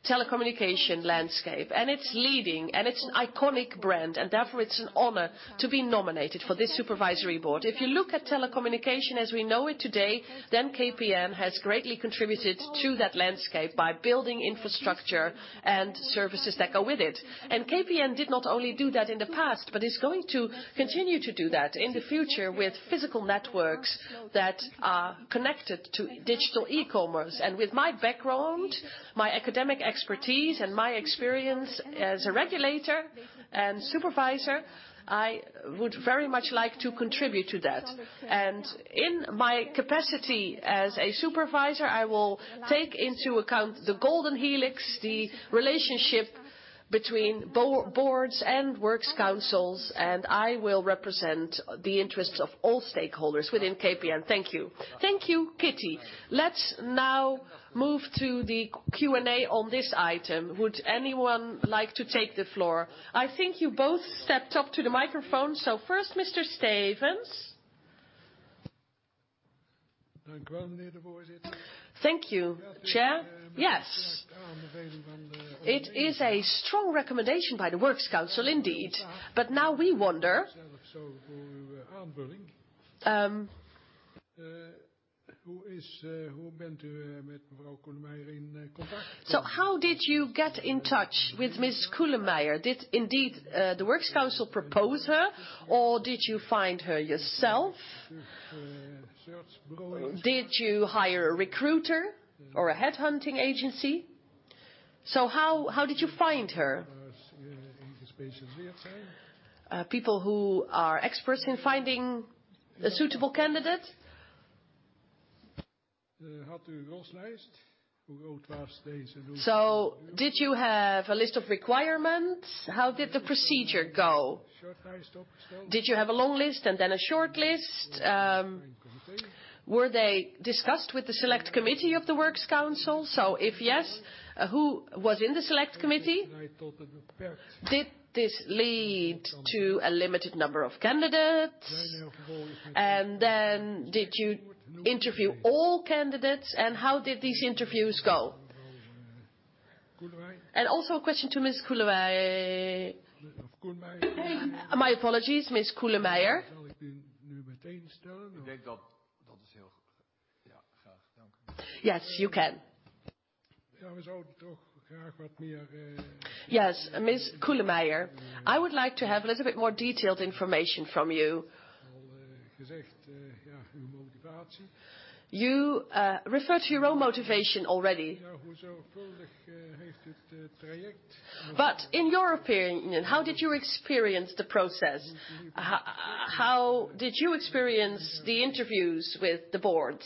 S13: telecommunication landscape, and it's leading, and it's an iconic brand. Therefore, it's an honor to be nominated for this supervisory board. If you look at telecommunication as we know it today, then KPN has greatly contributed to that landscape by building infrastructure and services that go with it. KPN did not only do that in the past, but is going to continue to do that in the future with physical networks that are connected to digital e-commerce. With my background, my academic expertise, and my experience as a regulator and supervisor, I would very much like to contribute to that. In my capacity as a supervisor, I will take into account the golden helix, the relationship between boards and works councils, and I will represent the interests of all stakeholders within KPN. Thank you.
S1: Thank you, Kitty. Let's now move to the Q&A on this item. Would anyone like to take the floor? I think you both stepped up to the microphone, so first, Mr. Stevense.
S4: Thank you. Thank you, Chair. Yes. It is a strong recommendation by the Works Council, indeed. Now we wonder, so how did you get in touch with Ms. Koelemeijer? Did indeed the Works Council propose her, or did you find her yourself? Did you hire a recruiter or a headhunting agency? How did you find her? People who are experts in finding a suitable candidate. Did you have a list of requirements? How did the procedure go? Did you have a long list and then a short list? Were they discussed with the select committee of the Works Council? If yes, who was in the select committee? Did this lead to a limited number of candidates? Then, did you interview all candidates, and how did these interviews go? Also a question to Ms. Koelemeijer. My apologies, Ms. Koelemeijer.
S1: Yes, you can.
S4: Yes, Ms. Koelemeijer, I would like to have a little bit more detailed information from you. You referred to your own motivation already. In your opinion, how did you experience the process? How did you experience the interviews with the boards?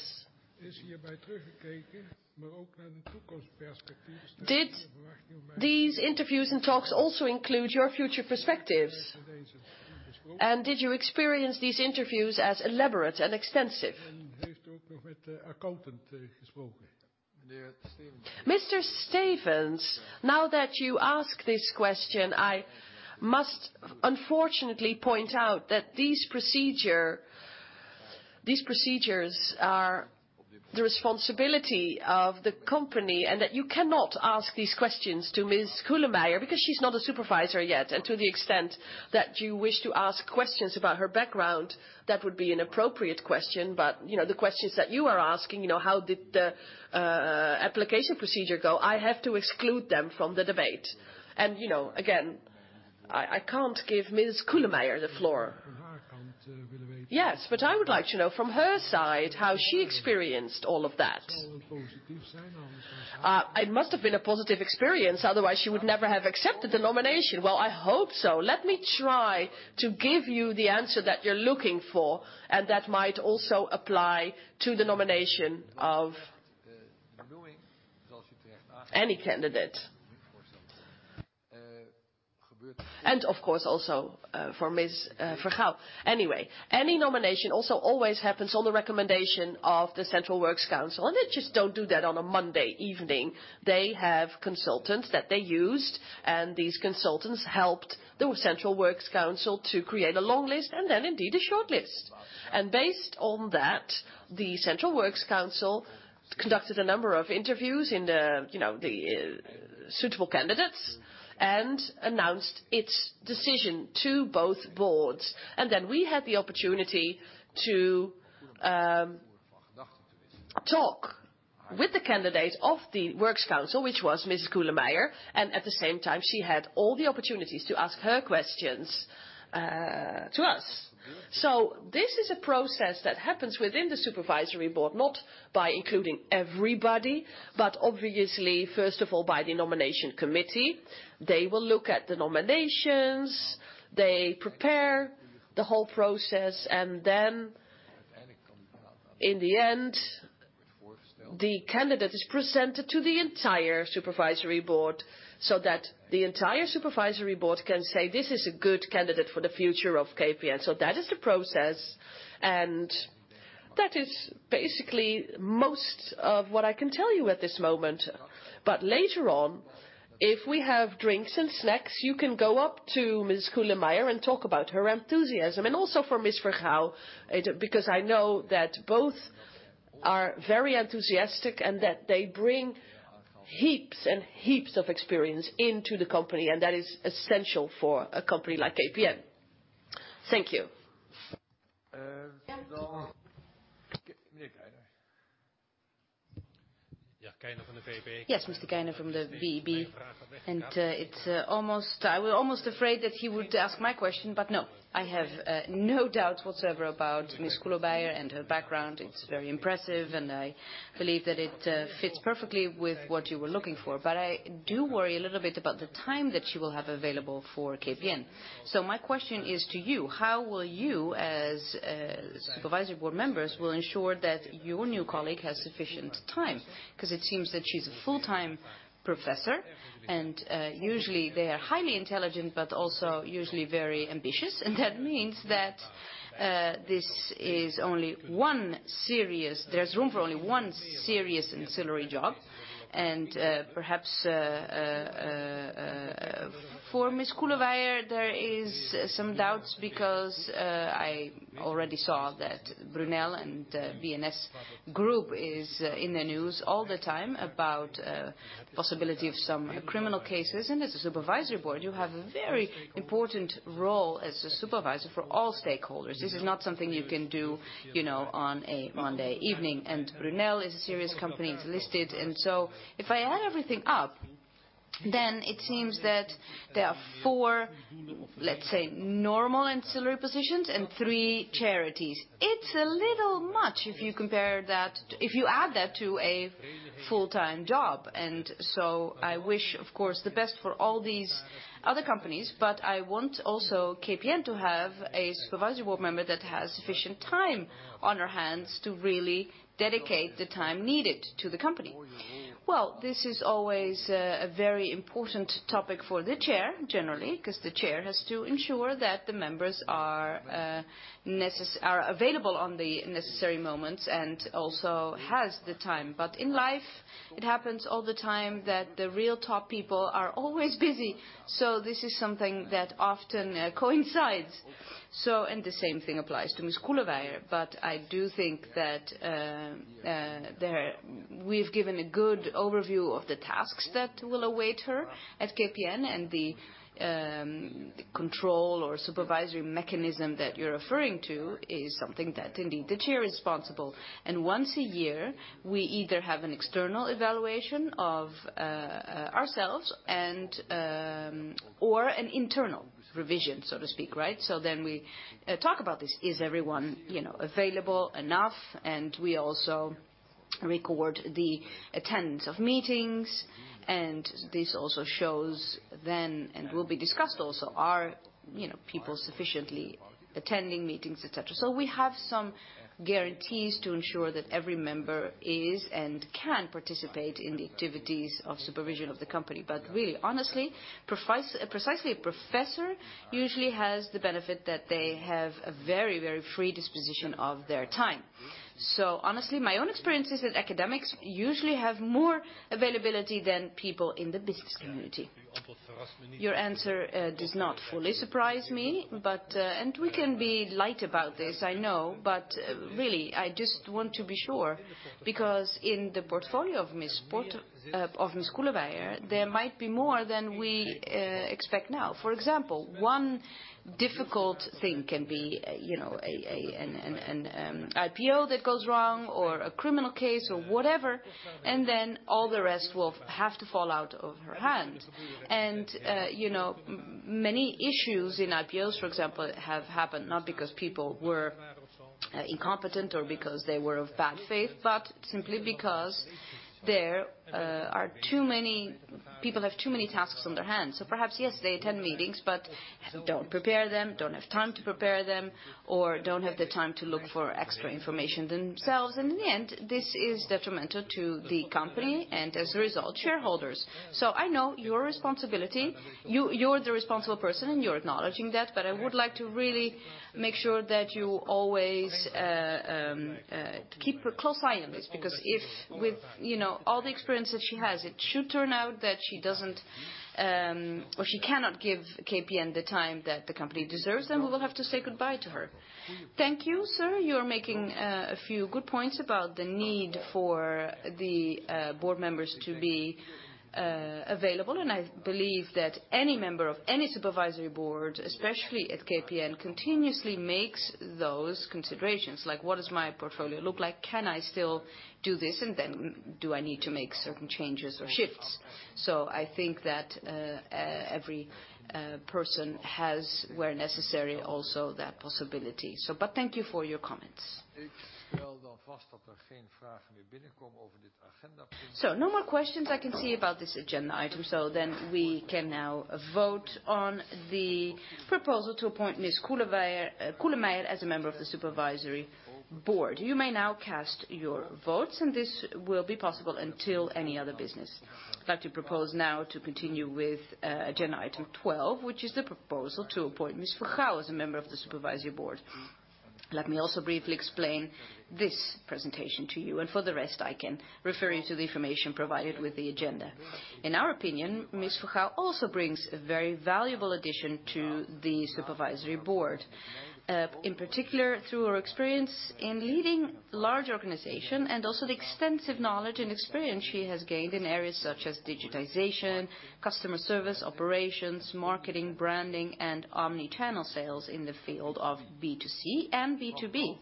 S4: Did these interviews and talks also include your future perspectives? Did you experience these interviews as elaborate and extensive?
S1: Mr. Stevense, now that you ask this question, I must unfortunately point out that these procedures are the responsibility of the company and that you cannot ask these questions to Ms. Koelemeijer because she's not a supervisor yet. To the extent that you wish to ask questions about her background, that would be an appropriate question. You know, the questions that you are asking, you know, how did the application procedure go? I have to exclude them from the debate. You know, again, I can't give Ms. Koelemeijer the floor.
S4: Yes, but I would like to know from her side how she experienced all of that. It must have been a positive experience, otherwise, she would never have accepted the nomination.
S1: Well, I hope so. Let me try to give you the answer that you're looking for and that might also apply to the nomination of any candidate. Of course, also for Ms. Vergouw. Anyway, any nomination also always happens on the recommendation of the Central Works Council, and they just don't do that on a Monday evening. They have consultants that they used, and these consultants helped the Central Works Council to create a long list and then indeed a short list. Based on that, the Central Works Council conducted a number of interviews in the, you know, suitable candidates and announced its decision to both boards. We had the opportunity to talk with the candidate of the Works Council, which was Ms. Koelemeijer. At the same time, she had all the opportunities to ask her questions to us. This is a process that happens within the supervisory board, not by including everybody, but obviously, first of all, by the nomination committee. They will look at the nominations, they prepare the whole process, and then in the end, the candidate is presented to the entire supervisory board, so that the entire supervisory board can say, "This is a good candidate for the future of KPN." That is the process, and that is basically most of what I can tell you at this moment. Later on if we have drinks and snacks, you can go up to Ms. Koelemeijer and talk about her enthusiasm, and also for Ms. Vergouw, because I know that both are very enthusiastic, and that they bring heaps and heaps of experience into the company, and that is essential for a company like KPN. Thank you.
S6: Yes, Mr. Keyner from the VEB. I was almost afraid that he would ask my question, but no. I have no doubt whatsoever about Ms. Koelemeijer and her background. It's very impressive, and I believe that it fits perfectly with what you were looking for. But I do worry a little bit about the time that she will have available for KPN. So my question is to you, how will you as Supervisory Board members will ensure that your new colleague has sufficient time? It seems that she's a full-time professor, and usually they are highly intelligent, but also usually very ambitious. That means that there's room for only one serious ancillary job. Perhaps for Ms. Koelemeijer there is some doubts because I already saw that Brunel and B&S Group is in the news all the time about possibility of some criminal cases. As a supervisory board, you have a very important role as a supervisor for all stakeholders. This is not something you can do, you know, on a Monday evening, and Brunel is a serious company. It's listed. If I add everything up, then it seems that there are four, let's say, normal ancillary positions and three charities. It's a little much if you compare that, if you add that to a full-time job. I wish, of course, the best for all these other companies, but I want also KPN to have a Supervisory Board member that has sufficient time on her hands to really dedicate the time needed to the company.
S1: This is always a very important topic for the Chair generally, 'cause the Chair has to ensure that the members are available on the necessary moments and also has the time. In life, it happens all the time that the real top people are always busy, so this is something that often coincides. The same thing applies to Ms. Koelemeijer. I do think that we've given a good overview of the tasks that will await her at KPN, and the control or supervisory mechanism that you're referring to is something that indeed the chair is responsible. Once a year, we either have an external evaluation of ourselves or an internal revision, so to speak, right? Then we talk about this. Is everyone, you know, available enough? We also record the attendance of meetings, and this also shows then and will be discussed also, are, you know, people sufficiently attending meetings, et cetera. We have some guarantees to ensure that every member is and can participate in the activities of supervision of the company. Really, honestly, precisely a professor usually has the benefit that they have a very, very free disposition of their time. Honestly, my own experience is that academics usually have more availability than people in the business community.
S6: Your answer does not fully surprise me, but we can be light about this, I know. Really, I just want to be sure, because in the portfolio of Ms. Koelemeijer, there might be more than we expect now. For example, one difficult thing can be, you know, an IPO that goes wrong or a criminal case or whatever, and then all the rest will have to fall out of her hand. Many issues in IPOs, for example, have happened not because people were incompetent or because they were of bad faith, but simply because there are too many people have too many tasks on their hands. Perhaps yes, they attend meetings, but don't prepare them, don't have time to prepare them, or don't have the time to look for extra information themselves. In the end, this is detrimental to the company and, as a result, shareholders. I know your responsibility. You, you're the responsible person, and you're acknowledging that. I would like to really make sure that you always keep a close eye on this because if with, you know, all the experience that she has, it should turn out that she doesn't or she cannot give KPN the time that the company deserves, then we will have to say goodbye to her.
S1: Thank you, sir. You're making a few good points about the need for the board members to be available, and I believe that any member of any supervisory board, especially at KPN, continuously makes those considerations. Like, what does my portfolio look like? Can I still do this? And then do I need to make certain changes or shifts? I think that every person has, where necessary, also that possibility. Thank you for your comments. No more questions I can see about this agenda item. Then we can now vote on the proposal to appoint Ms. Koelemeijer as a member of the supervisory board. You may now cast your votes, and this will be possible until any other business. I'd like to propose now to continue with agenda item 12, which is the proposal to appoint Ms. Ms. Vergouw as a member of the Supervisory Board. Let me also briefly explain this presentation to you and for the rest, I can refer you to the information provided with the agenda. In our opinion, Ms. Vergouw also brings a very valuable addition to the Supervisory Board. In particular, through her experience in leading large organization and also the extensive knowledge and experience she has gained in areas such as digitization, customer service, operations, marketing, branding, and omni-channel sales in the field of B2C and B2B.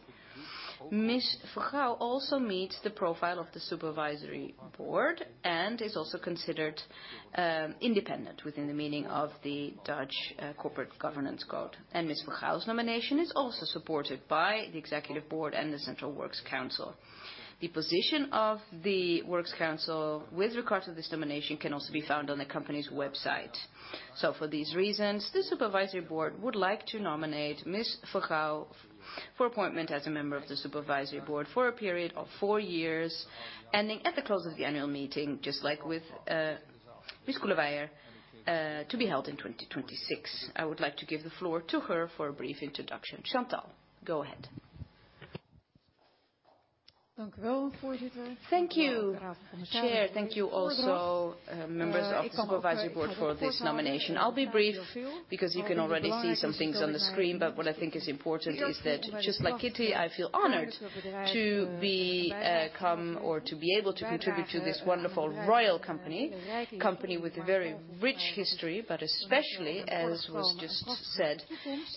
S1: Ms. Vergouw also meets the profile of the Supervisory Board and is also considered independent within the meaning of the Dutch Corporate Governance Code. Ms. Vergouw's nomination is also supported by the executive board and the central works council. The position of the works council with regard to this nomination can also be found on the company's website. For these reasons, the supervisory board would like to nominate Ms. Vergouw for appointment as a member of the supervisory board for a period of four years, ending at the close of the annual meeting, just like with Ms. Koelemeijer, to be held in 2026. I would like to give the floor to her for a brief introduction. Chantal, go ahead.
S14: Thank you, Chair. Thank you also, members of the supervisory board for this nomination. I'll be brief because you can already see some things on the screen, but what I think is important is that just like Kitty, I feel honored to be able to contribute to this wonderful royal company with a very rich history, but especially as was just said,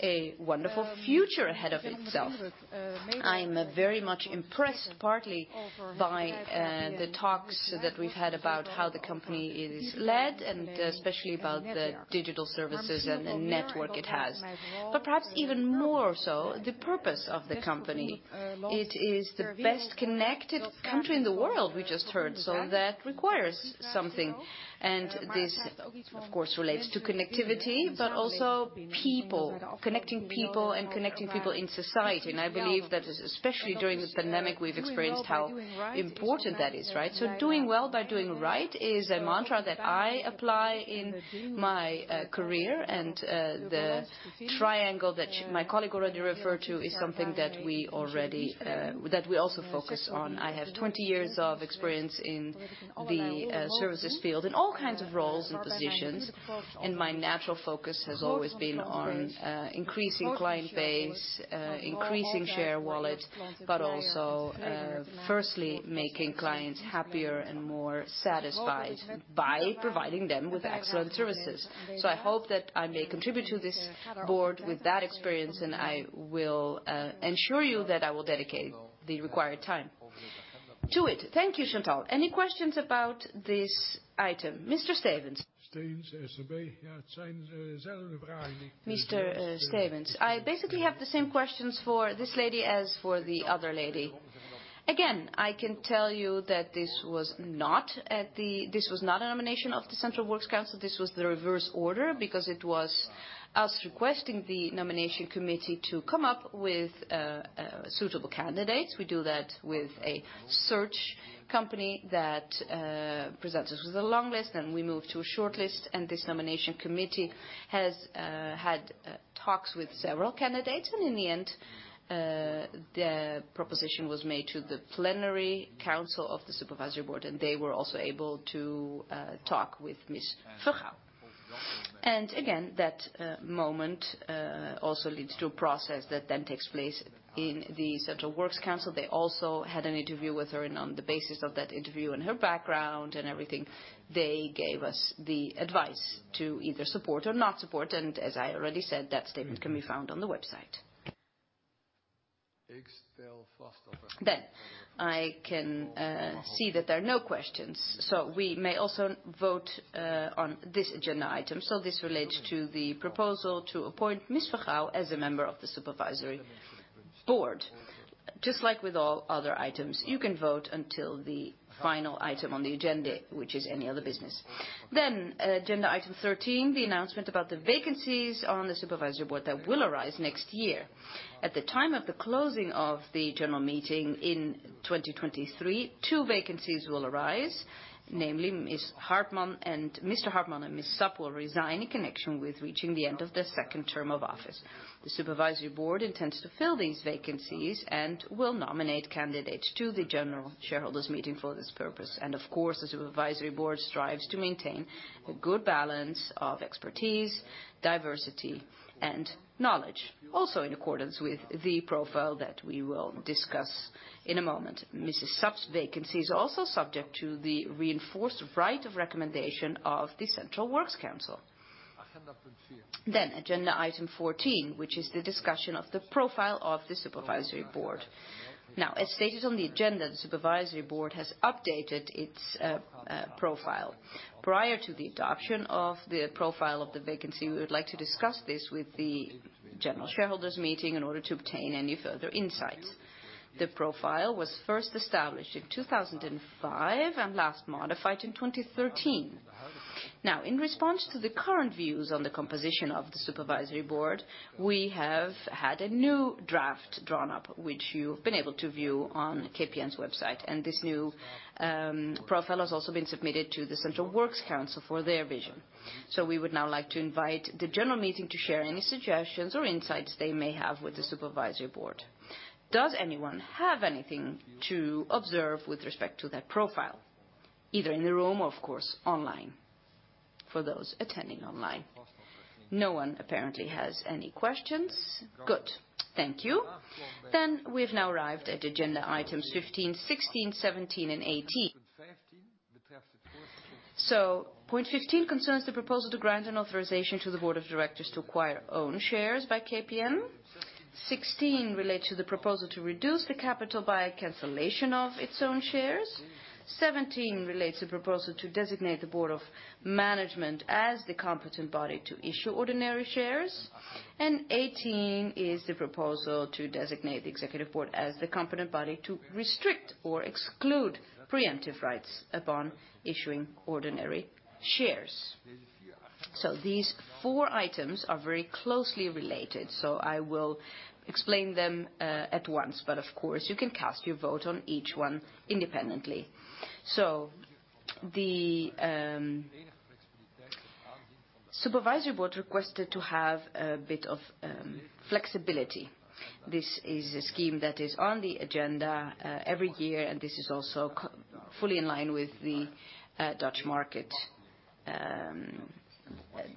S14: a wonderful future ahead of itself. I'm very much impressed, partly by the talks that we've had about how the company is led and especially about the digital services and the network it has. Perhaps even more so the purpose of the company. It is the best-connected country in the world we just heard, so that requires something. This, of course, relates to connectivity, but also people. Connecting people and connecting people in society. I believe that especially during this pandemic, we've experienced how important that is, right? Doing well by doing right is a mantra that I apply in my career. The triangle that my colleague already referred to is something that we also focus on. I have 20 years of experience in the services field in all kinds of roles and positions, and my natural focus has always been on increasing client base, increasing share wallet, but also firstly, making clients happier and more satisfied by providing them with excellent services. I hope that I may contribute to this board with that experience, and I will ensure you that I will dedicate the required time to it.
S1: Thank you, Chantal. Any questions about this item? Mr. Stevense.
S4: I basically have the same questions for this lady as for the other lady.
S1: Again, I can tell you that this was not a nomination of the Central Works Council. This was the reverse order because it was us requesting the nomination committee to come up with suitable candidates. We do that with a search company that presents us with a long list, then we move to a short list, and this Nomination Committee has had talks with several candidates. In the end, the proposition was made to the plenary council of the Supervisory Board, and they were also able to talk with Ms. Vergouw. Again, that moment also leads to a process that then takes place in the Central Works Council. They also had an interview with her. On the basis of that interview and her background and everything, they gave us the advice to either support or not support. As I already said, that statement can be found on the website. I can see that there are no questions. We may also vote on this agenda item. This relates to the proposal to appoint Ms. Vergouw as a member of the Supervisory Board. Just like with all other items, you can vote until the final item on the agenda, which is any other business. Agenda item 13, the announcement about the vacancies on the Supervisory Board that will arise next year. At the time of the closing of the general meeting in 2023, two vacancies will arise, namely Mr. Hartman and Mrs. Sap will resign in connection with reaching the end of their second term of office. The Supervisory Board intends to fill these vacancies and will nominate candidates to the general shareholders meeting for this purpose. Of course, the Supervisory Board strives to maintain a good balance of expertise, diversity, and knowledge. Also in accordance with the profile that we will discuss in a moment. Mrs. Sap's vacancy is also subject to the reinforced right of recommendation of the Central Works Council. Agenda item 14, which is the discussion of the profile of the Supervisory Board. As stated on the agenda, the Supervisory Board has updated its profile. Prior to the adoption of the profile of the vacancy, we would like to discuss this with the general shareholders meeting in order to obtain any further insights. The profile was first established in 2005 and last modified in 2013. In response to the current views on the composition of the Supervisory Board, we have had a new draft drawn up, which you've been able to view on KPN's website. This new profile has also been submitted to the Central Works Council for their vision. We would now like to invite the general meeting to share any suggestions or insights they may have with the Supervisory Board. Does anyone have anything to observe with respect to that profile, either in the room or, of course, online for those attending online? No one apparently has any questions. Good. Thank you. We've now arrived at agenda items 15, 16, 17, and 18. Point 15 concerns the proposal to grant an authorization to the Board of Directors to acquire own shares by KPN. 16 relates to the proposal to reduce the capital by cancellation of its own shares. 17 relates to the proposal to designate the Board of Management as the competent body to issue ordinary shares. 18 is the proposal to designate the Executive Board as the competent body to restrict or exclude preemptive rights upon issuing ordinary shares. These four items are very closely related, so I will explain them at once. Of course you can cast your vote on each one independently. The supervisory board requested to have a bit of flexibility. This is a scheme that is on the agenda every year, and this is also fully in line with the Dutch market.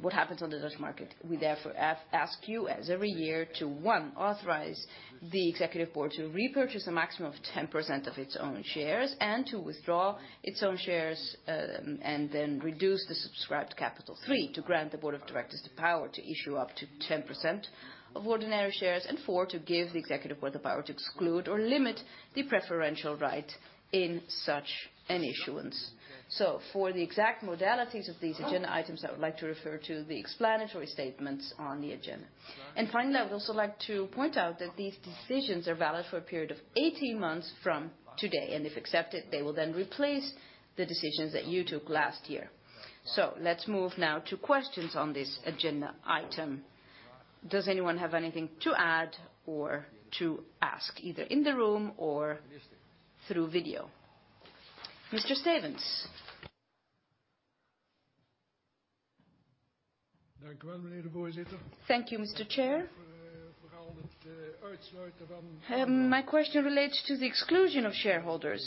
S1: What happens on the Dutch market. We therefore ask you, as every year, to one, authorize the executive board to repurchase a maximum of 10% of its own shares and to withdraw its own shares, and then reduce the subscribed capital. Three, to grant the board of directors the power to issue up to 10% of ordinary shares. Four, to give the executive board the power to exclude or limit the preferential right in such an issuance. For the exact modalities of these agenda items, I would like to refer to the explanatory statements on the agenda. Finally, I'd also like to point out that these decisions are valid for a period of 18 months from today, and if accepted, they will then replace the decisions that you took last year. Let's move now to questions on this agenda item. Does anyone have anything to add or to ask, either in the room or through video? Mr. Stevense.
S4: Thank you, Mr. Chair. My question relates to the exclusion of shareholders.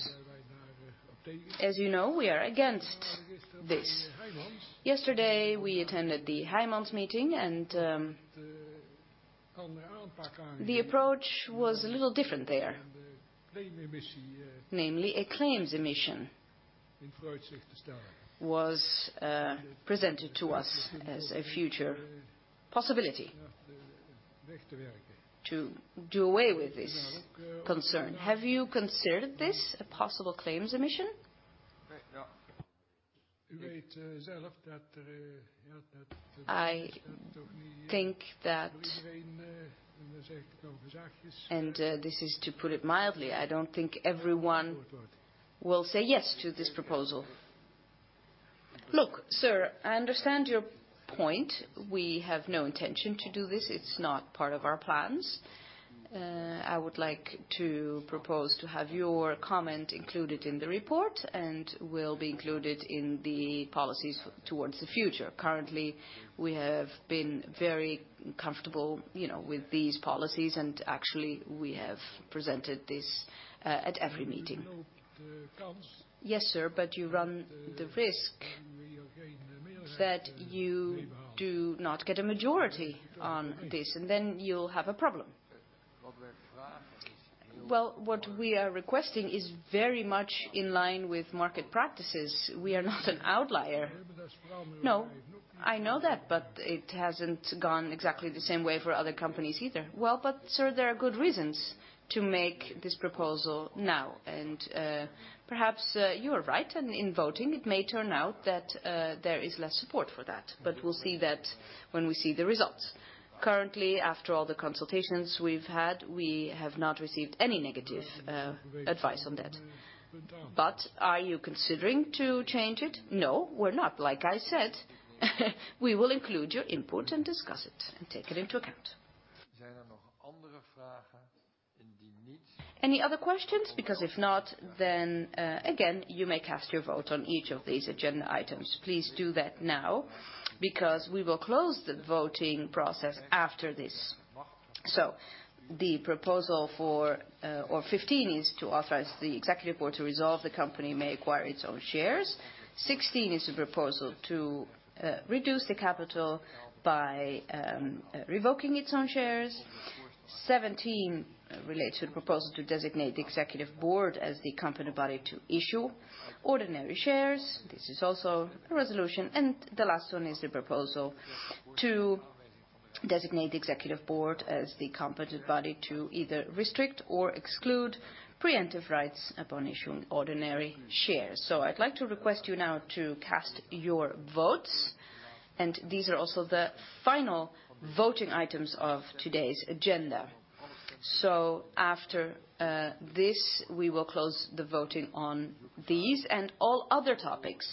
S4: As you know, we are against this. Yesterday, we attended the Heijmans meeting, and the approach was a little different there. Namely, a claims emission was presented to us as a future possibility to do away with this concern. Have you considered this a possible claims emission? I think that. This is to put it mildly, I don't think everyone will say yes to this proposal.
S1: Look, sir, I understand your point. We have no intention to do this. It's not part of our plans. I would like to propose to have your comment included in the report, and will be included in the policies towards the future. Currently, we have been very comfortable, you know, with these policies and actually we have presented this at every meeting.
S4: Yes, sir, but you run the risk that you do not get a majority on this, and then you'll have a problem.
S1: Well, what we are requesting is very much in line with market practices. We are not an outlier.
S4: No, I know that, but it hasn't gone exactly the same way for other companies either.
S1: Well, but sir, there are good reasons to make this proposal now. Perhaps you are right, and in voting it may turn out that there is less support for that. We'll see that when we see the results. Currently, after all the consultations we've had, we have not received any negative advice on that.
S4: Are you considering to change it?
S1: No, we're not. Like I said, we will include your input and discuss it and take it into account. Any other questions? Because if not, again, you may cast your vote on each of these agenda items. Please do that now, because we will close the voting process after this. The proposal for item 15 is to authorize the Executive Board to resolve that the company may acquire its own shares. 16 is a proposal to reduce the capital by revoking its own shares. 17 relates to the proposal to designate the executive board as the competent body to issue ordinary shares. This is also a resolution. The last one is the proposal to designate the executive board as the competent body to either restrict or exclude preemptive rights upon issuing ordinary shares. I'd like to request you now to cast your votes, and these are also the final voting items of today's agenda. After this, we will close the voting on these and all other topics.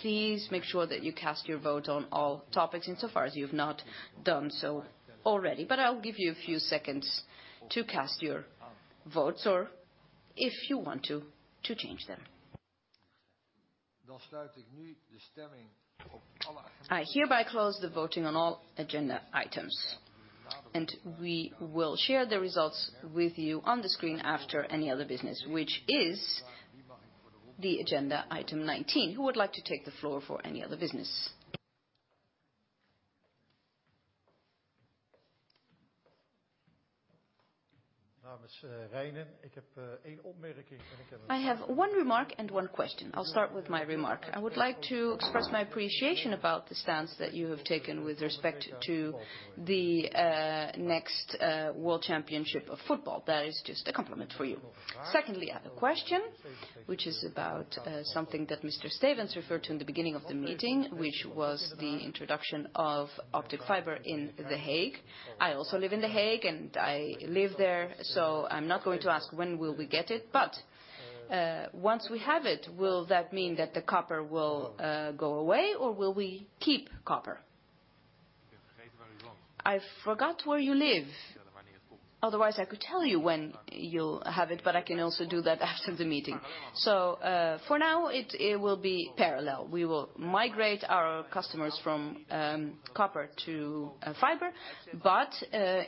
S1: Please make sure that you cast your vote on all topics insofar as you've not done so already. I'll give you a few seconds to cast your votes or if you want to change them. I hereby close the voting on all agenda items. We will share the results with you on the screen after any other business, which is the agenda item 19. Who would like to take the floor for any other business?
S6: I have one remark and one question. I'll start with my remark. I would like to express my appreciation about the stance that you have taken with respect to the next World Championship of Football. That is just a compliment for you. Secondly, I have a question, which is about something that Mr. Stevense referred to in the beginning of the meeting, which was the introduction of optic fiber in The Hague. I live in The Hague, so I'm not going to ask when will we get it. But once we have it, will that mean that the copper will go away or will we keep copper?
S1: I forgot where you live. Otherwise I could tell you when you'll have it, but I can also do that after the meeting. For now, it will be parallel. We will migrate our customers from copper to fiber.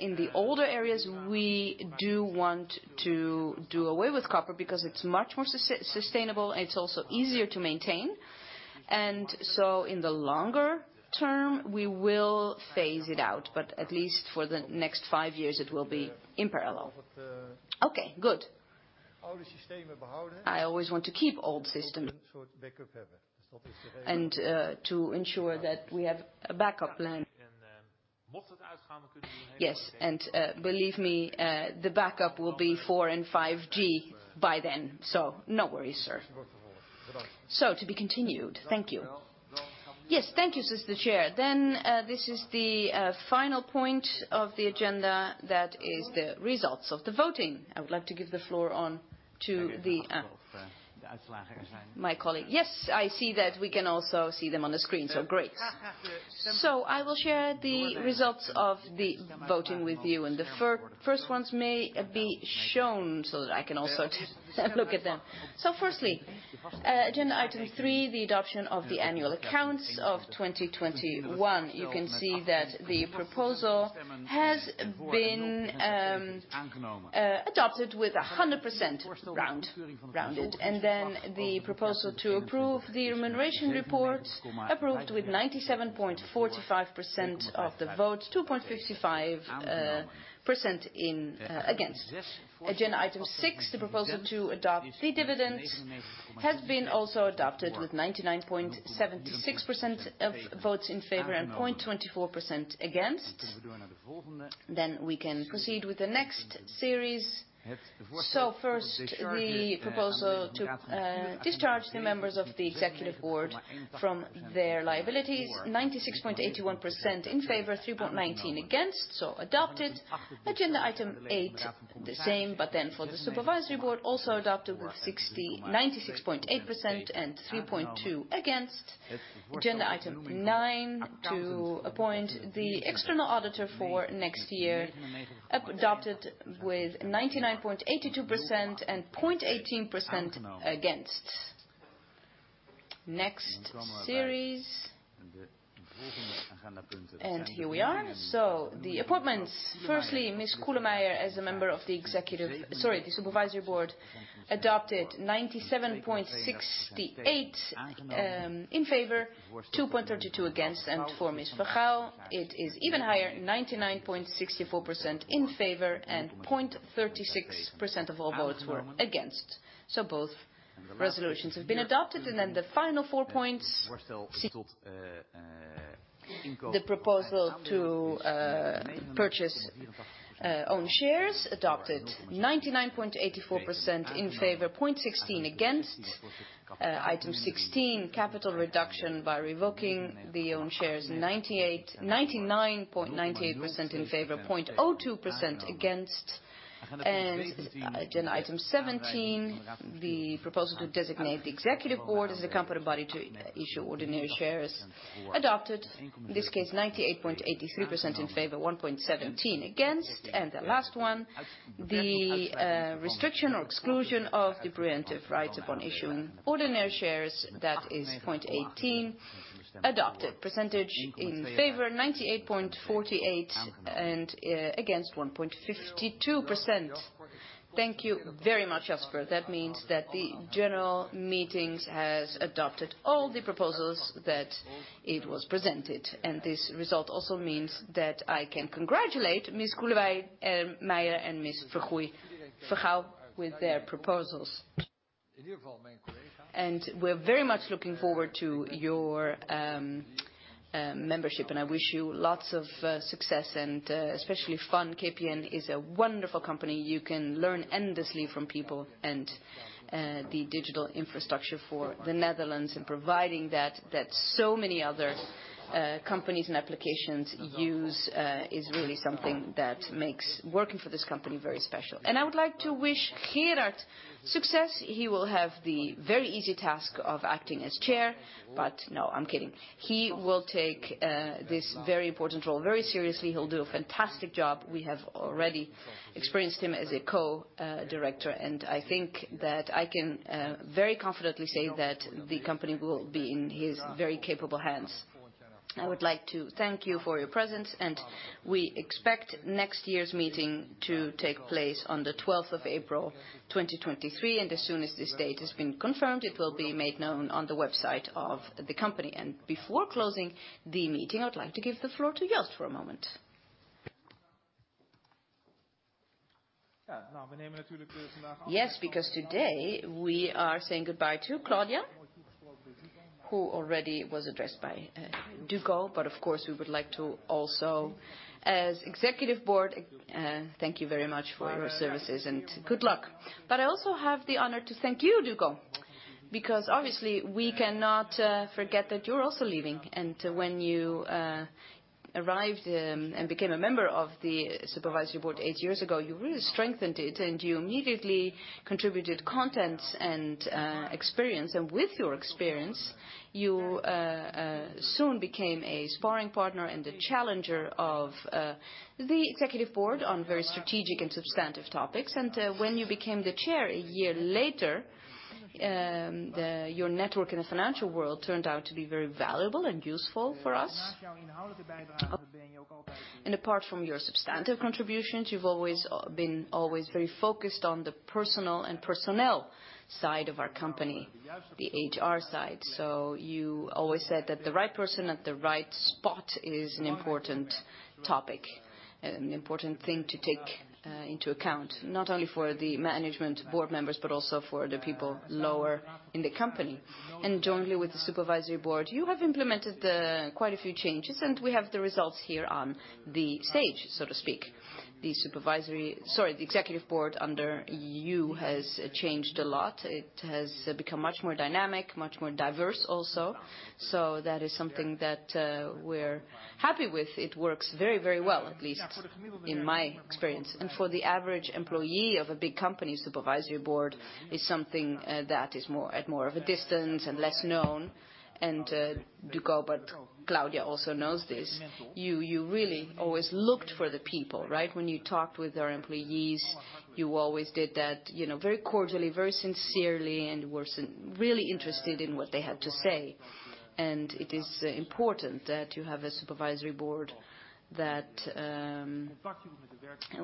S1: In the older areas, we do want to do away with copper because it's much more sustainable, and it's also easier to maintain. In the longer term, we will phase it out, but at least for the next five years it will be in parallel.
S6: Okay, good. I always want to keep old systems. To ensure that we have a backup plan.
S1: Yes. Believe me, the backup will be 4G and 5G by then, so no worries, sir. To be continued. Thank you.
S6: Yes. Thank you, Mister Chair.
S1: This is the final point of the agenda. That is the results of the voting. I would like to give the floor on to my colleague. Yes, I see that we can also see them on the screen, great.
S11: I will share the results of the voting with you. The first ones may be shown so that I can also take a look at them. Firstly, agenda item three, the adoption of the annual accounts of 2021. You can see that the proposal has been adopted with 100% rounded. Then the proposal to approve the remuneration report approved with 97.45% of the votes, 2.55% against. Agenda item six, the proposal to adopt the dividend has been also adopted with 99.76% of votes in favor and 0.24% against. We can proceed with the next series. First, the proposal to discharge the members of the Executive Board from their liabilities, 96.81% in favor, 3.19% against. Adopted. Agenda item eight, the same, but then for the Supervisory Board, also adopted with 96.8% and 3.2% against. Agenda item nine, to appoint the external auditor for next year, adopted with 99.82% and 0.18% against. Next series. Here we are. The appointments. Firstly, Ms. Koelemeijer as a member of the Supervisory Board, adopted 97.68% in favor, 2.32% against. And for Ms. Vergouw, it is even higher, 99.64% in favor and 0.36% of all votes were against. Both resolutions have been adopted. The final four points. The proposal to purchase own shares adopted 99.84% in favor, 0.16% against. Item sixteen, capital reduction by revoking the own shares, 99.98% in favor, 0.02% against. Agenda item seventeen, the proposal to designate the Executive Board as a competent body to issue ordinary shares, adopted. In this case, 98.83% in favor, 1.17% against. The last one, the restriction or exclusion of the preemptive rights upon issuing ordinary shares, that is point eighteen, adopted. Percentage in favor, 98.48%, and against, 1.52%.
S1: Thank you very much, Jasper. That means that the general meetings has adopted all the proposals that it was presented. This result also means that I can congratulate Ms. Koelemeijer and Ms. Vergouw with their proposals. We're very much looking forward to your membership and I wish you lots of success and especially fun. KPN is a wonderful company. You can learn endlessly from people and the digital infrastructure for the Netherlands and providing that so many other companies and applications use is really something that makes working for this company very special. I would like to wish Gerard success. He will have the very easy task of acting as chair. But no, I'm kidding. He will take this very important role very seriously. He'll do a fantastic job. We have already experienced him as a director, and I think that I can very confidently say that the company will be in his very capable hands. I would like to thank you for your presence, and we expect next year's meeting to take place on the 12th of April, 2023. As soon as this date has been confirmed, it will be made known on the website of the company. Before closing the meeting, I would like to give the floor to Joost for a moment.
S2: Yeah. Yes, because today we are saying goodbye to Claudia, who already was addressed by Duco. Of course, we would like to also, as Executive Board, thank you very much for your services and good luck. I also have the honor to thank you, Duco, because obviously we cannot forget that you're also leaving. When you arrived and became a member of the Supervisory Board eight years ago, you really strengthened it, and you immediately contributed content and experience. With your experience, you soon became a sparring partner and a challenger of the Executive Board on very strategic and substantive topics. When you became the chair a year later, your network in the financial world turned out to be very valuable and useful for us. Apart from your substantive contributions, you've always been very focused on the personal and personnel side of our company, the HR side. You always said that the right person at the right spot is an important topic, an important thing to take into account, not only for the management board members, but also for the people lower in the company. Jointly with the supervisory board, you have implemented quite a few changes, and we have the results here on the stage, so to speak. The executive board under you has changed a lot. It has become much more dynamic, much more diverse also. That is something that we're happy with. It works very, very well, at least in my experience. For the average employee of a big company, supervisory board is something that is more at more of a distance and less known. Duco, but Claudia also knows this, you really always looked for the people, right? When you talked with our employees, you always did that, you know, very cordially, very sincerely, and you were really interested in what they had to say. It is important that you have a supervisory board that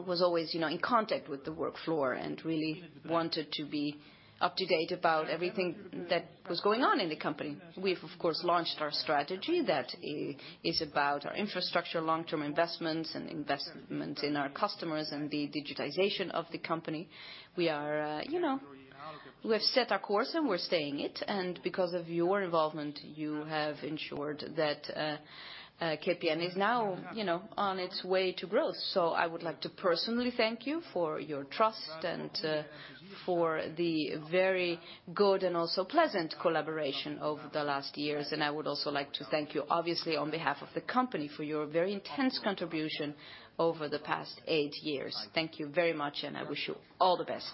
S2: was always, you know, in contact with the work floor and really wanted to be up to date about everything that was going on in the company. We've of course launched our strategy that is about our infrastructure, long-term investments and investments in our customers and the digitization of the company. We are, you know, we've set our course and we're staying it. Because of your involvement, you have ensured that KPN is now, you know, on its way to growth. I would like to personally thank you for your trust and for the very good and also pleasant collaboration over the last years. I would also like to thank you, obviously on behalf of the company, for your very intense contribution over the past eight years. Thank you very much, and I wish you all the best.